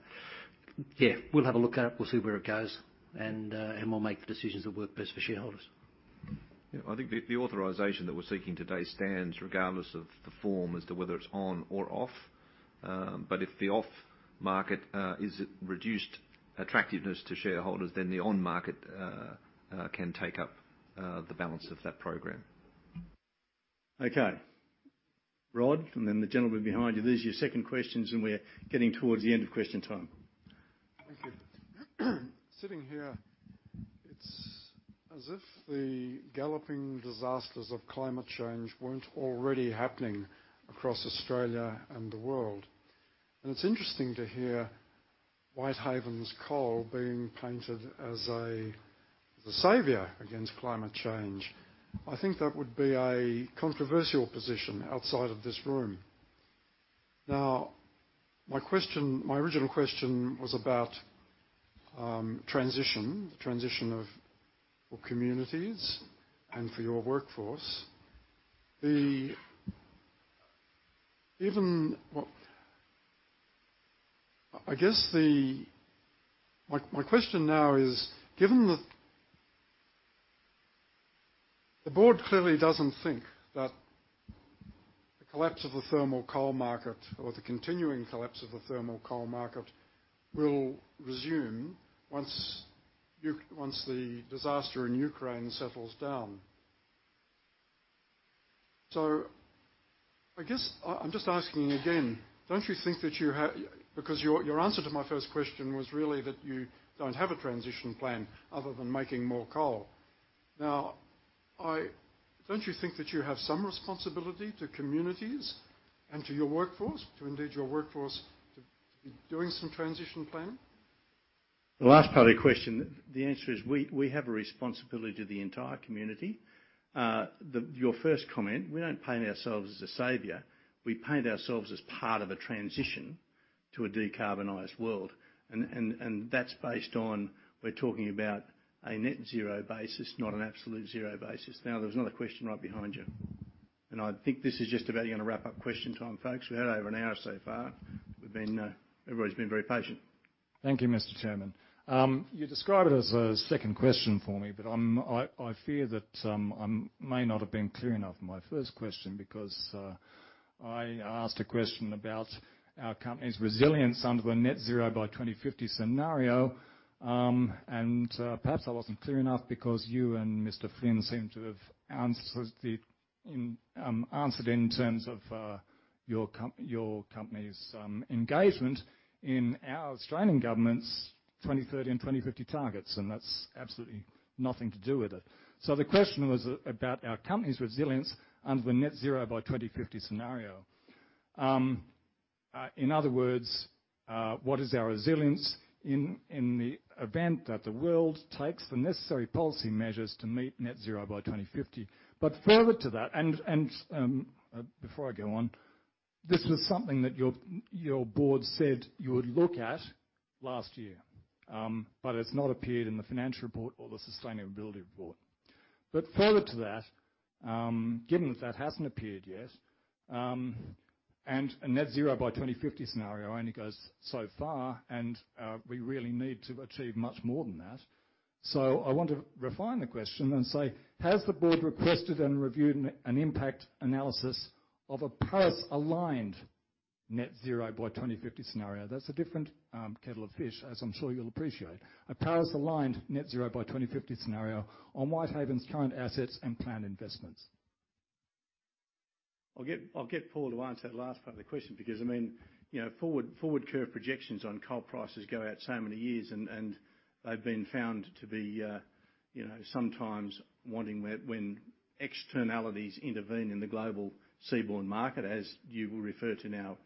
S3: yeah, we'll have a look at it. We'll see where it goes. And we'll make the decisions that work best for shareholders. Yeah. I think the authorization that we're seeking today stands regardless of the form as to whether it's on or off. But if the off-market is reduced attractiveness to shareholders, then the on-market can take up the balance of that program.
S1: Okay. Rod, and then the gentleman behind you, these are your second questions, and we're getting towards the end of question time.
S5: Thank you. Sitting here, it's as if the galloping disasters of climate change weren't already happening across Australia and the world. And it's interesting to hear Whitehaven's coal being painted as a savior against climate change. I think that would be a controversial position outside of this room. Now, my original question was about transition, the transition of communities and for your workforce. I guess my question now is, given that the Board clearly doesn't think that the collapse of the thermal coal market or the continuing collapse of the thermal coal market will resume once the disaster in Ukraine settles down. So I guess I'm just asking again, don't you think that you have, because your answer to my first question was really that you don't have a transition plan other than making more coal? Now, don't you think that you have some responsibility to communities and to your workforce, to engage your workforce to be doing some transition plan?
S1: The last part of the question, the answer is we have a responsibility to the entire community. Your first comment, we don't paint ourselves as a savior. We paint ourselves as part of a transition to a decarbonized world. And that's based on we're talking about a net zero basis, not an absolute zero basis. Now, there was another question right behind you. And I think this is just about—you're going to wrap up question time, folks. We've had over an hour so far. Everybody's been very patient.
S5: Thank you, Mr. Chairman. You describe it as a second question for me, but I fear that I may not have been clear enough in my first question because I asked a question about our company's resilience under the net zero by 2050 scenario. And perhaps I wasn't clear enough because you and Mr. Flynn seem to have answered in terms of your company's engagement in our Australian government's 2030 and 2050 targets. And that's absolutely nothing to do with it. So the question was about our company's resilience under the net zero by 2050 scenario. In other words, what is our resilience in the event that the world takes the necessary policy measures to meet net zero by 2050? But further to that, and before I go on, this was something that your Board said you would look at last year, but it's not appeared in the financial report or the sustainability report. But further to that, given that that hasn't appeared yet, and a net zero by 2050 scenario only goes so far, and we really need to achieve much more than that. So I want to refine the question and say, has the Board requested and reviewed an impact analysis of a Paris-aligned net zero by 2050 scenario? That's a different kettle of fish, as I'm sure you'll appreciate. A Paris-aligned net zero by 2050 scenario on Whitehaven's current assets and planned investments.
S1: I'll get Paul to answer that last part of the question because, I mean, forward-curve projections on coal prices go out so many years, and they've been found to be sometimes wanting when externalities intervene in the global seaborne market, as you will refer to now,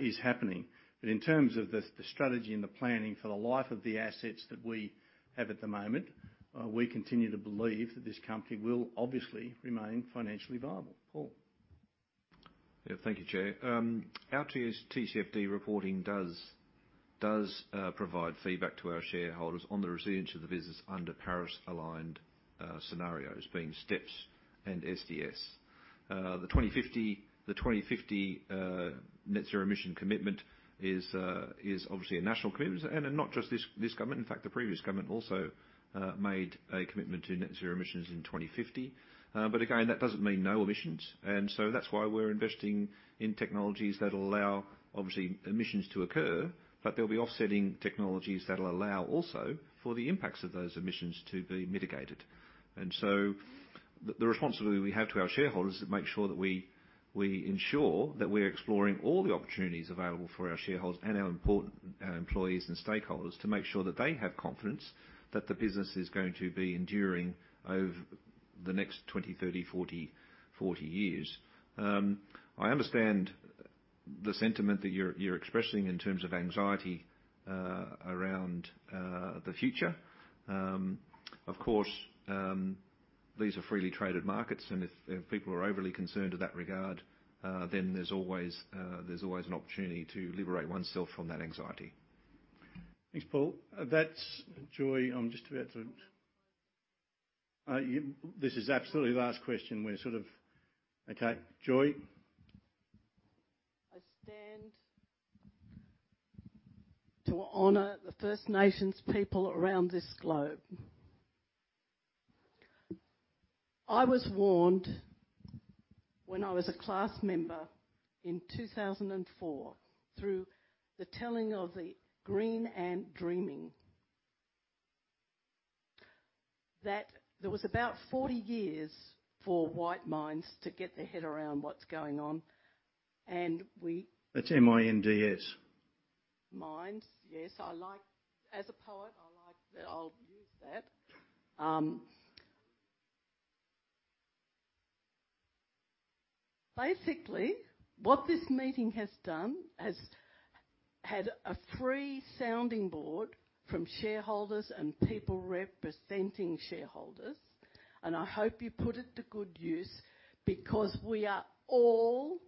S1: is happening. But in terms of the strategy and the planning for the life of the assets that we have at the moment, we continue to believe that this company will obviously remain financially viable. Paul.
S3: Yeah. Thank you, Chair. Our TCFD reporting does provide feedback to our shareholders on the resilience of the business under Paris-aligned scenarios, being steps and SDS. The 2050 net zero emission commitment is obviously a national commitment and not just this government. In fact, the previous government also made a commitment to net zero emissions in 2050. But again, that doesn't mean no emissions. And so that's why we're investing in technologies that'll allow obviously emissions to occur, but they'll be offsetting technologies that'll allow also for the impacts of those emissions to be mitigated. And so the responsibility we have to our shareholders is to make sure that we ensure that we're exploring all the opportunities available for our shareholders and our employees and stakeholders to make sure that they have confidence that the business is going to be enduring over the next 20, 30, 40 years. I understand the sentiment that you're expressing in terms of anxiety around the future. Of course, these are freely traded markets. And if people are overly concerned in that regard, then there's always an opportunity to liberate oneself from that anxiety.
S1: Thanks, Paul. That's Joy. I'm just about to. This is absolutely the last question. We're sort of okay. Joy.
S4: I stand to honour the First Nations people around this globe. I was warned when I was a class member in 2004 through the telling of the Green Ant Dreaming that there was about 40 years for white minds to get their head around what's going on. And we.
S1: That's M-I-N-D-S.
S4: Minds. Yes. As a poet, I'll use that. Basically, what this meeting has done has had a free sounding Board from shareholders and people representing shareholders. And I hope you put it to good use because we are all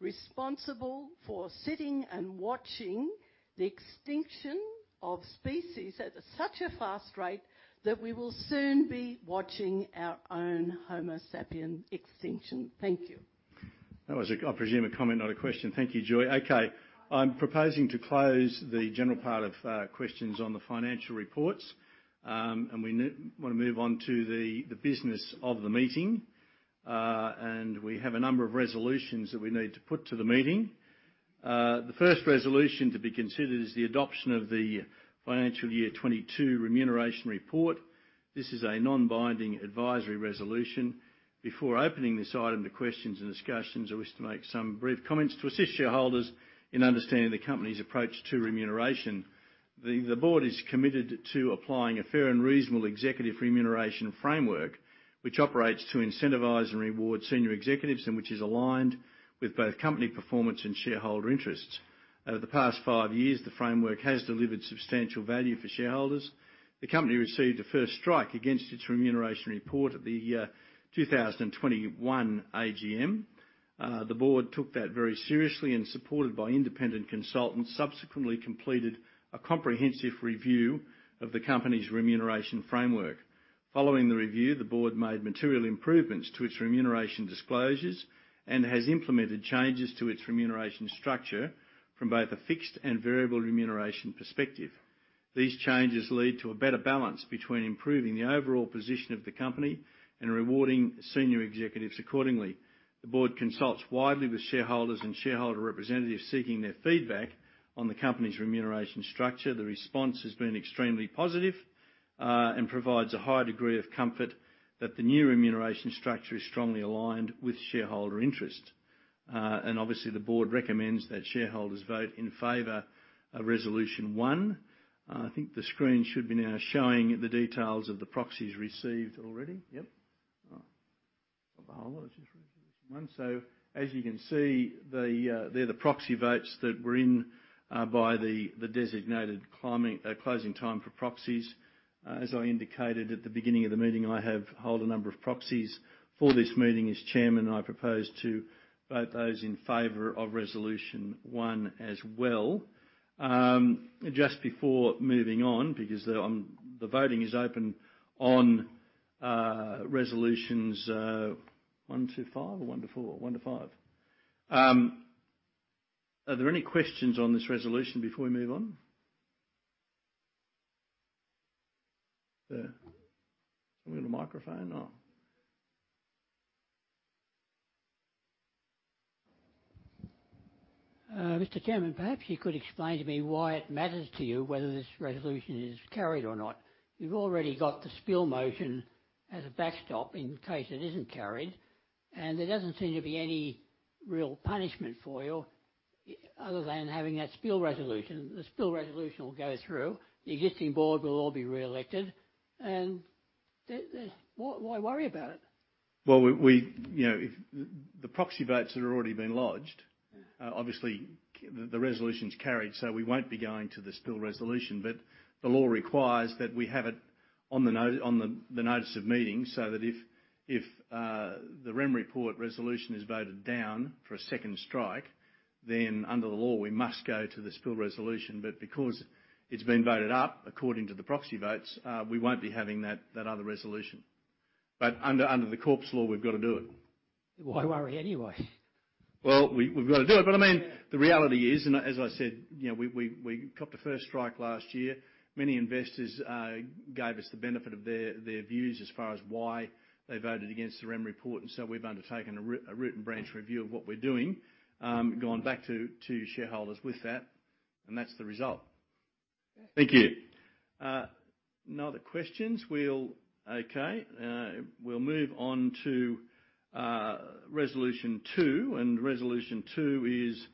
S4: responsible for sitting and watching the extinction of species at such a fast rate that we will soon be watching our own Homo sapiens extinction. Thank you.
S1: That was, I presume, a comment, not a question. Thank you, Joy. Okay. I'm proposing to close the general part of questions on the financial reports, and we want to move on to the business of the meeting, and we have a number of resolutions that we need to put to the meeting. The first resolution to be considered is the adoption of the financial year 2022 remuneration report. This is a non-binding advisory resolution. Before opening this item to questions and discussions, I wish to make some brief comments to assist shareholders in understanding the company's approach to remuneration. The Board is committed to applying a fair and reasonable executive remuneration framework, which operates to incentivize and reward senior executives and which is aligned with both company performance and shareholder interests. Over the past five years, the framework has delivered substantial value for shareholders. The company received a first strike against its remuneration report at the year 2021 AGM. The Board took that very seriously and, supported by independent consultants, subsequently completed a comprehensive review of the company's remuneration framework. Following the review, the Board made material improvements to its remuneration disclosures and has implemented changes to its remuneration structure from both a fixed and variable remuneration perspective. These changes lead to a better balance between improving the overall position of the company and rewarding senior executives accordingly. The Board consults widely with shareholders and shareholder representatives seeking their feedback on the company's remuneration structure. The response has been extremely positive and provides a high degree of comfort that the new remuneration structure is strongly aligned with shareholder interests. And obviously, the Board recommends that shareholders vote in favor of Resolution 1. I think the screen should be now showing the details of the proxies received already. Yep. So as you can see, they're the proxy votes that were in by the designated closing time for proxies. As I indicated at the beginning of the meeting, I hold a number of proxies. For this meeting, as chairman, I propose to vote those in favor of Resolution 1 as well. Just before moving on, because the voting is open on Resolutions 1-5 or one to four, one to five. Are there any questions on this resolution before we move on? Yeah. Something on the microphone?
S24: Mr. Chairman, perhaps you could explain to me why it matters to you whether this resolution is carried or not. You've already got the spill motion as a backstop in case it isn't carried. And there doesn't seem to be any real punishment for you other than having that spill resolution. The spill resolution will go through. The existing Board will all be re-elected. And why worry about it?
S1: Well, the proxy votes that have already been lodged, obviously, the resolution's carried, so we won't be going to the spill resolution. But the law requires that we have it on the notice of meeting so that if the remuneration report resolution is voted down for a second strike, then under the law, we must go to the spill resolution. But because it's been voted up according to the proxy votes, we won't be having that other resolution. But under the Corporations law, we've got to do it.
S24: Why worry anyway?
S1: Well, we've got to do it. But I mean, the reality is, and as I said, we got the first strike last year. Many investors gave us the benefit of their views as far as why they voted against the remuneration report. And so we've undertaken a written branch review of what we're doing, going back to shareholders with that. And that's the result. Thank you. No other questions. Okay. We'll move on to Resolution 2. And Resolution 2 is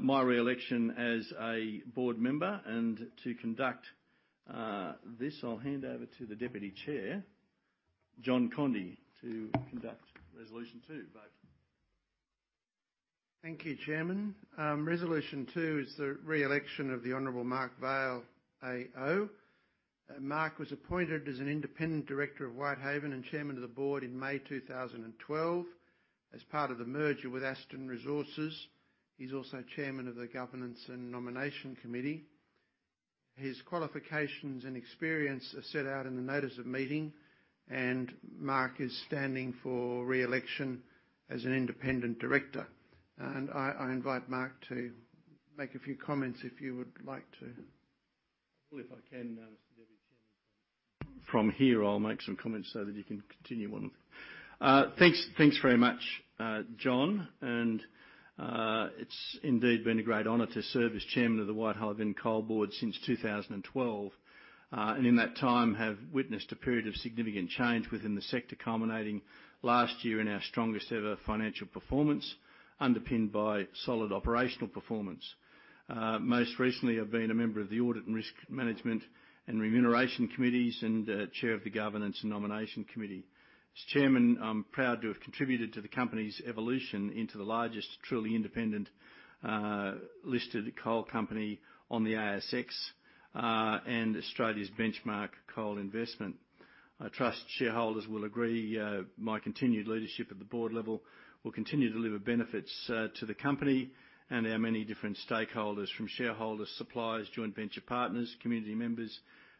S1: my re-election as a Board member. And to conduct this, I'll hand over to the Deputy Chair, John Conde, to conduct Resolution 2.
S25: Thank you, Chairman. Resolution 2 is the re-election of the Honourable Mark Vaile, AO. Mark was appointed as an independent director of Whitehaven and Chairman of the Board in May 2012 as part of the merger with Aston Resources. He's also Chairman of the governance and nomination committee. His qualifications and experience are set out in the notice of meeting. And Mark is standing for re-election as an independent director. And I invite Mark to make a few comments if you would like to.
S1: If I can, Mr. Deputy Chairman. From here, I'll make some comments so that you can continue on. Thanks very much, John. And it's indeed been a great honour to serve as chairman of the Whitehaven Coal Board since 2012. And in that time, I have witnessed a period of significant change within the sector, culminating last year in our strongest ever financial performance, underpinned by solid operational performance. Most recently, I've been a member of the audit and risk management and remuneration committees and chair of the governance and nomination committee. As chairman, I'm proud to have contributed to the company's evolution into the largest truly independent listed coal company on the ASX and Australia's benchmark coal investment. I trust shareholders will agree my continued leadership at the Board level will continue to deliver benefits to the company and our many different stakeholders from shareholders, suppliers, joint venture partners, community members,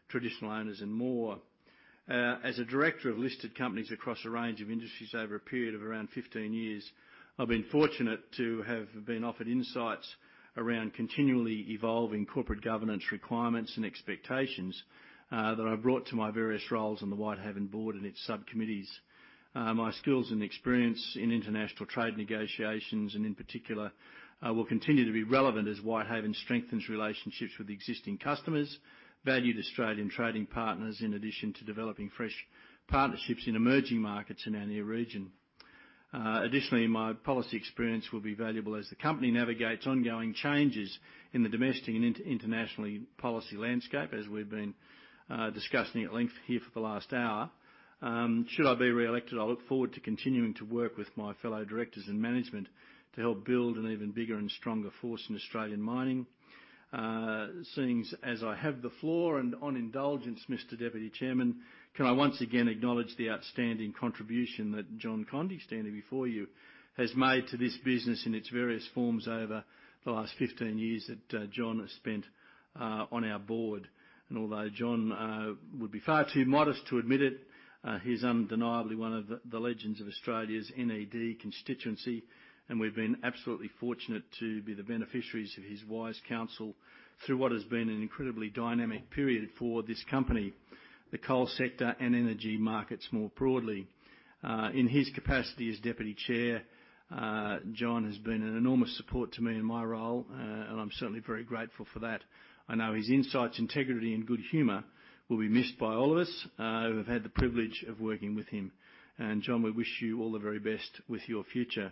S1: traditional owners, and more. As a director of listed companies across a range of industries over a period of around 15 years, I've been fortunate to have been offered insights around continually evolving corporate governance requirements and expectations that I've brought to my various roles on the Whitehaven Board and its subcommittees. My skills and experience in international trade negotiations, and in particular, will continue to be relevant as Whitehaven strengthens relationships with existing customers, valued Australian trading partners, in addition to developing fresh partnerships in emerging markets in our near region. Additionally, my policy experience will be valuable as the company navigates ongoing changes in the domestic and international policy landscape, as we've been discussing at length here for the last hour. Should I be re-elected, I look forward to continuing to work with my fellow directors and management to help build an even bigger and stronger force in Australian mining. As I have the floor and with indulgence, Mr. Deputy Chairman, can I once again acknowledge the outstanding contribution that John Conde standing before you has made to this business in its various forms over the last 15 years that John has spent on our Board. Although John would be far too modest to admit it, he's undeniably one of the legends of Australia's NED constituency. We've been absolutely fortunate to be the beneficiaries of his wise counsel through what has been an incredibly dynamic period for this company, the coal sector and energy markets more broadly. In his capacity as deputy chair, John has been an enormous support to me in my role, and I'm certainly very grateful for that. I know his insights, integrity, and good humor will be missed by all of us who have had the privilege of working with him. And John, we wish you all the very best with your future.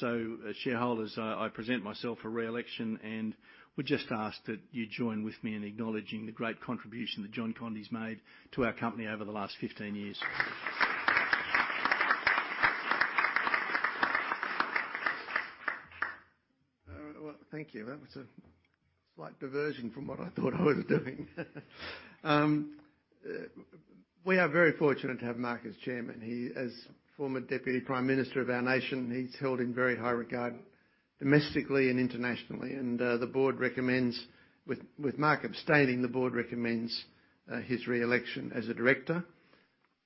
S1: So shareholders, I present myself for re-election, and would just ask that you join with me in acknowledging the great contribution that John Conde's made to our company over the last 15 years.
S25: Thank you. That was a slight diversion from what I thought I was doing. We are very fortunate to have Mark as Chairman. As former deputy prime minister of our nation, he's held in very high regard domestically and internationally, and with Mark abstaining, the Board recommends his re-election as a director.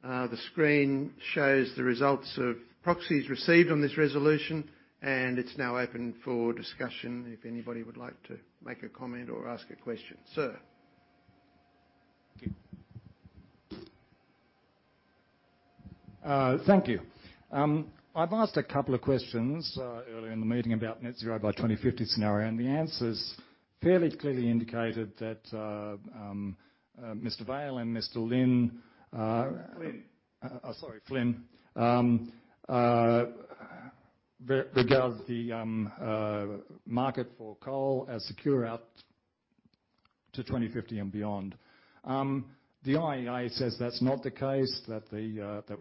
S25: The screen shows the results of proxies received on this resolution, and it's now open for discussion if anybody would like to make a comment or ask a question. Sir. Thank you.
S26: Thank you. I've asked a couple of questions earlier in the meeting about net zero by 2050 scenario, and the answers fairly clearly indicated that Mr. Vaile and Mr. Flynn regard the market for coal as secure out to 2050 and beyond. The IEA says that's not the case, that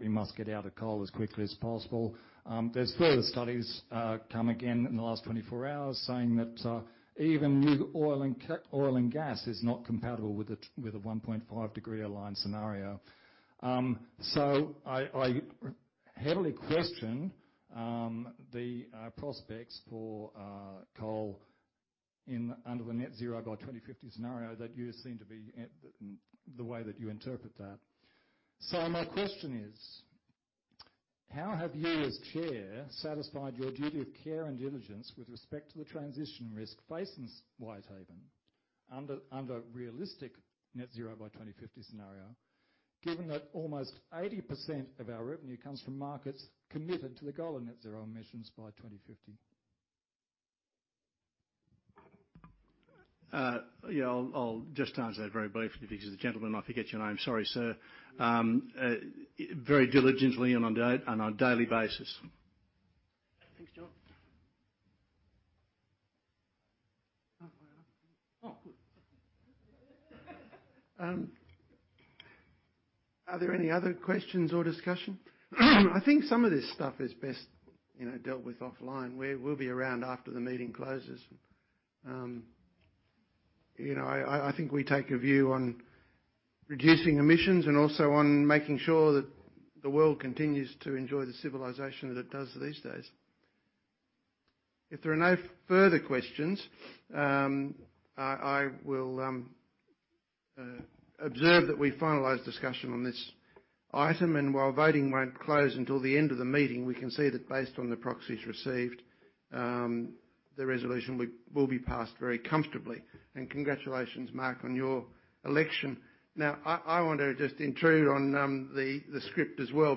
S26: we must get out of coal as quickly as possible. There's further studies come again in the last 24 hours saying that even oil and gas is not compatible with a 1.5-degree aligned scenario. So I heavily question the prospects for coal under the net zero by 2050 scenario that you seem to be the way that you interpret that. So my question is, how have you as Chair satisfied your duty of care and diligence with respect to the transition risk facing Whitehaven under realistic net zero by 2050 scenario, given that almost 80% of our revenue comes from markets committed to the goal of net zero emissions by 2050?
S1: Yeah, I'll just answer that very briefly because the gentleman I forget your name. Sorry, sir. Very diligently and on a daily basis. Thanks, John.
S25: Oh, good. Are there any other questions or discussion? I think some of this stuff is best dealt with offline. We'll be around after the meeting closes. I think we take a view on reducing emissions and also on making sure that the world continues to enjoy the civilization that it does these days. If there are no further questions, I will observe that we finalize discussion on this item, and while voting won't close until the end of the meeting, we can see that based on the proxies received, the resolution will be passed very comfortably, and congratulations, Mark, on your election. Now, I want to just intrude on the script as well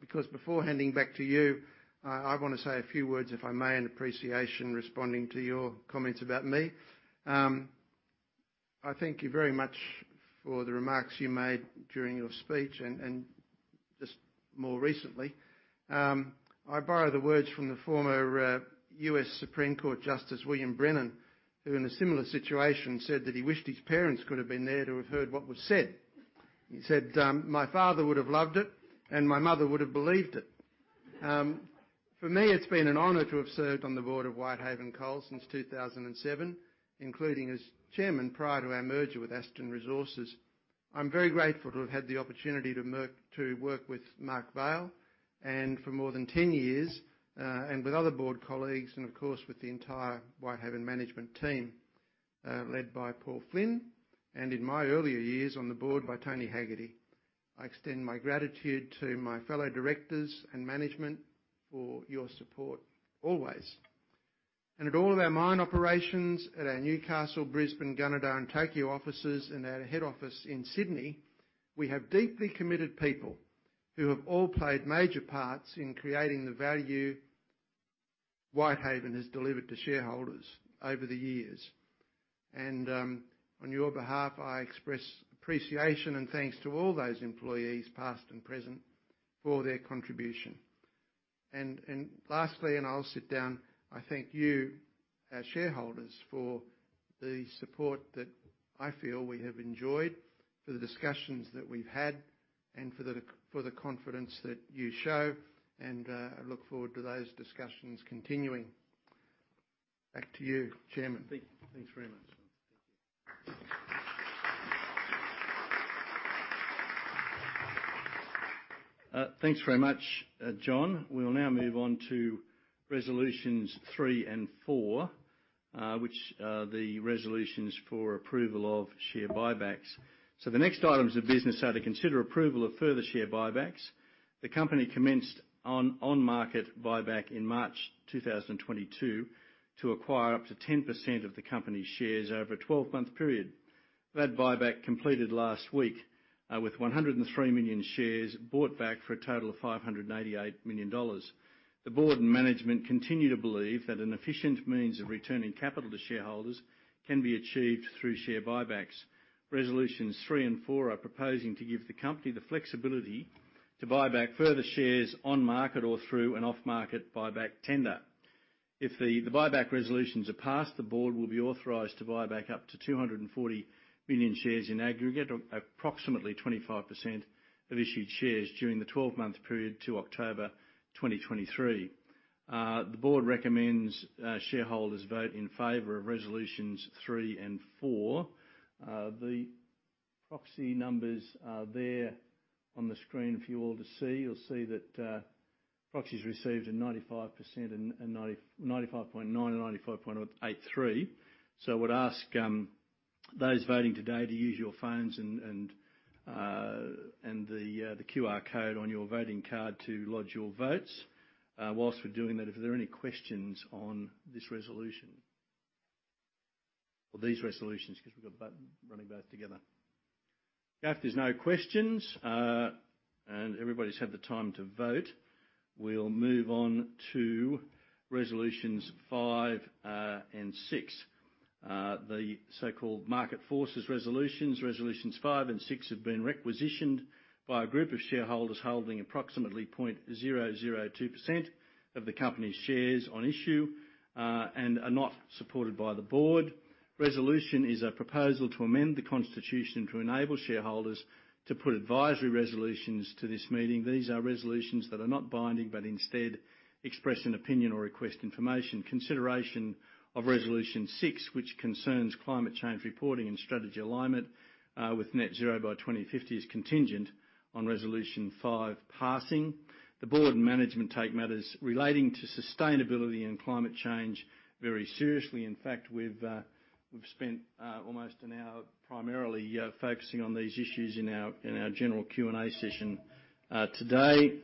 S25: because before handing back to you, I want to say a few words, if I may, in appreciation responding to your comments about me. I thank you very much for the remarks you made during your speech and just more recently. I borrow the words from the former U.S. Supreme Court Justice William Brennan, who in a similar situation said that he wished his parents could have been there to have heard what was said. He said, "My father would have loved it, and my mother would have believed it." For me, it's been an honor to have served on the Board of Whitehaven Coal since 2007, including as chairman prior to our merger with Aston Resources. I'm very grateful to have had the opportunity to work with Mark Vaile for more than 10 years and with other Board colleagues and, of course, with the entire Whitehaven management team led by Paul Flynn and in my earlier years on the Board by Tony Haggarty. I extend my gratitude to my fellow directors and management for your support always. At all of our mine operations at our Newcastle, Brisbane, Gunnedah, and Tokyo offices and our head office in Sydney, we have deeply committed people who have all played major parts in creating the value Whitehaven has delivered to shareholders over the years. On your behalf, I express appreciation and thanks to all those employees, past and present, for their contribution. Lastly, and I'll sit down, I thank you, our shareholders, for the support that I feel we have enjoyed, for the discussions that we've had, and for the confidence that you show. I look forward to those discussions continuing. Back to you, Chairman. Thanks very much. Thank you.
S1: Thanks very much, John. We'll now move on to resolutions three and four, which are the resolutions for approval of share buybacks. The next items of business are to consider approval of further share buybacks. The company commenced on-market buyback in March 2022 to acquire up to 10% of the company's shares over a 12-month period. That buyback completed last week with 103 million shares bought back for a total of 588 million dollars. The Board and management continue to believe that an efficient means of returning capital to shareholders can be achieved through share buybacks. Resolutions three and four are proposing to give the company the flexibility to buy back further shares on-market or through an off-market buyback tender. If the buyback resolutions are passed, the Board will be authorized to buy back up to 240 million shares in aggregate, approximately 25% of issued shares during the 12-month period to October 2023. The Board recommends shareholders vote in favor of resolutions three and four. The proxy numbers are there on the screen for you all to see. You'll see that proxies received are 95.9% and 95.83%. So I would ask those voting today to use your phones and the QR code on your voting card to lodge your votes. Whilst we're doing that, if there are any questions on this resolution or these resolutions, because we've got a button running both together. If there's no questions and everybody's had the time to vote, we'll move on to resolutions five and six. The so-called Market Forces resolutions, resolutions five and six have been requisitioned by a group of shareholders holding approximately 0.002% of the company's shares on issue and are not supported by the Board. Resolution is a proposal to amend the constitution to enable shareholders to put advisory resolutions to this meeting. These are resolutions that are not binding but instead express an opinion or request information. Consideration of Resolution 6, which concerns climate change reporting and strategy alignment with net zero by 2050, is contingent on Resolution 5 passing. The Board and management take matters relating to sustainability and climate change very seriously. In fact, we've spent almost an hour primarily focusing on these issues in our general Q&A session today.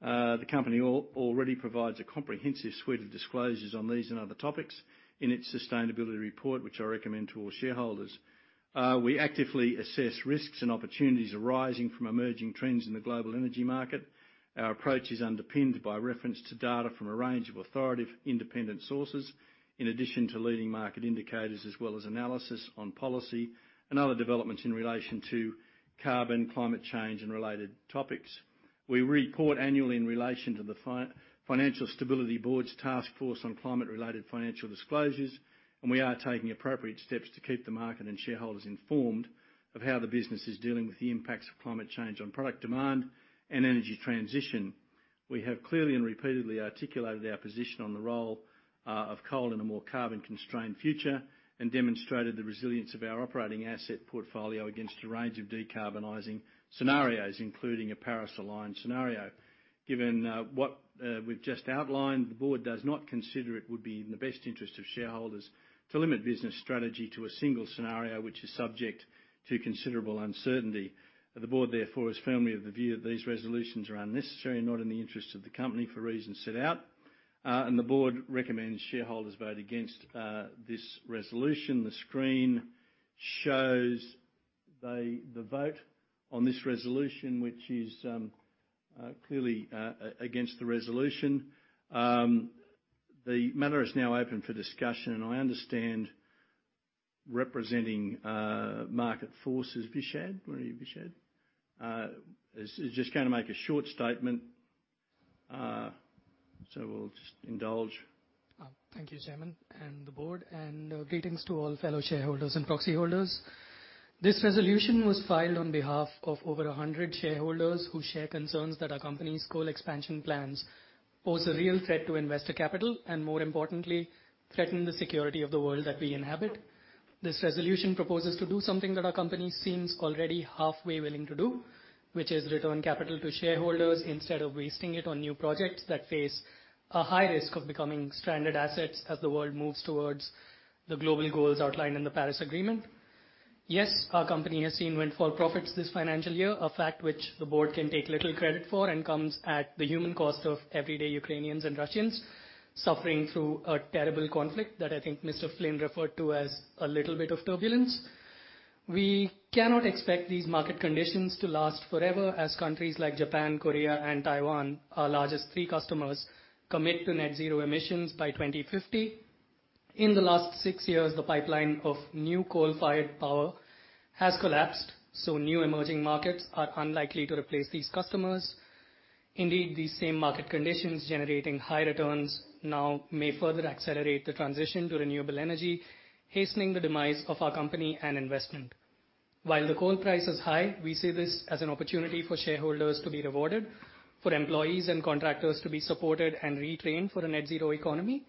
S1: The company already provides a comprehensive suite of disclosures on these and other topics in its sustainability report, which I recommend to all shareholders. We actively assess risks and opportunities arising from emerging trends in the global energy market. Our approach is underpinned by reference to data from a range of authoritative independent sources, in addition to leading market indicators, as well as analysis on policy and other developments in relation to carbon, climate change, and related topics. We report annually in relation to the Financial Stability Board's Task Force on Climate-related Financial Disclosures, and we are taking appropriate steps to keep the market and shareholders informed of how the business is dealing with the impacts of climate change on product demand and energy transition. We have clearly and repeatedly articulated our position on the role of coal in a more carbon-constrained future and demonstrated the resilience of our operating asset portfolio against a range of decarbonizing scenarios, including a Paris-aligned scenario. Given what we've just outlined, the Board does not consider it would be in the best interest of shareholders to limit business strategy to a single scenario, which is subject to considerable uncertainty. The Board, therefore, is firmly of the view that these resolutions are unnecessary and not in the interest of the company for reasons set out. The Board recommends shareholders vote against this resolution. The screen shows the vote on this resolution, which is clearly against the resolution. The matter is now open for discussion. I understand representing Market Forces, Bichotte? Where are you, Bichotte? Bichotte is just going to make a short statement, so we'll just indulge.
S27: Thank you, Chairman, and the Board. Greetings to all fellow shareholders and proxy holders. This resolution was filed on behalf of over 100 shareholders who share concerns that our company's coal expansion plans pose a real threat to investor capital and, more importantly, threaten the security of the world that we inhabit. This resolution proposes to do something that our company seems already halfway willing to do, which is return capital to shareholders instead of wasting it on new projects that face a high risk of becoming stranded assets as the world moves towards the global goals outlined in the Paris Agreement. Yes, our company has seen windfall profits this financial year, a fact which the Board can take little credit for and comes at the human cost of everyday Ukrainians and Russians suffering through a terrible conflict that I think Mr. Flynn referred to as a little bit of turbulence. We cannot expect these market conditions to last forever as countries like Japan, Korea, and Taiwan, our largest three customers, commit to net zero emissions by 2050. In the last six years, the pipeline of new coal-fired power has collapsed, so new emerging markets are unlikely to replace these customers. Indeed, these same market conditions generating high returns now may further accelerate the transition to renewable energy, hastening the demise of our company and investment. While the coal price is high, we see this as an opportunity for shareholders to be rewarded, for employees and contractors to be supported and retrained for a net zero economy,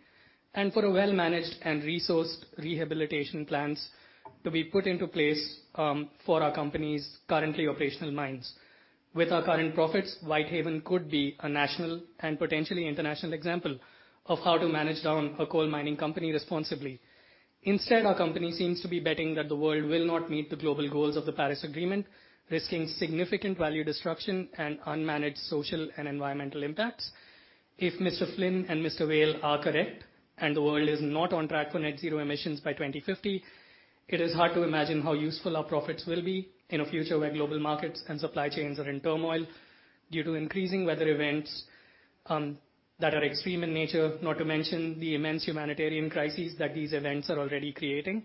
S27: and for well-managed and resourced rehabilitation plans to be put into place for our company's currently operational mines. With our current profits, Whitehaven could be a national and potentially international example of how to manage down a coal mining company responsibly. Instead, our company seems to be betting that the world will not meet the global goals of the Paris Agreement, risking significant value destruction and unmanaged social and environmental impacts. If Mr. Flynn and Mr. Vaile are correct and the world is not on track for net zero emissions by 2050. It is hard to imagine how useful our profits will be in a future where global markets and supply chains are in turmoil due to increasing weather events that are extreme in nature, not to mention the immense humanitarian crises that these events are already creating.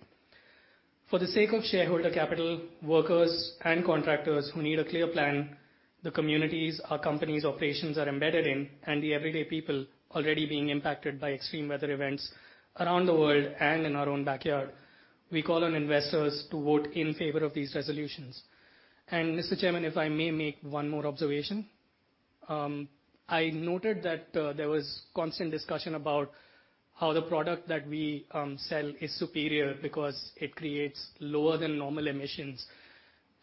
S27: For the sake of shareholder capital, workers and contractors who need a clear plan, the communities our company's operations are embedded in, and the everyday people already being impacted by extreme weather events around the world and in our own backyard, we call on investors to vote in favor of these resolutions, and Mr. Chairman, if I may make one more observation, I noted that there was constant discussion about how the product that we sell is superior because it creates lower than normal emissions.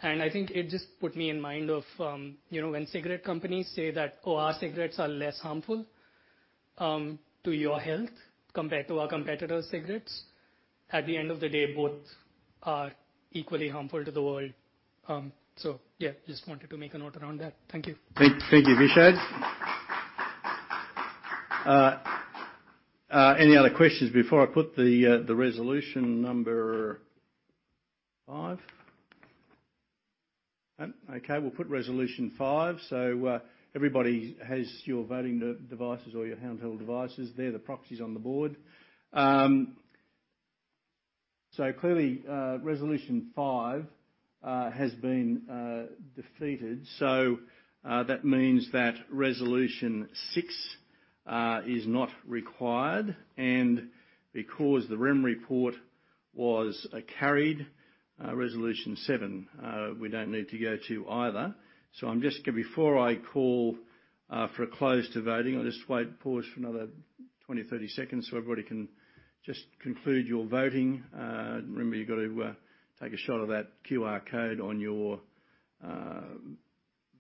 S27: I think it just put me in mind of when cigarette companies say that, "Oh, our cigarettes are less harmful to your health compared to our competitor's cigarettes." At the end of the day, both are equally harmful to the world. So yeah, just wanted to make a note around that. Thank you.
S1: Thank you, Bichette. Any other questions before I put the Resolution No. 5? Okay, we'll put Resolution 5. So everybody has your voting devices or your handheld devices there, the proxies on the Board. So clearly, Resolution 5 has been defeated. So that means that Resolution 6 is not required. And because the Rem report was a carried resolution seven, we don't need to go to either. So, I'm just going to, before I call for a close to voting, I'll just wait and pause for another 20, 30 seconds so everybody can just conclude your voting. Remember, you've got to take a shot of that QR code on your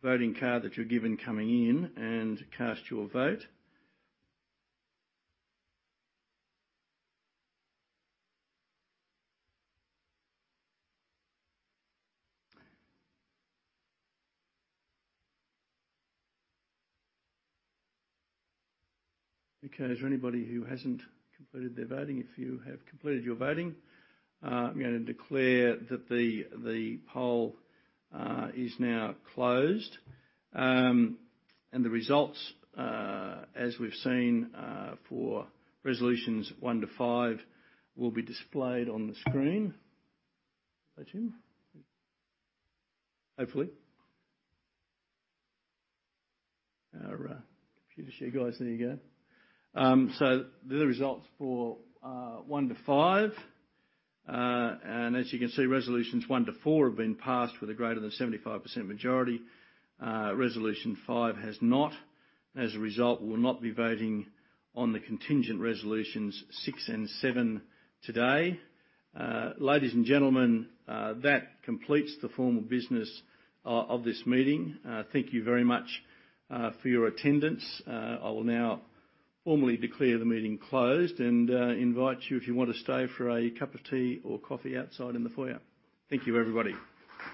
S1: voting card that you're given coming in and cast your vote. Okay, is there anybody who hasn't completed their voting? If you have completed your voting, I'm going to declare that the poll is now closed. And the results, as we've seen for Resolutions 1-5, will be displayed on the screen. Hopefully. Our Computershare guys, there you go. So the results for one to five. And as you can see, resolutions one to four have been passed with a greater than 75% majority. Resolution 5 has not. As a result, we will not be voting on the contingent resolutions six and seven today. Ladies and gentlemen, that completes the formal business of this meeting. Thank you very much for your attendance. I will now formally declare the meeting closed and invite you, if you want to stay, for a cup of tea or coffee outside in the foyer. Thank you, everybody.